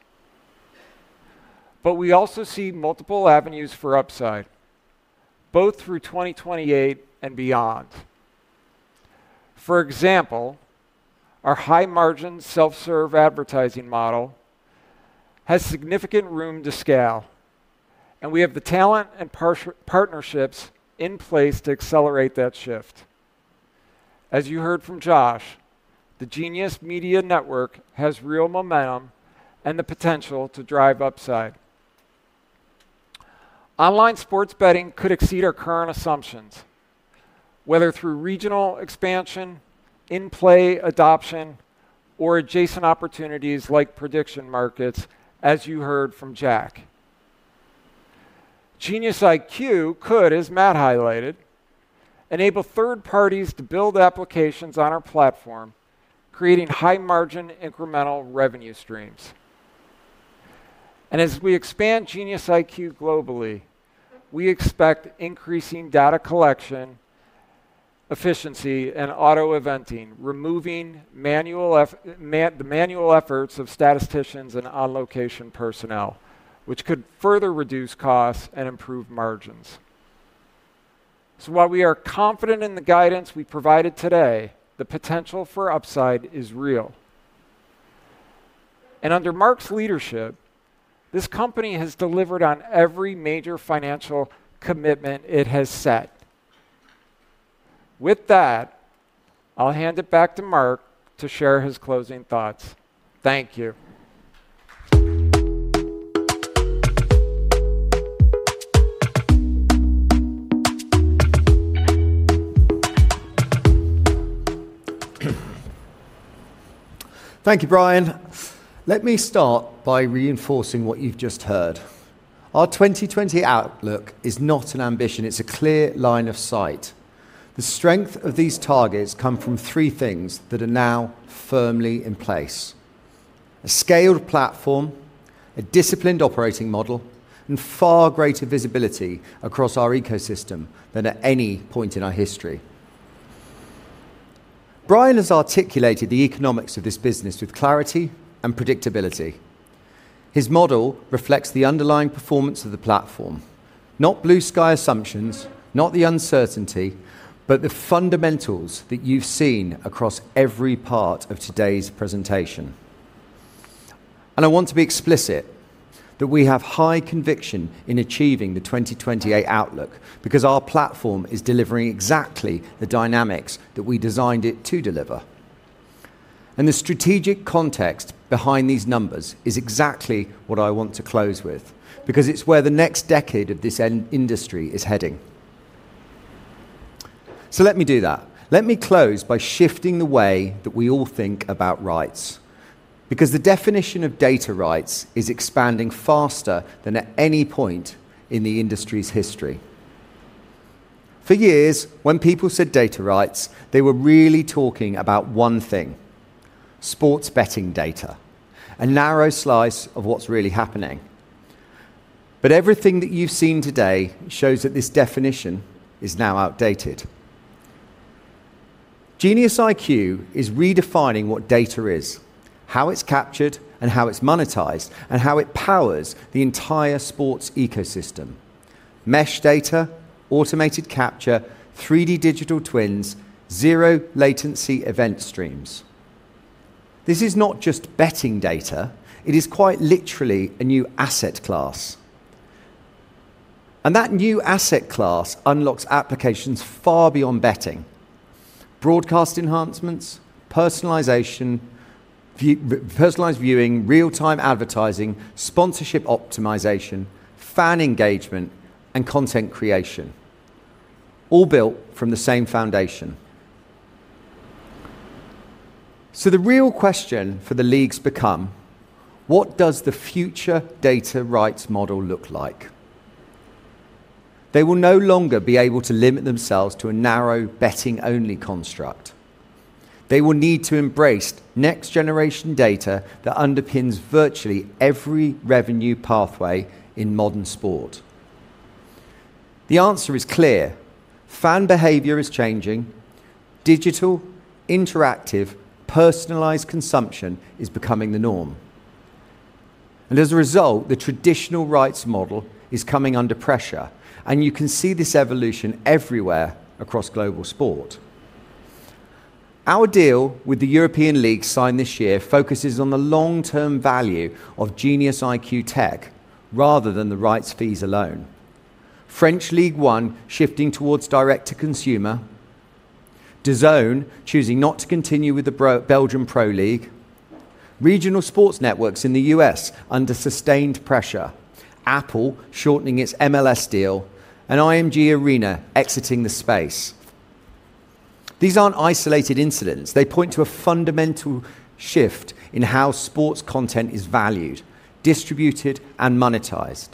But we also see multiple avenues for upside, both through 2028 and beyond. For example, our high-margin self-serve advertising model has significant room to scale, and we have the talent and partnerships in place to accelerate that shift. As you heard from Josh, the Genius Media Network has real momentum and the potential to drive upside. Online sports betting could exceed our current assumptions, whether through regional expansion, in-play adoption, or adjacent opportunities like prediction markets, as you heard from Jack. GeniusIQ could, as Matt highlighted, enable third parties to build applications on our platform, creating high-margin incremental revenue streams. And as we expand GeniusIQ globally, we expect increasing data collection efficiency and auto-eventing, removing the manual efforts of statisticians and on-location personnel, which could further reduce costs and improve margins. So while we are confident in the guidance we provided today, the potential for upside is real. And under Mark's leadership, this company has delivered on every major financial commitment it has set. With that, I'll hand it back to Mark to share his closing thoughts. Thank you. Thank you, Bryan. Let me start by reinforcing what you've just heard. Our 2020 outlook is not an ambition. It's a clear line of sight. The strength of these targets comes from three things that are now firmly in place: a scaled platform, a disciplined operating model, and far greater visibility across our ecosystem than at any point in our history. Bryan has articulated the economics of this business with clarity and predictability. His model reflects the underlying performance of the platform, not blue sky assumptions, not the uncertainty, but the fundamentals that you've seen across every part of today's presentation. I want to be explicit that we have high conviction in achieving the 2028 outlook because our platform is delivering exactly the dynamics that we designed it to deliver. The strategic context behind these numbers is exactly what I want to close with because it's where the next decade of this industry is heading. Let me do that. Let me close by shifting the way that we all think about rights because the definition of data rights is expanding faster than at any point in the industry's history. For years, when people said data rights, they were really talking about one thing: sports betting data, a narrow slice of what's really happening. But everything that you've seen today shows that this definition is now outdated. GeniusIQ is redefining what data is, how it's captured, and how it's monetized, and how it powers the entire sports ecosystem: mesh data, automated capture, 3D digital twins, zero-latency event streams. This is not just betting data. It is quite literally a new asset class, and that new asset class unlocks applications far beyond betting: broadcast enhancements, personalized viewing, real-time advertising, sponsorship optimization, fan engagement, and content creation, all built from the same foundation, so the real question for the leagues becomes, what does the future data rights model look like? They will no longer be able to limit themselves to a narrow betting-only construct. They will need to embrace next-generation data that underpins virtually every revenue pathway in modern sport. The answer is clear. Fan behavior is changing. Digital, interactive, personalized consumption is becoming the norm. As a result, the traditional rights model is coming under pressure, and you can see this evolution everywhere across global sport. Our deal with the EFL signed this year focuses on the long-term value of GeniusIQ tech rather than the rights fees alone. Ligue 1 shifting towards direct-to-consumer, DAZN choosing not to continue with the Belgian Pro League, regional sports networks in the U.S. under sustained pressure, Apple shortening its MLS deal, and IMG Arena exiting the space. These aren't isolated incidents. They point to a fundamental shift in how sports content is valued, distributed, and monetized.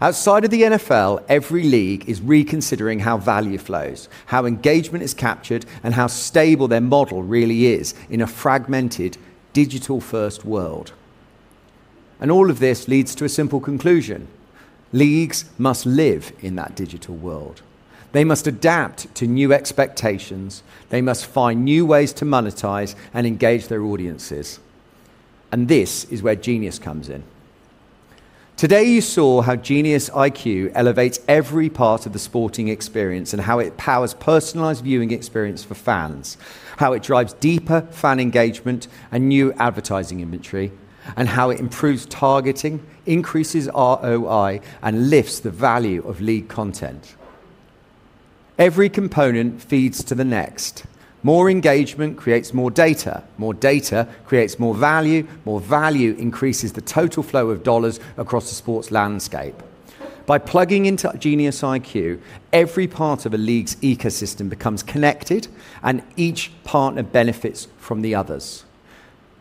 Outside of the NFL, every league is reconsidering how value flows, how engagement is captured, and how stable their model really is in a fragmented digital-first world. And all of this leads to a simple conclusion. Leagues must live in that digital world. They must adapt to new expectations. They must find new ways to monetize and engage their audiences. This is where Genius comes in. Today, you saw how GeniusIQ elevates every part of the sporting experience and how it powers personalized viewing experience for fans, how it drives deeper fan engagement and new advertising inventory, and how it improves targeting, increases ROI, and lifts the value of league content. Every component feeds to the next. More engagement creates more data. More data creates more value. More value increases the total flow of dollars across the sports landscape. By plugging into GeniusIQ, every part of a league's ecosystem becomes connected, and each partner benefits from the others.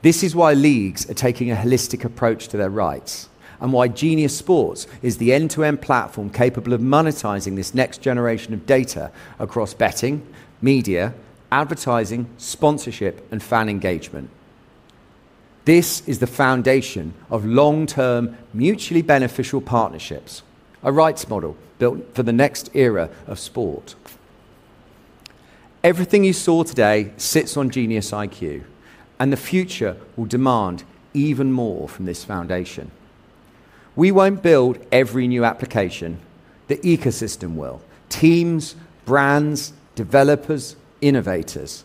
This is why leagues are taking a holistic approach to their rights and why Genius Sports is the end-to-end platform capable of monetizing this next generation of data across betting, media, advertising, sponsorship, and fan engagement. This is the foundation of long-term mutually beneficial partnerships, a rights model built for the next era of sport. Everything you saw today sits on GeniusIQ, and the future will demand even more from this foundation. We won't build every new application. The ecosystem will: teams, brands, developers, innovators.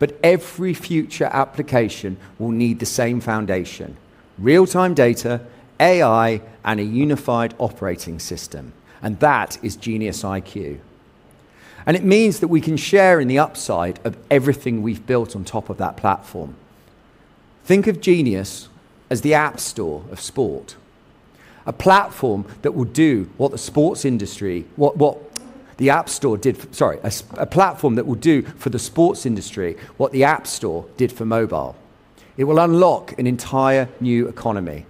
But every future application will need the same foundation: real-time data, AI, and a unified operating system. And that is GeniusIQ. And it means that we can share in the upside of everything we've built on top of that platform. Think of Genius as the App Store of sport, a platform that will do what the sports industry—what the App Store did for—sorry, a platform that will do for the sports industry what the App Store did for mobile. It will unlock an entire new economy.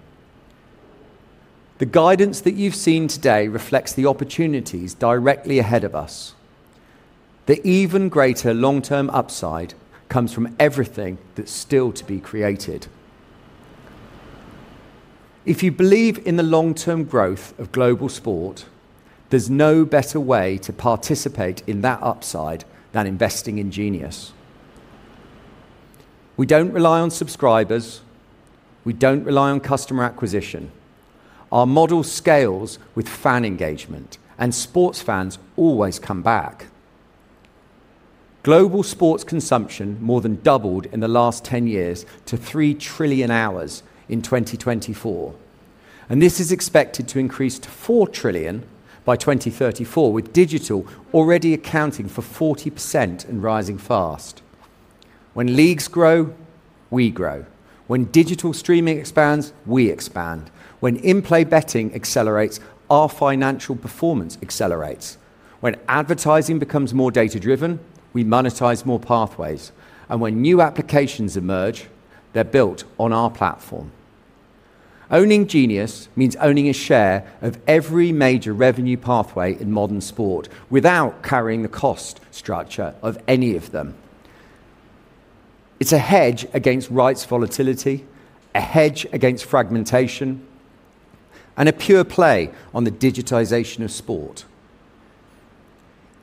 The guidance that you've seen today reflects the opportunities directly ahead of us. The even greater long-term upside comes from everything that's still to be created. If you believe in the long-term growth of global sport, there's no better way to participate in that upside than investing in Genius. We don't rely on subscribers. We don't rely on customer acquisition. Our model scales with fan engagement, and sports fans always come back. Global sports consumption more than doubled in the last 10 years to 3 trillion hours in 2024, and this is expected to increase to 4 trillion by 2034, with digital already accounting for 40% and rising fast. When leagues grow, we grow. When digital streaming expands, we expand. When in-play betting accelerates, our financial performance accelerates. When advertising becomes more data-driven, we monetize more pathways, and when new applications emerge, they're built on our platform. Owning Genius means owning a share of every major revenue pathway in modern sport without carrying the cost structure of any of them. It's a hedge against rights volatility, a hedge against fragmentation, and a pure play on the digitization of sport.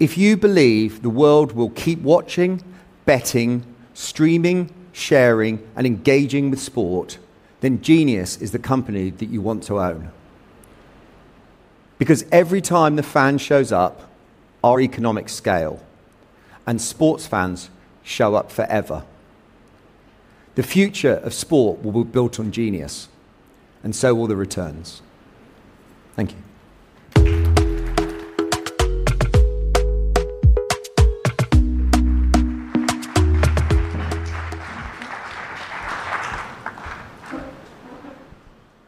If you believe the world will keep watching, betting, streaming, sharing, and engaging with sport, then Genius is the company that you want to own. Because every time the fan shows up, our economics scale, and sports fans show up forever. The future of sport will be built on Genius, and so will the returns. Thank you.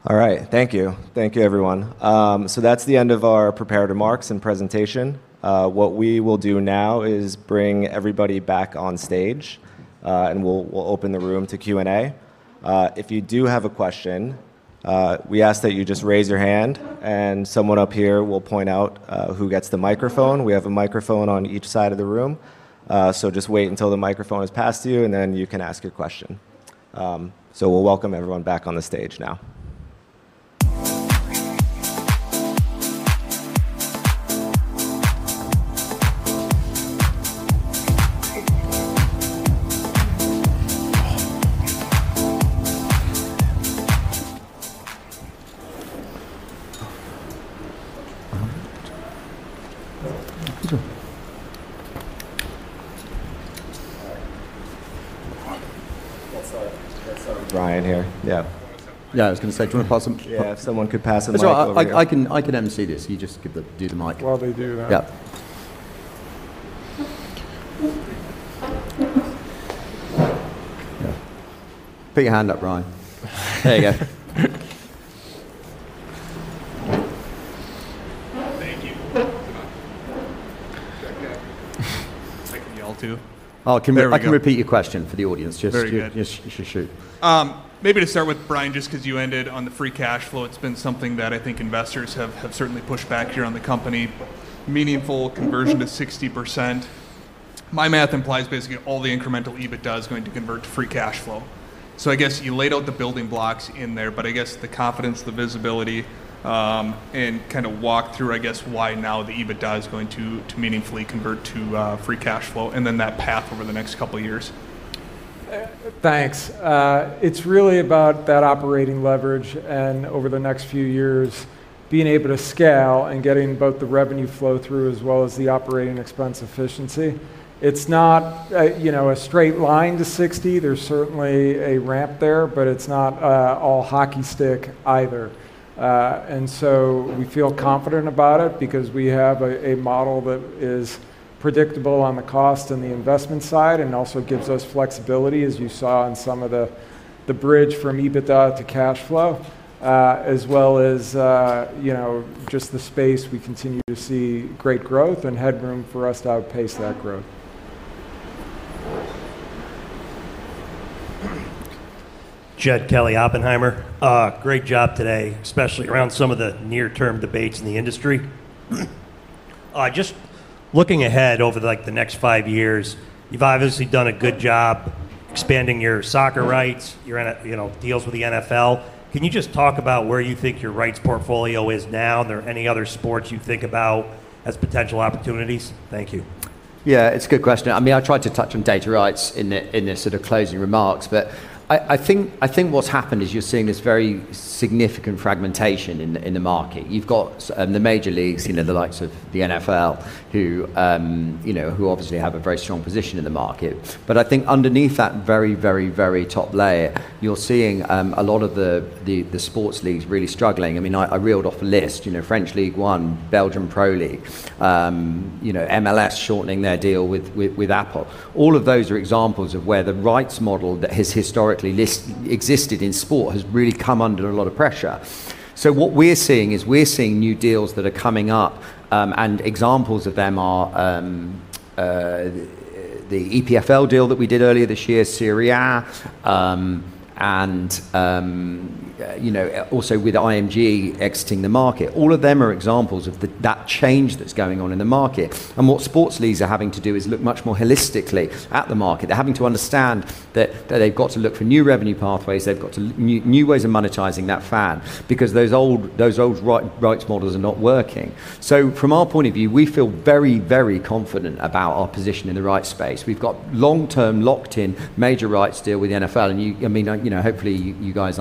All right. Thank you. Thank you, everyone. So that's the end of our prepared remarks and presentation. What we will do now is bring everybody back on stage, and we'll open the room to Q&A. If you do have a question, we ask that you just raise your hand, and someone up here will point out who gets the microphone. We have a microphone on each side of the room, so just wait until the microphone is passed to you, and then you can ask your question. So we'll welcome everyone back on the stage now. Bryan here. Yeah. Yeah. I was going to say, do you want to pass some? Yeah. If someone could pass them over. I can emcee this. You just do the mic. While they do that. Yeah. Put your hand up, Bryan. There you go. Thank you. Check me out too. I can repeat your question for the audience. Just shoot. Maybe to start with, Bryan, just because you ended on the free cash flow, it's been something that I think investors have certainly pushed back here on the company. Meaningful conversion to 60%. My math implies basically all the incremental EBITDA is going to convert to free cash flow. So I guess you laid out the building blocks in there, but I guess the confidence, the visibility, and kind of walk through, I guess, why now the EBITDA is going to meaningfully convert to free cash flow, and then that path over the next couple of years. Thanks. It's really about that operating leverage and over the next few years, being able to scale and getting both the revenue flow through as well as the operating expense efficiency. It's not a straight line to 60%. There's certainly a ramp there, but it's not all hockey stick either. And so we feel confident about it because we have a model that is predictable on the cost and the investment side and also gives us flexibility, as you saw in some of the bridge from EBITDA to cash flow, as well as just the space we continue to see great growth and headroom for us to outpace that growth. Jed Kelly, Oppenheimer. Great job today, especially around some of the near-term debates in the industry. Just looking ahead over the next five years, you've obviously done a good job expanding your soccer rights deals with the NFL. Can you just talk about where you think your rights portfolio is now? Are there any other sports you think about as potential opportunities? Thank you. Yeah. It's a good question. I mean, I tried to touch on data rights in this sort of closing remarks, but I think what's happened is you're seeing this very significant fragmentation in the market. You've got the major leagues, the likes of the NFL, who obviously have a very strong position in the market. But I think underneath that very, very, very top layer, you're seeing a lot of the sports leagues really struggling. I mean, I reeled off a list: Ligue 1, Belgian Pro League, MLS shortening their deal with Apple. All of those are examples of where the rights model that has historically existed in sport has really come under a lot of pressure. So what we're seeing is we're seeing new deals that are coming up, and examples of them are the EFL deal that we did earlier this year, Serie A, and also with IMG exiting the market. All of them are examples of that change that's going on in the market. And what sports leagues are having to do is look much more holistically at the market. They're having to understand that they've got to look for new revenue pathways. They've got to look for new ways of monetizing that fan because those old rights models are not working. So from our point of view, we feel very, very confident about our position in the rights space. We've got long-term locked-in major rights deal with the NFL. And I mean, hopefully, you guys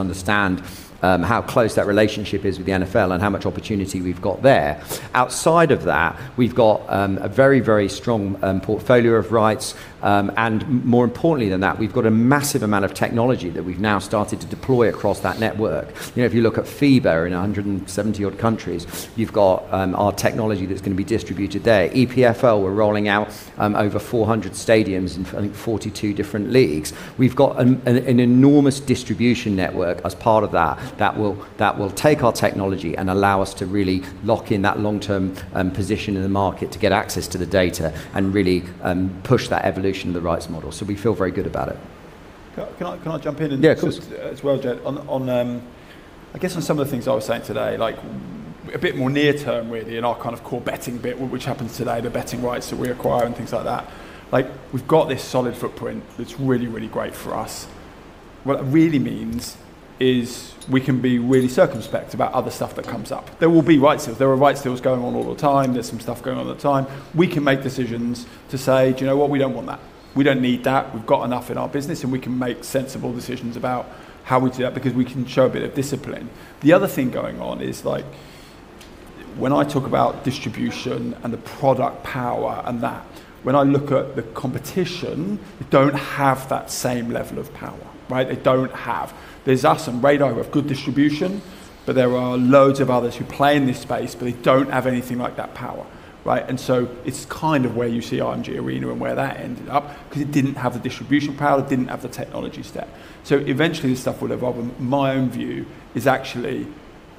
understand how close that relationship is with the NFL and how much opportunity we've got there. Outside of that, we've got a very, very strong portfolio of rights. And more importantly than that, we've got a massive amount of technology that we've now started to deploy across that network. If you look at FIBA in 170-odd countries, you've got our technology that's going to be distributed there. EPFL, we're rolling out over 400 stadiums in, I think, 42 different leagues. We've got an enormous distribution network as part of that that will take our technology and allow us to really lock in that long-term position in the market to get access to the data and really push that evolution of the rights model. So we feel very good about it. Can I jump in? Yeah, of course. As well, Jed, I guess on some of the things I was saying today, a bit more near-term, really, in our kind of core betting bit, which happens today, the betting rights that we acquire and things like that. We've got this solid footprint that's really, really great for us. What it really means is we can be really circumspect about other stuff that comes up. There will be rights deals. There are rights deals going on all the time. There's some stuff going on at the time. We can make decisions to say, "Do you know what? We don't want that. We don't need that. We've got enough in our business, and we can make sensible decisions about how we do that because we can show a bit of discipline." The other thing going on is when I talk about distribution and the product power and that, when I look at the competition, they don't have that same level of power, right? They don't have. There's us and Radar who have good distribution, but there are loads of others who play in this space, but they don't have anything like that power, right? And so it's kind of where you see IMG Arena and where that ended up because it didn't have the distribution power. It didn't have the technology step. So eventually, this stuff will evolve. And my own view is actually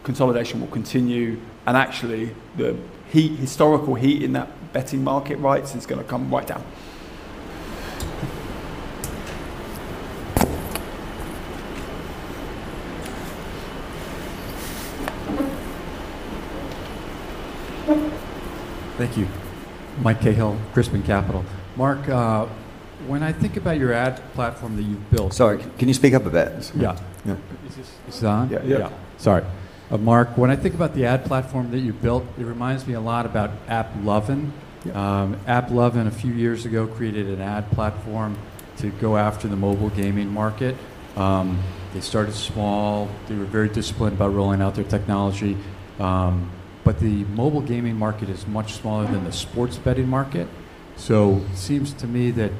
consolidation will continue. And actually, the historical heat in that betting market rights is going to come right down. Thank you. Mike Cahill, Crispin Capital. Mark, when I think about your ad platform that you've built, sorry, can you speak up a bit? Yeah. Is this on? Yeah. Yeah. Sorry. Mark, when I think about the ad platform that you've built, it reminds me a lot about AppLovin. AppLovin, a few years ago, created an ad platform to go after the mobile gaming market. They started small. They were very disciplined about rolling out their technology. But the mobile gaming market is much smaller than the sports betting market. It seems to me that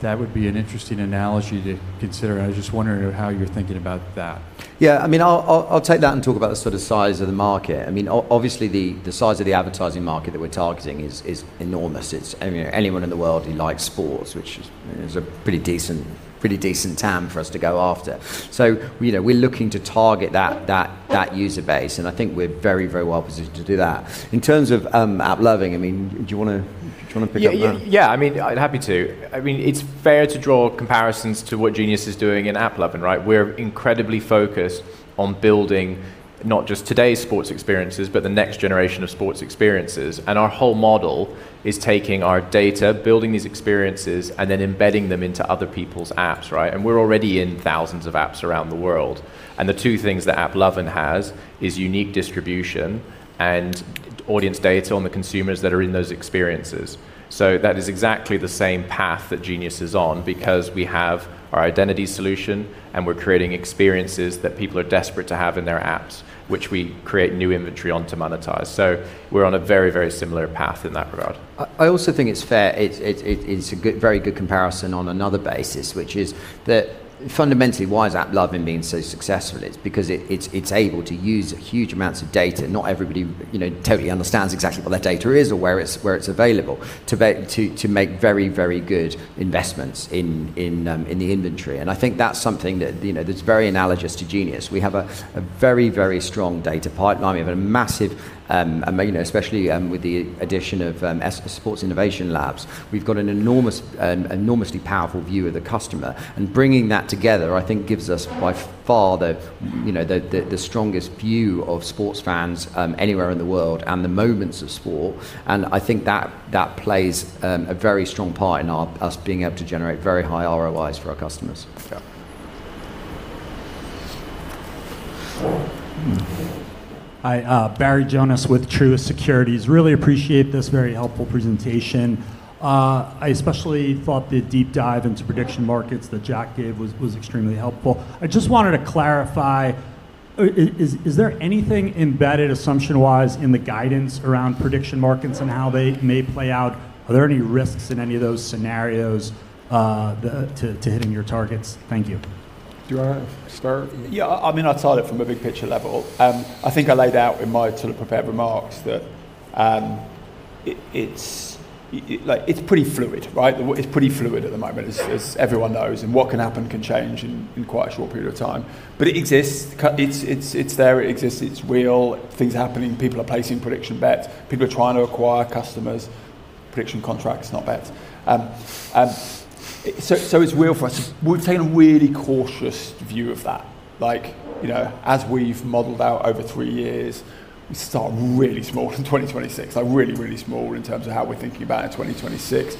that would be an interesting analogy to consider. And I was just wondering how you're thinking about that. Yeah. I mean, I'll take that and talk about the sort of size of the market. I mean, obviously, the size of the advertising market that we're targeting is enormous. Anyone in the world who likes sports, which is a pretty decent, pretty decent TAM for us to go after. So we're looking to target that user base, and I think we're very, very well positioned to do that. In terms of AppLovin, I mean, do you want to pick up there? Yeah. I mean, happy to. I mean, it's fair to draw comparisons to what Genius is doing in AppLovin, right? We're incredibly focused on building not just today's sports experiences, but the next generation of sports experiences. Our whole model is taking our data, building these experiences, and then embedding them into other people's apps, right? We're already in thousands of apps around the world. The two things that AppLovin has is unique distribution and audience data on the consumers that are in those experiences. That is exactly the same path that Genius is on because we have our identity solution, and we're creating experiences that people are desperate to have in their apps, which we create new inventory on to monetize. We're on a very, very similar path in that regard. I also think it's fair. It's a very good comparison on another basis, which is that fundamentally, why is AppLovin being so successful? It's because it's able to use huge amounts of data. Not everybody totally understands exactly what that data is or where it's available to make very, very good investments in the inventory. I think that's something that's very analogous to Genius. We have a very, very strong data pipeline. We have a massive, especially with the addition of Sports Innovation Lab, we've got an enormously powerful view of the customer. Bringing that together, I think, gives us by far the strongest view of sports fans anywhere in the world and the moments of sport. I think that plays a very strong part in us being able to generate very high ROIs for our customers. Hi. Barry Jonas with Truist Securities. Really appreciate this very helpful presentation. I especially thought the deep dive into prediction markets that Jack gave was extremely helpful. I just wanted to clarify, is there anything embedded assumption-wise in the guidance around prediction markets and how they may play out? Are there any risks in any of those scenarios to hitting your targets? Thank you. Do I start? Yeah. I mean, I've said it from a big-picture level. I think I laid out in my sort of prepared remarks that it's pretty fluid, right? It's pretty fluid at the moment, as everyone knows. And what can happen can change in quite a short period of time. But it exists. It's there. It exists. It's real. Things are happening. People are placing prediction bets. People are trying to acquire customers. Prediction contracts, not bets. So it's real for us. We've taken a really cautious view of that. As we've modeled out over three years, we start really small in 2026. Really, really small in terms of how we're thinking about it in 2026.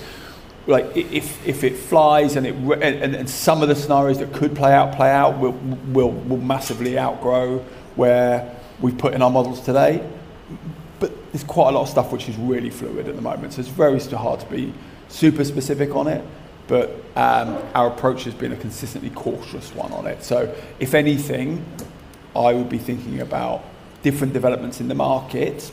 If it flies and some of the scenarios that could play out, play out, we'll massively outgrow where we've put in our models today. But there's quite a lot of stuff which is really fluid at the moment. So it's very hard to be super specific on it, but our approach has been a consistently cautious one on it. So if anything, I would be thinking about different developments in the market.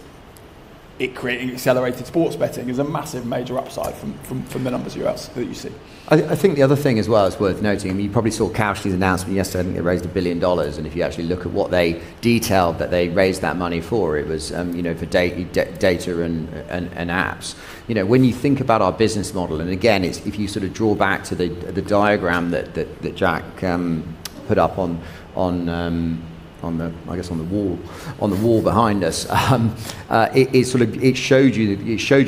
It creating accelerated sports betting is a massive major upside from the numbers that you see. I think the other thing as well is worth noting. You probably saw Kalshi's announcement yesterday. I think they raised $1 billion. And if you actually look at what they detailed that they raised that money for, it was for data and apps. When you think about our business model, and again, if you sort of draw back to the diagram that Jack put up on the, I guess, on the wall behind us, it showed you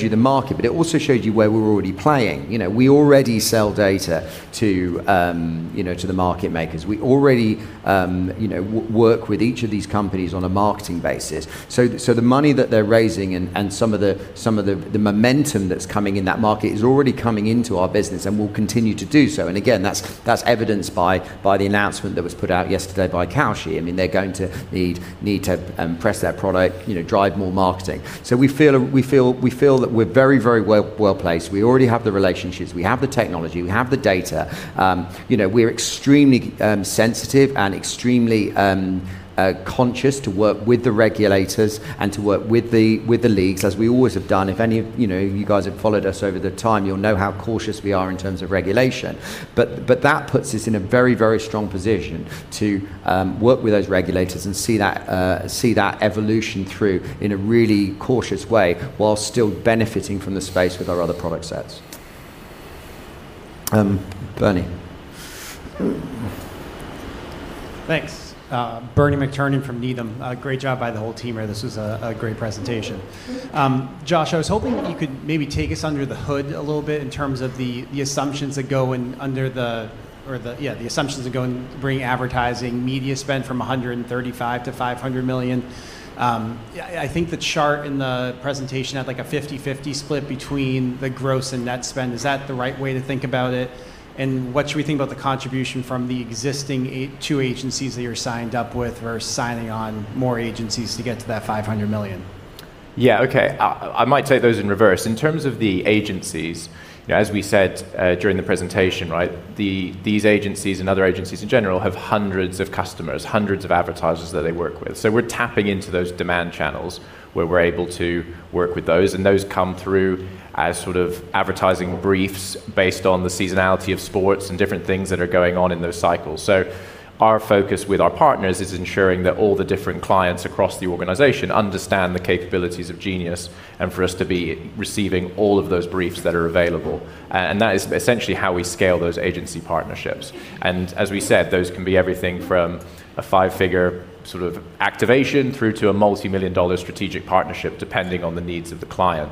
the market, but it also showed you where we're already playing. We already sell data to the market makers. We already work with each of these companies on a marketing basis. So the money that they're raising and some of the momentum that's coming in that market is already coming into our business, and we'll continue to do so. And again, that's evidenced by the announcement that was put out yesterday by Kalshi. I mean, they're going to need to press their product, drive more marketing. So we feel that we're very, very well placed. We already have the relationships. We have the technology. We have the data. We're extremely sensitive and extremely conscious to work with the regulators and to work with the leagues, as we always have done. If any of you guys have followed us over the time, you'll know how cautious we are in terms of regulation. But that puts us in a very, very strong position to work with those regulators and see that evolution through in a really cautious way while still benefiting from the space with our other product sets. Bernie. Thanks. Bernie McTernan from Needham. Great job by the whole team here. This was a great presentation. Josh, I was hoping that you could maybe take us under the hood a little bit in terms of the assumptions that go under the, yeah, the assumptions that go and bring advertising media spend from $135 million to $500 million? I think the chart in the presentation had like a 50/50 split between the gross and net spend. Is that the right way to think about it? And what should we think about the contribution from the existing two agencies that you're signed up with versus signing on more agencies to get to that $500 million? Yeah. Okay. I might take those in reverse. In terms of the agencies, as we said during the presentation, right, these agencies and other agencies in general have hundreds of customers, hundreds of advertisers that they work with. So we're tapping into those demand channels where we're able to work with those. And those come through as sort of advertising briefs based on the seasonality of sports and different things that are going on in those cycles. Our focus with our partners is ensuring that all the different clients across the organization understand the capabilities of Genius and for us to be receiving all of those briefs that are available. And that is essentially how we scale those agency partnerships. And as we said, those can be everything from a five-figure sort of activation through to a multi-million-dollar strategic partnership, depending on the needs of the client.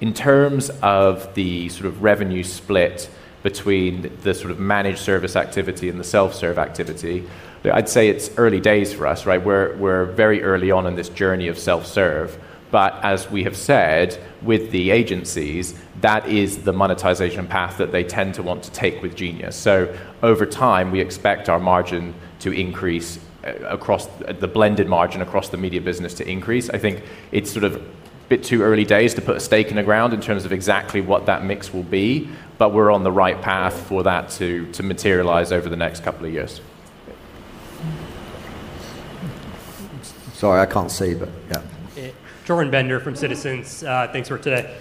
In terms of the sort of revenue split between the sort of managed service activity and the self-serve activity, I'd say it's early days for us, right? We're very early on in this journey of self-serve. But as we have said with the agencies, that is the monetization path that they tend to want to take with Genius. So over time, we expect our margin to increase across the blended margin across the media business to increase. I think it's sort of a bit too early days to put a stake in the ground in terms of exactly what that mix will be, but we're on the right path for that to materialize over the next couple of years. Sorry, I can't see, but yeah. Jordan Bender from Citizens. Thanks for today.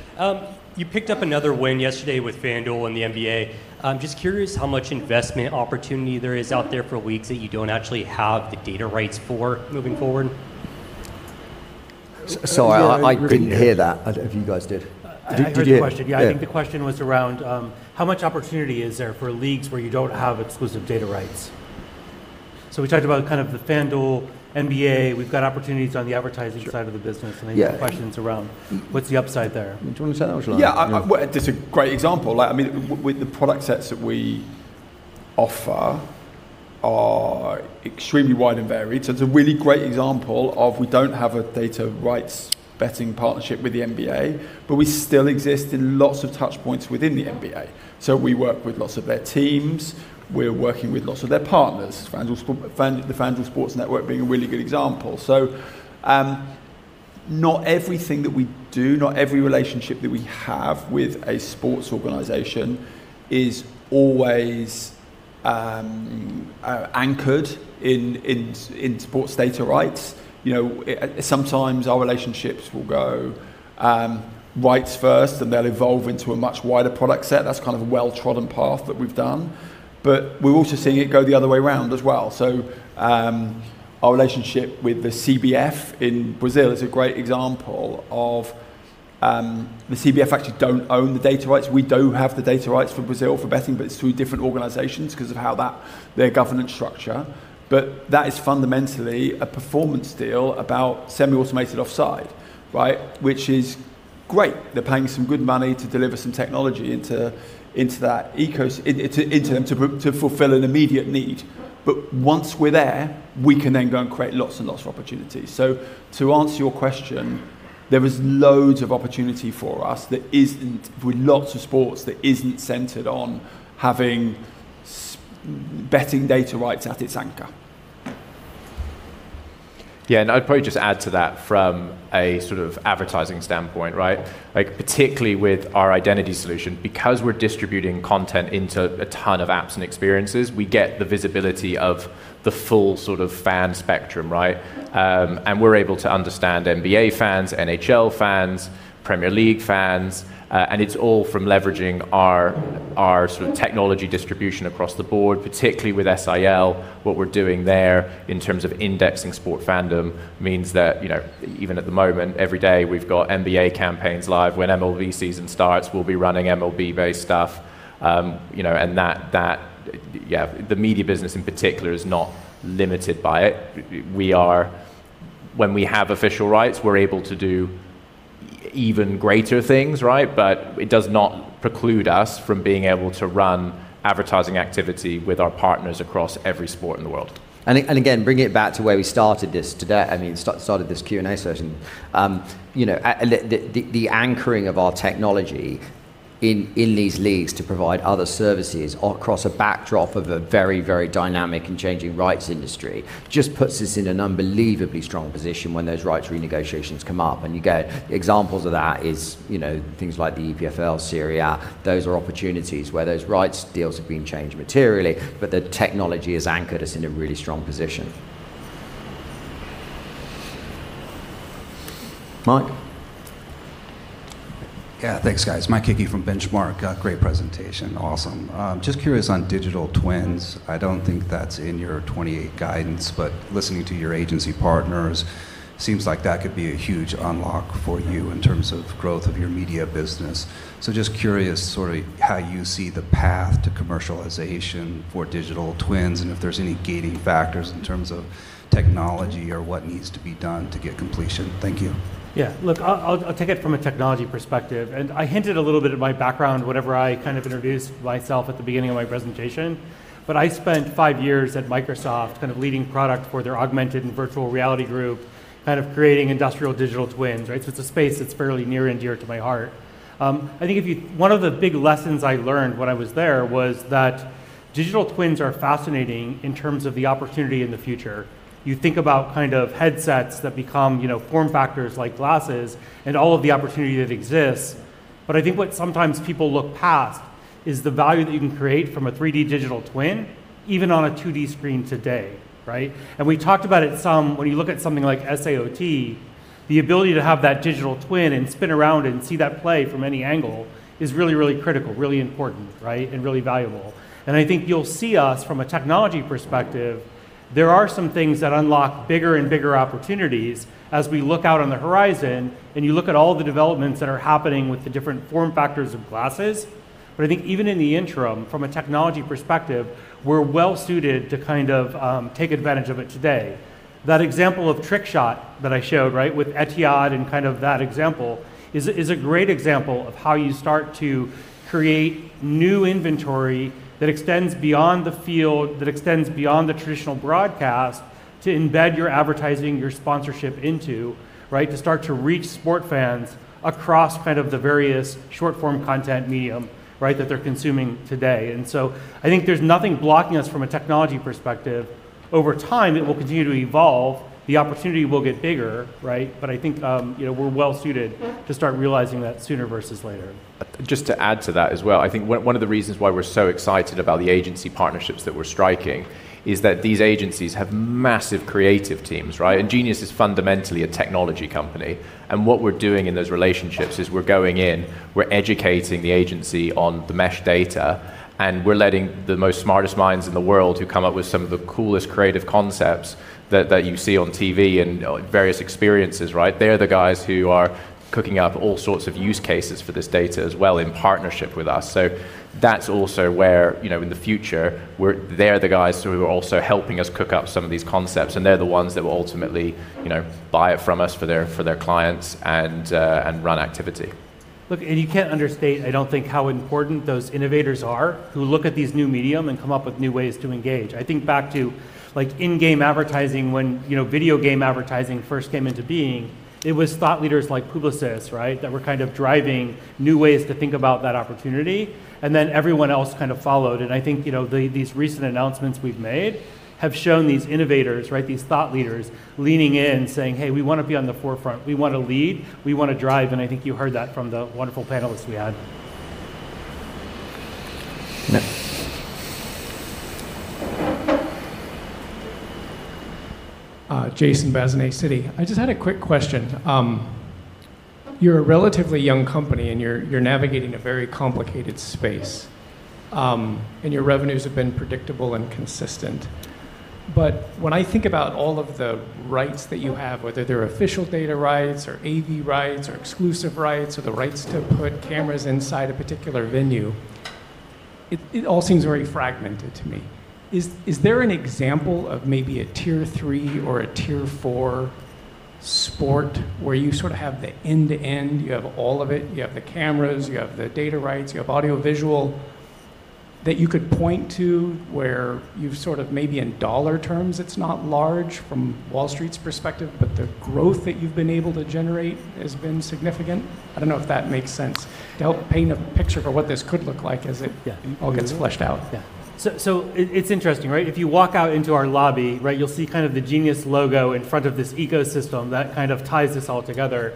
You picked up another win yesterday with FanDuel and the NBA. I'm just curious how much investment opportunity there is out there for leagues that you don't actually have the data rights for moving forward. Sorry, I didn't hear that. I don't know if you guys did. I have a question. Yeah, I think the question was around how much opportunity is there for leagues where you don't have exclusive data rights? So we talked about kind of the FanDuel NBA. We've got opportunities on the advertising side of the business. I think the question's around what's the upside there? Jordan said that was relevant. Yeah. It's a great example. I mean, the product sets that we offer are extremely wide and varied. So it's a really great example of we don't have a data rights betting partnership with the NBA, but we still exist in lots of touchpoints within the NBA. So we work with lots of their teams. We're working with lots of their partners, the FanDuel Sports Network being a really good example. So not everything that we do, not every relationship that we have with a sports organization is always anchored in sports data rights. Sometimes our relationships will go rights first, and they'll evolve into a much wider product set. That's kind of a well-trodden path that we've done. But we're also seeing it go the other way around as well. Our relationship with the CBF in Brazil is a great example of the CBF actually don't own the data rights. We do have the data rights for Brazil for betting, but it's through different organizations because of their governance structure. But that is fundamentally a performance deal about semi-automated offside, right, which is great. They're paying some good money to deliver some technology into that ecosystem to fulfill an immediate need. But once we're there, we can then go and create lots and lots of opportunities. To answer your question, there is loads of opportunity for us with lots of sports that isn't centered on having betting data rights at its anchor. Yeah. And I'd probably just add to that from a sort of advertising standpoint, right? Particularly with our identity solution, because we're distributing content into a ton of apps and experiences, we get the visibility of the full sort of fan spectrum, right? And we're able to understand NBA fans, NHL fans, Premier League fans. And it's all from leveraging our sort of technology distribution across the board, particularly with SIL. What we're doing there in terms of indexing sport fandom means that even at the moment, every day we've got NBA campaigns live. When MLB season starts, we'll be running MLB-based stuff. And that, yeah, the media business in particular is not limited by it. When we have official rights, we're able to do even greater things, right? But it does not preclude us from being able to run advertising activity with our partners across every sport in the world. And again, bringing it back to where we started this today, I mean, started this Q&A session, the anchoring of our technology in these leagues to provide other services across a backdrop of a very, very dynamic and changing rights industry just puts us in an unbelievably strong position when those rights renegotiations come up. And examples of that are things like the EPL, Serie A. Those are opportunities where those rights deals have been changed materially, but the technology has anchored us in a really strong position. Mike. Yeah. Thanks, guys. Mike Hickey from Benchmark. Great presentation. Awesome. Just curious on digital twins. I don't think that's in your 2028 guidance, but listening to your agency partners, it seems like that could be a huge unlock for you in terms of growth of your media business. Just curious sort of how you see the path to commercialization for digital twins and if there's any gating factors in terms of technology or what needs to be done to get completion. Thank you. Yeah. Look, I'll take it from a technology perspective, and I hinted a little bit at my background whenever I kind of introduced myself at the beginning of my presentation, but I spent five years at Microsoft kind of leading product for their augmented and virtual reality group, kind of creating industrial digital twins, right? So it's a space that's fairly near and dear to my heart. I think one of the big lessons I learned when I was there was that digital twins are fascinating in terms of the opportunity in the future. You think about kind of headsets that become form factors like glasses and all of the opportunity that exists. But I think what sometimes people look past is the value that you can create from a 3D digital twin, even on a 2D screen today, right? And we talked about it some. When you look at something like SAOT, the ability to have that digital twin and spin around and see that play from any angle is really, really critical, really important, right, and really valuable. And I think you'll see us from a technology perspective. There are some things that unlock bigger and bigger opportunities as we look out on the horizon, and you look at all the developments that are happening with the different form factors of glasses. But I think even in the interim, from a technology perspective, we're well suited to kind of take advantage of it today. That example of Trickshot that I showed, right, with Etihad and kind of that example is a great example of how you start to create new inventory that extends beyond the field, that extends beyond the traditional broadcast to embed your advertising, your sponsorship into, right, to start to reach sport fans across kind of the various short-form content medium, right, that they're consuming today. And so I think there's nothing blocking us from a technology perspective. Over time, it will continue to evolve. The opportunity will get bigger, right? But I think we're well suited to start realizing that sooner versus later. Just to add to that as well, I think one of the reasons why we're so excited about the agency partnerships that we're striking is that these agencies have massive creative teams, right? And Genius is fundamentally a technology company. And what we're doing in those relationships is we're going in, we're educating the agency on the mesh data, and we're letting the most smartest minds in the world who come up with some of the coolest creative concepts that you see on TV and various experiences, right? They're the guys who are cooking up all sorts of use cases for this data as well in partnership with us. So that's also where in the future, they're the guys who are also helping us cook up some of these concepts, and they're the ones that will ultimately buy it from us for their clients and run activity. Look, and you can't understate, I don't think, how important those innovators are who look at these new medium and come up with new ways to engage. I think back to in-game advertising when video game advertising first came into being, it was thought leaders like Publicis, right, that were kind of driving new ways to think about that opportunity. And then everyone else kind of followed. And I think these recent announcements we've made have shown these innovators, right, these thought leaders leaning in saying, "Hey, we want to be on the forefront. We want to lead. We want to drive." And I think you heard that from the wonderful panelists we had. Jason Bazinet, Citi. I just had a quick question. You're a relatively young company, and you're navigating a very complicated space, and your revenues have been predictable and consistent. But when I think about all of the rights that you have, whether they're official data rights or AV rights or exclusive rights or the rights to put cameras inside a particular venue, it all seems very fragmented to me. Is there an example of maybe a tier three or a tier four sport where you sort of have the end-to-end, you have all of it, you have the cameras, you have the data rights, you have audio-visual that you could point to where you've sort of maybe in dollar terms, it's not large from Wall Street's perspective, but the growth that you've been able to generate has been significant? I don't know if that makes sense to help paint a picture for what this could look like as it all gets fleshed out. Yeah. So it's interesting, right? If you walk out into our lobby, right, you'll see kind of the Genius logo in front of this ecosystem that kind of ties this all together.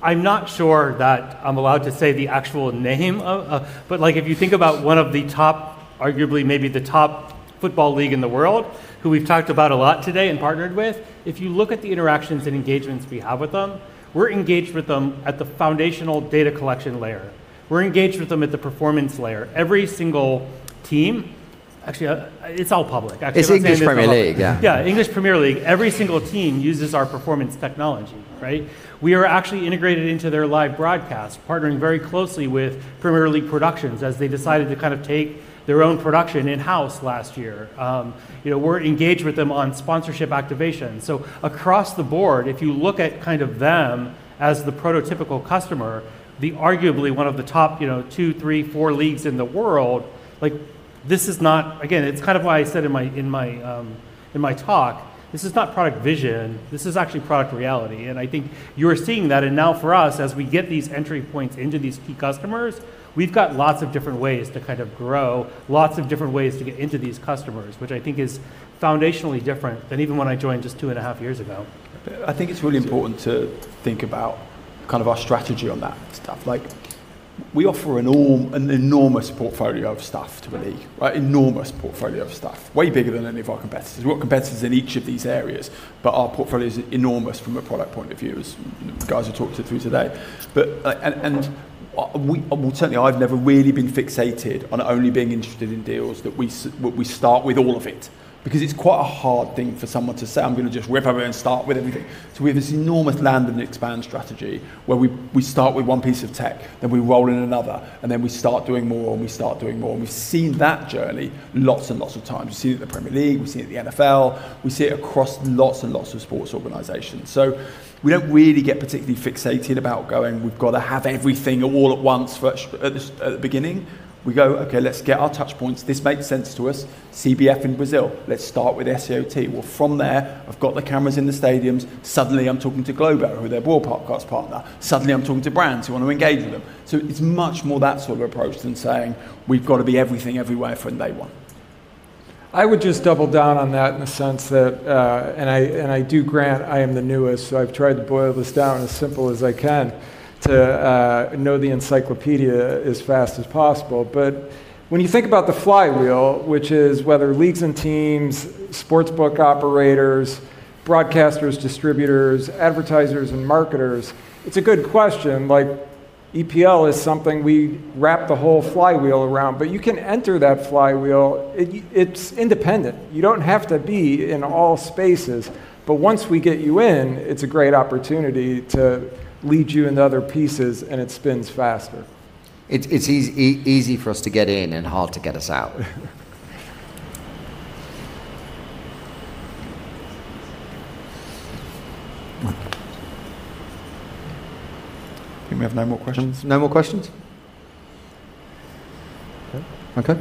I'm not sure that I'm allowed to say the actual name, but if you think about one of the top, arguably maybe the top football league in the world who we've talked about a lot today and partnered with, if you look at the interactions and engagements we have with them, we're engaged with them at the foundational data collection layer. We're engaged with them at the performance layer. Every single team actually, it's all public. It's English Premier League, yeah. Yeah, English Premier League. Every single team uses our performance technology, right? We are actually integrated into their live broadcast, partnering very closely with Premier League Productions as they decided to kind of take their own production in-house last year. We're engaged with them on sponsorship activation, so across the board, if you look at kind of them as the prototypical customer, arguably one of the top two, three, four leagues in the world, this is not, again, it's kind of why I said in my talk, this is not product vision. This is actually product reality, and I think you're seeing that, and now for us, as we get these entry points into these key customers, we've got lots of different ways to kind of grow, lots of different ways to get into these customers, which I think is foundationally different than even when I joined just two and a half years ago. I think it's really important to think about kind of our strategy on that stuff. We offer an enormous portfolio of stuff to the league, right? Enormous portfolio of stuff, way bigger than any of our competitors. We've got competitors in each of these areas, but our portfolio is enormous from a product point of view, as guys I talked to through today. And certainly, I've never really been fixated on only being interested in deals that we start with all of it because it's quite a hard thing for someone to say, "I'm going to just rip everything and start with everything." So we have this enormous land and expand strategy where we start with one piece of tech, then we roll in another, and then we start doing more, and we start doing more. And we've seen that journey lots and lots of times. We've seen it in the Premier League. We've seen it in the NFL. We see it across lots and lots of sports organizations. We don't really get particularly fixated about going, "We've got to have everything all at once at the beginning." We go, "Okay, let's get our touchpoints. This makes sense to us. CBF in Brazil. Let's start with SAOT." Well, from there, I've got the cameras in the stadiums. Suddenly, I'm talking to Globo, who their broadcast partner. Suddenly, I'm talking to brands who want to engage with them. So it's much more that sort of approach than saying, "We've got to be everything everywhere from day one." I would just double down on that in the sense that, and I do grant I am the newest, so I've tried to boil this down as simple as I can to know the encyclopedia as fast as possible. But when you think about the flywheel, which is whether leagues and teams, sportsbook operators, broadcasters, distributors, advertisers, and marketers, it's a good question. EPL is something we wrap the whole flywheel around, but you can enter that flywheel. It's independent. You don't have to be in all spaces. But once we get you in, it's a great opportunity to lead you into other pieces, and it spins faster. It's easy for us to get in and hard to get us out. Do we have no more questions? No more questions? Okay.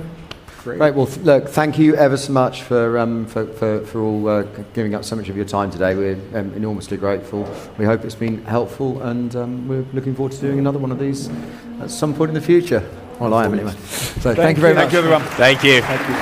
Great. All right. Well, look, thank you ever so much for all giving up so much of your time today. We're enormously grateful. We hope it's been helpful, and we're looking forward to doing another one of these at some point in the future. Well, I am anyway. So thank you very much. Thank you, everyone. Thank you.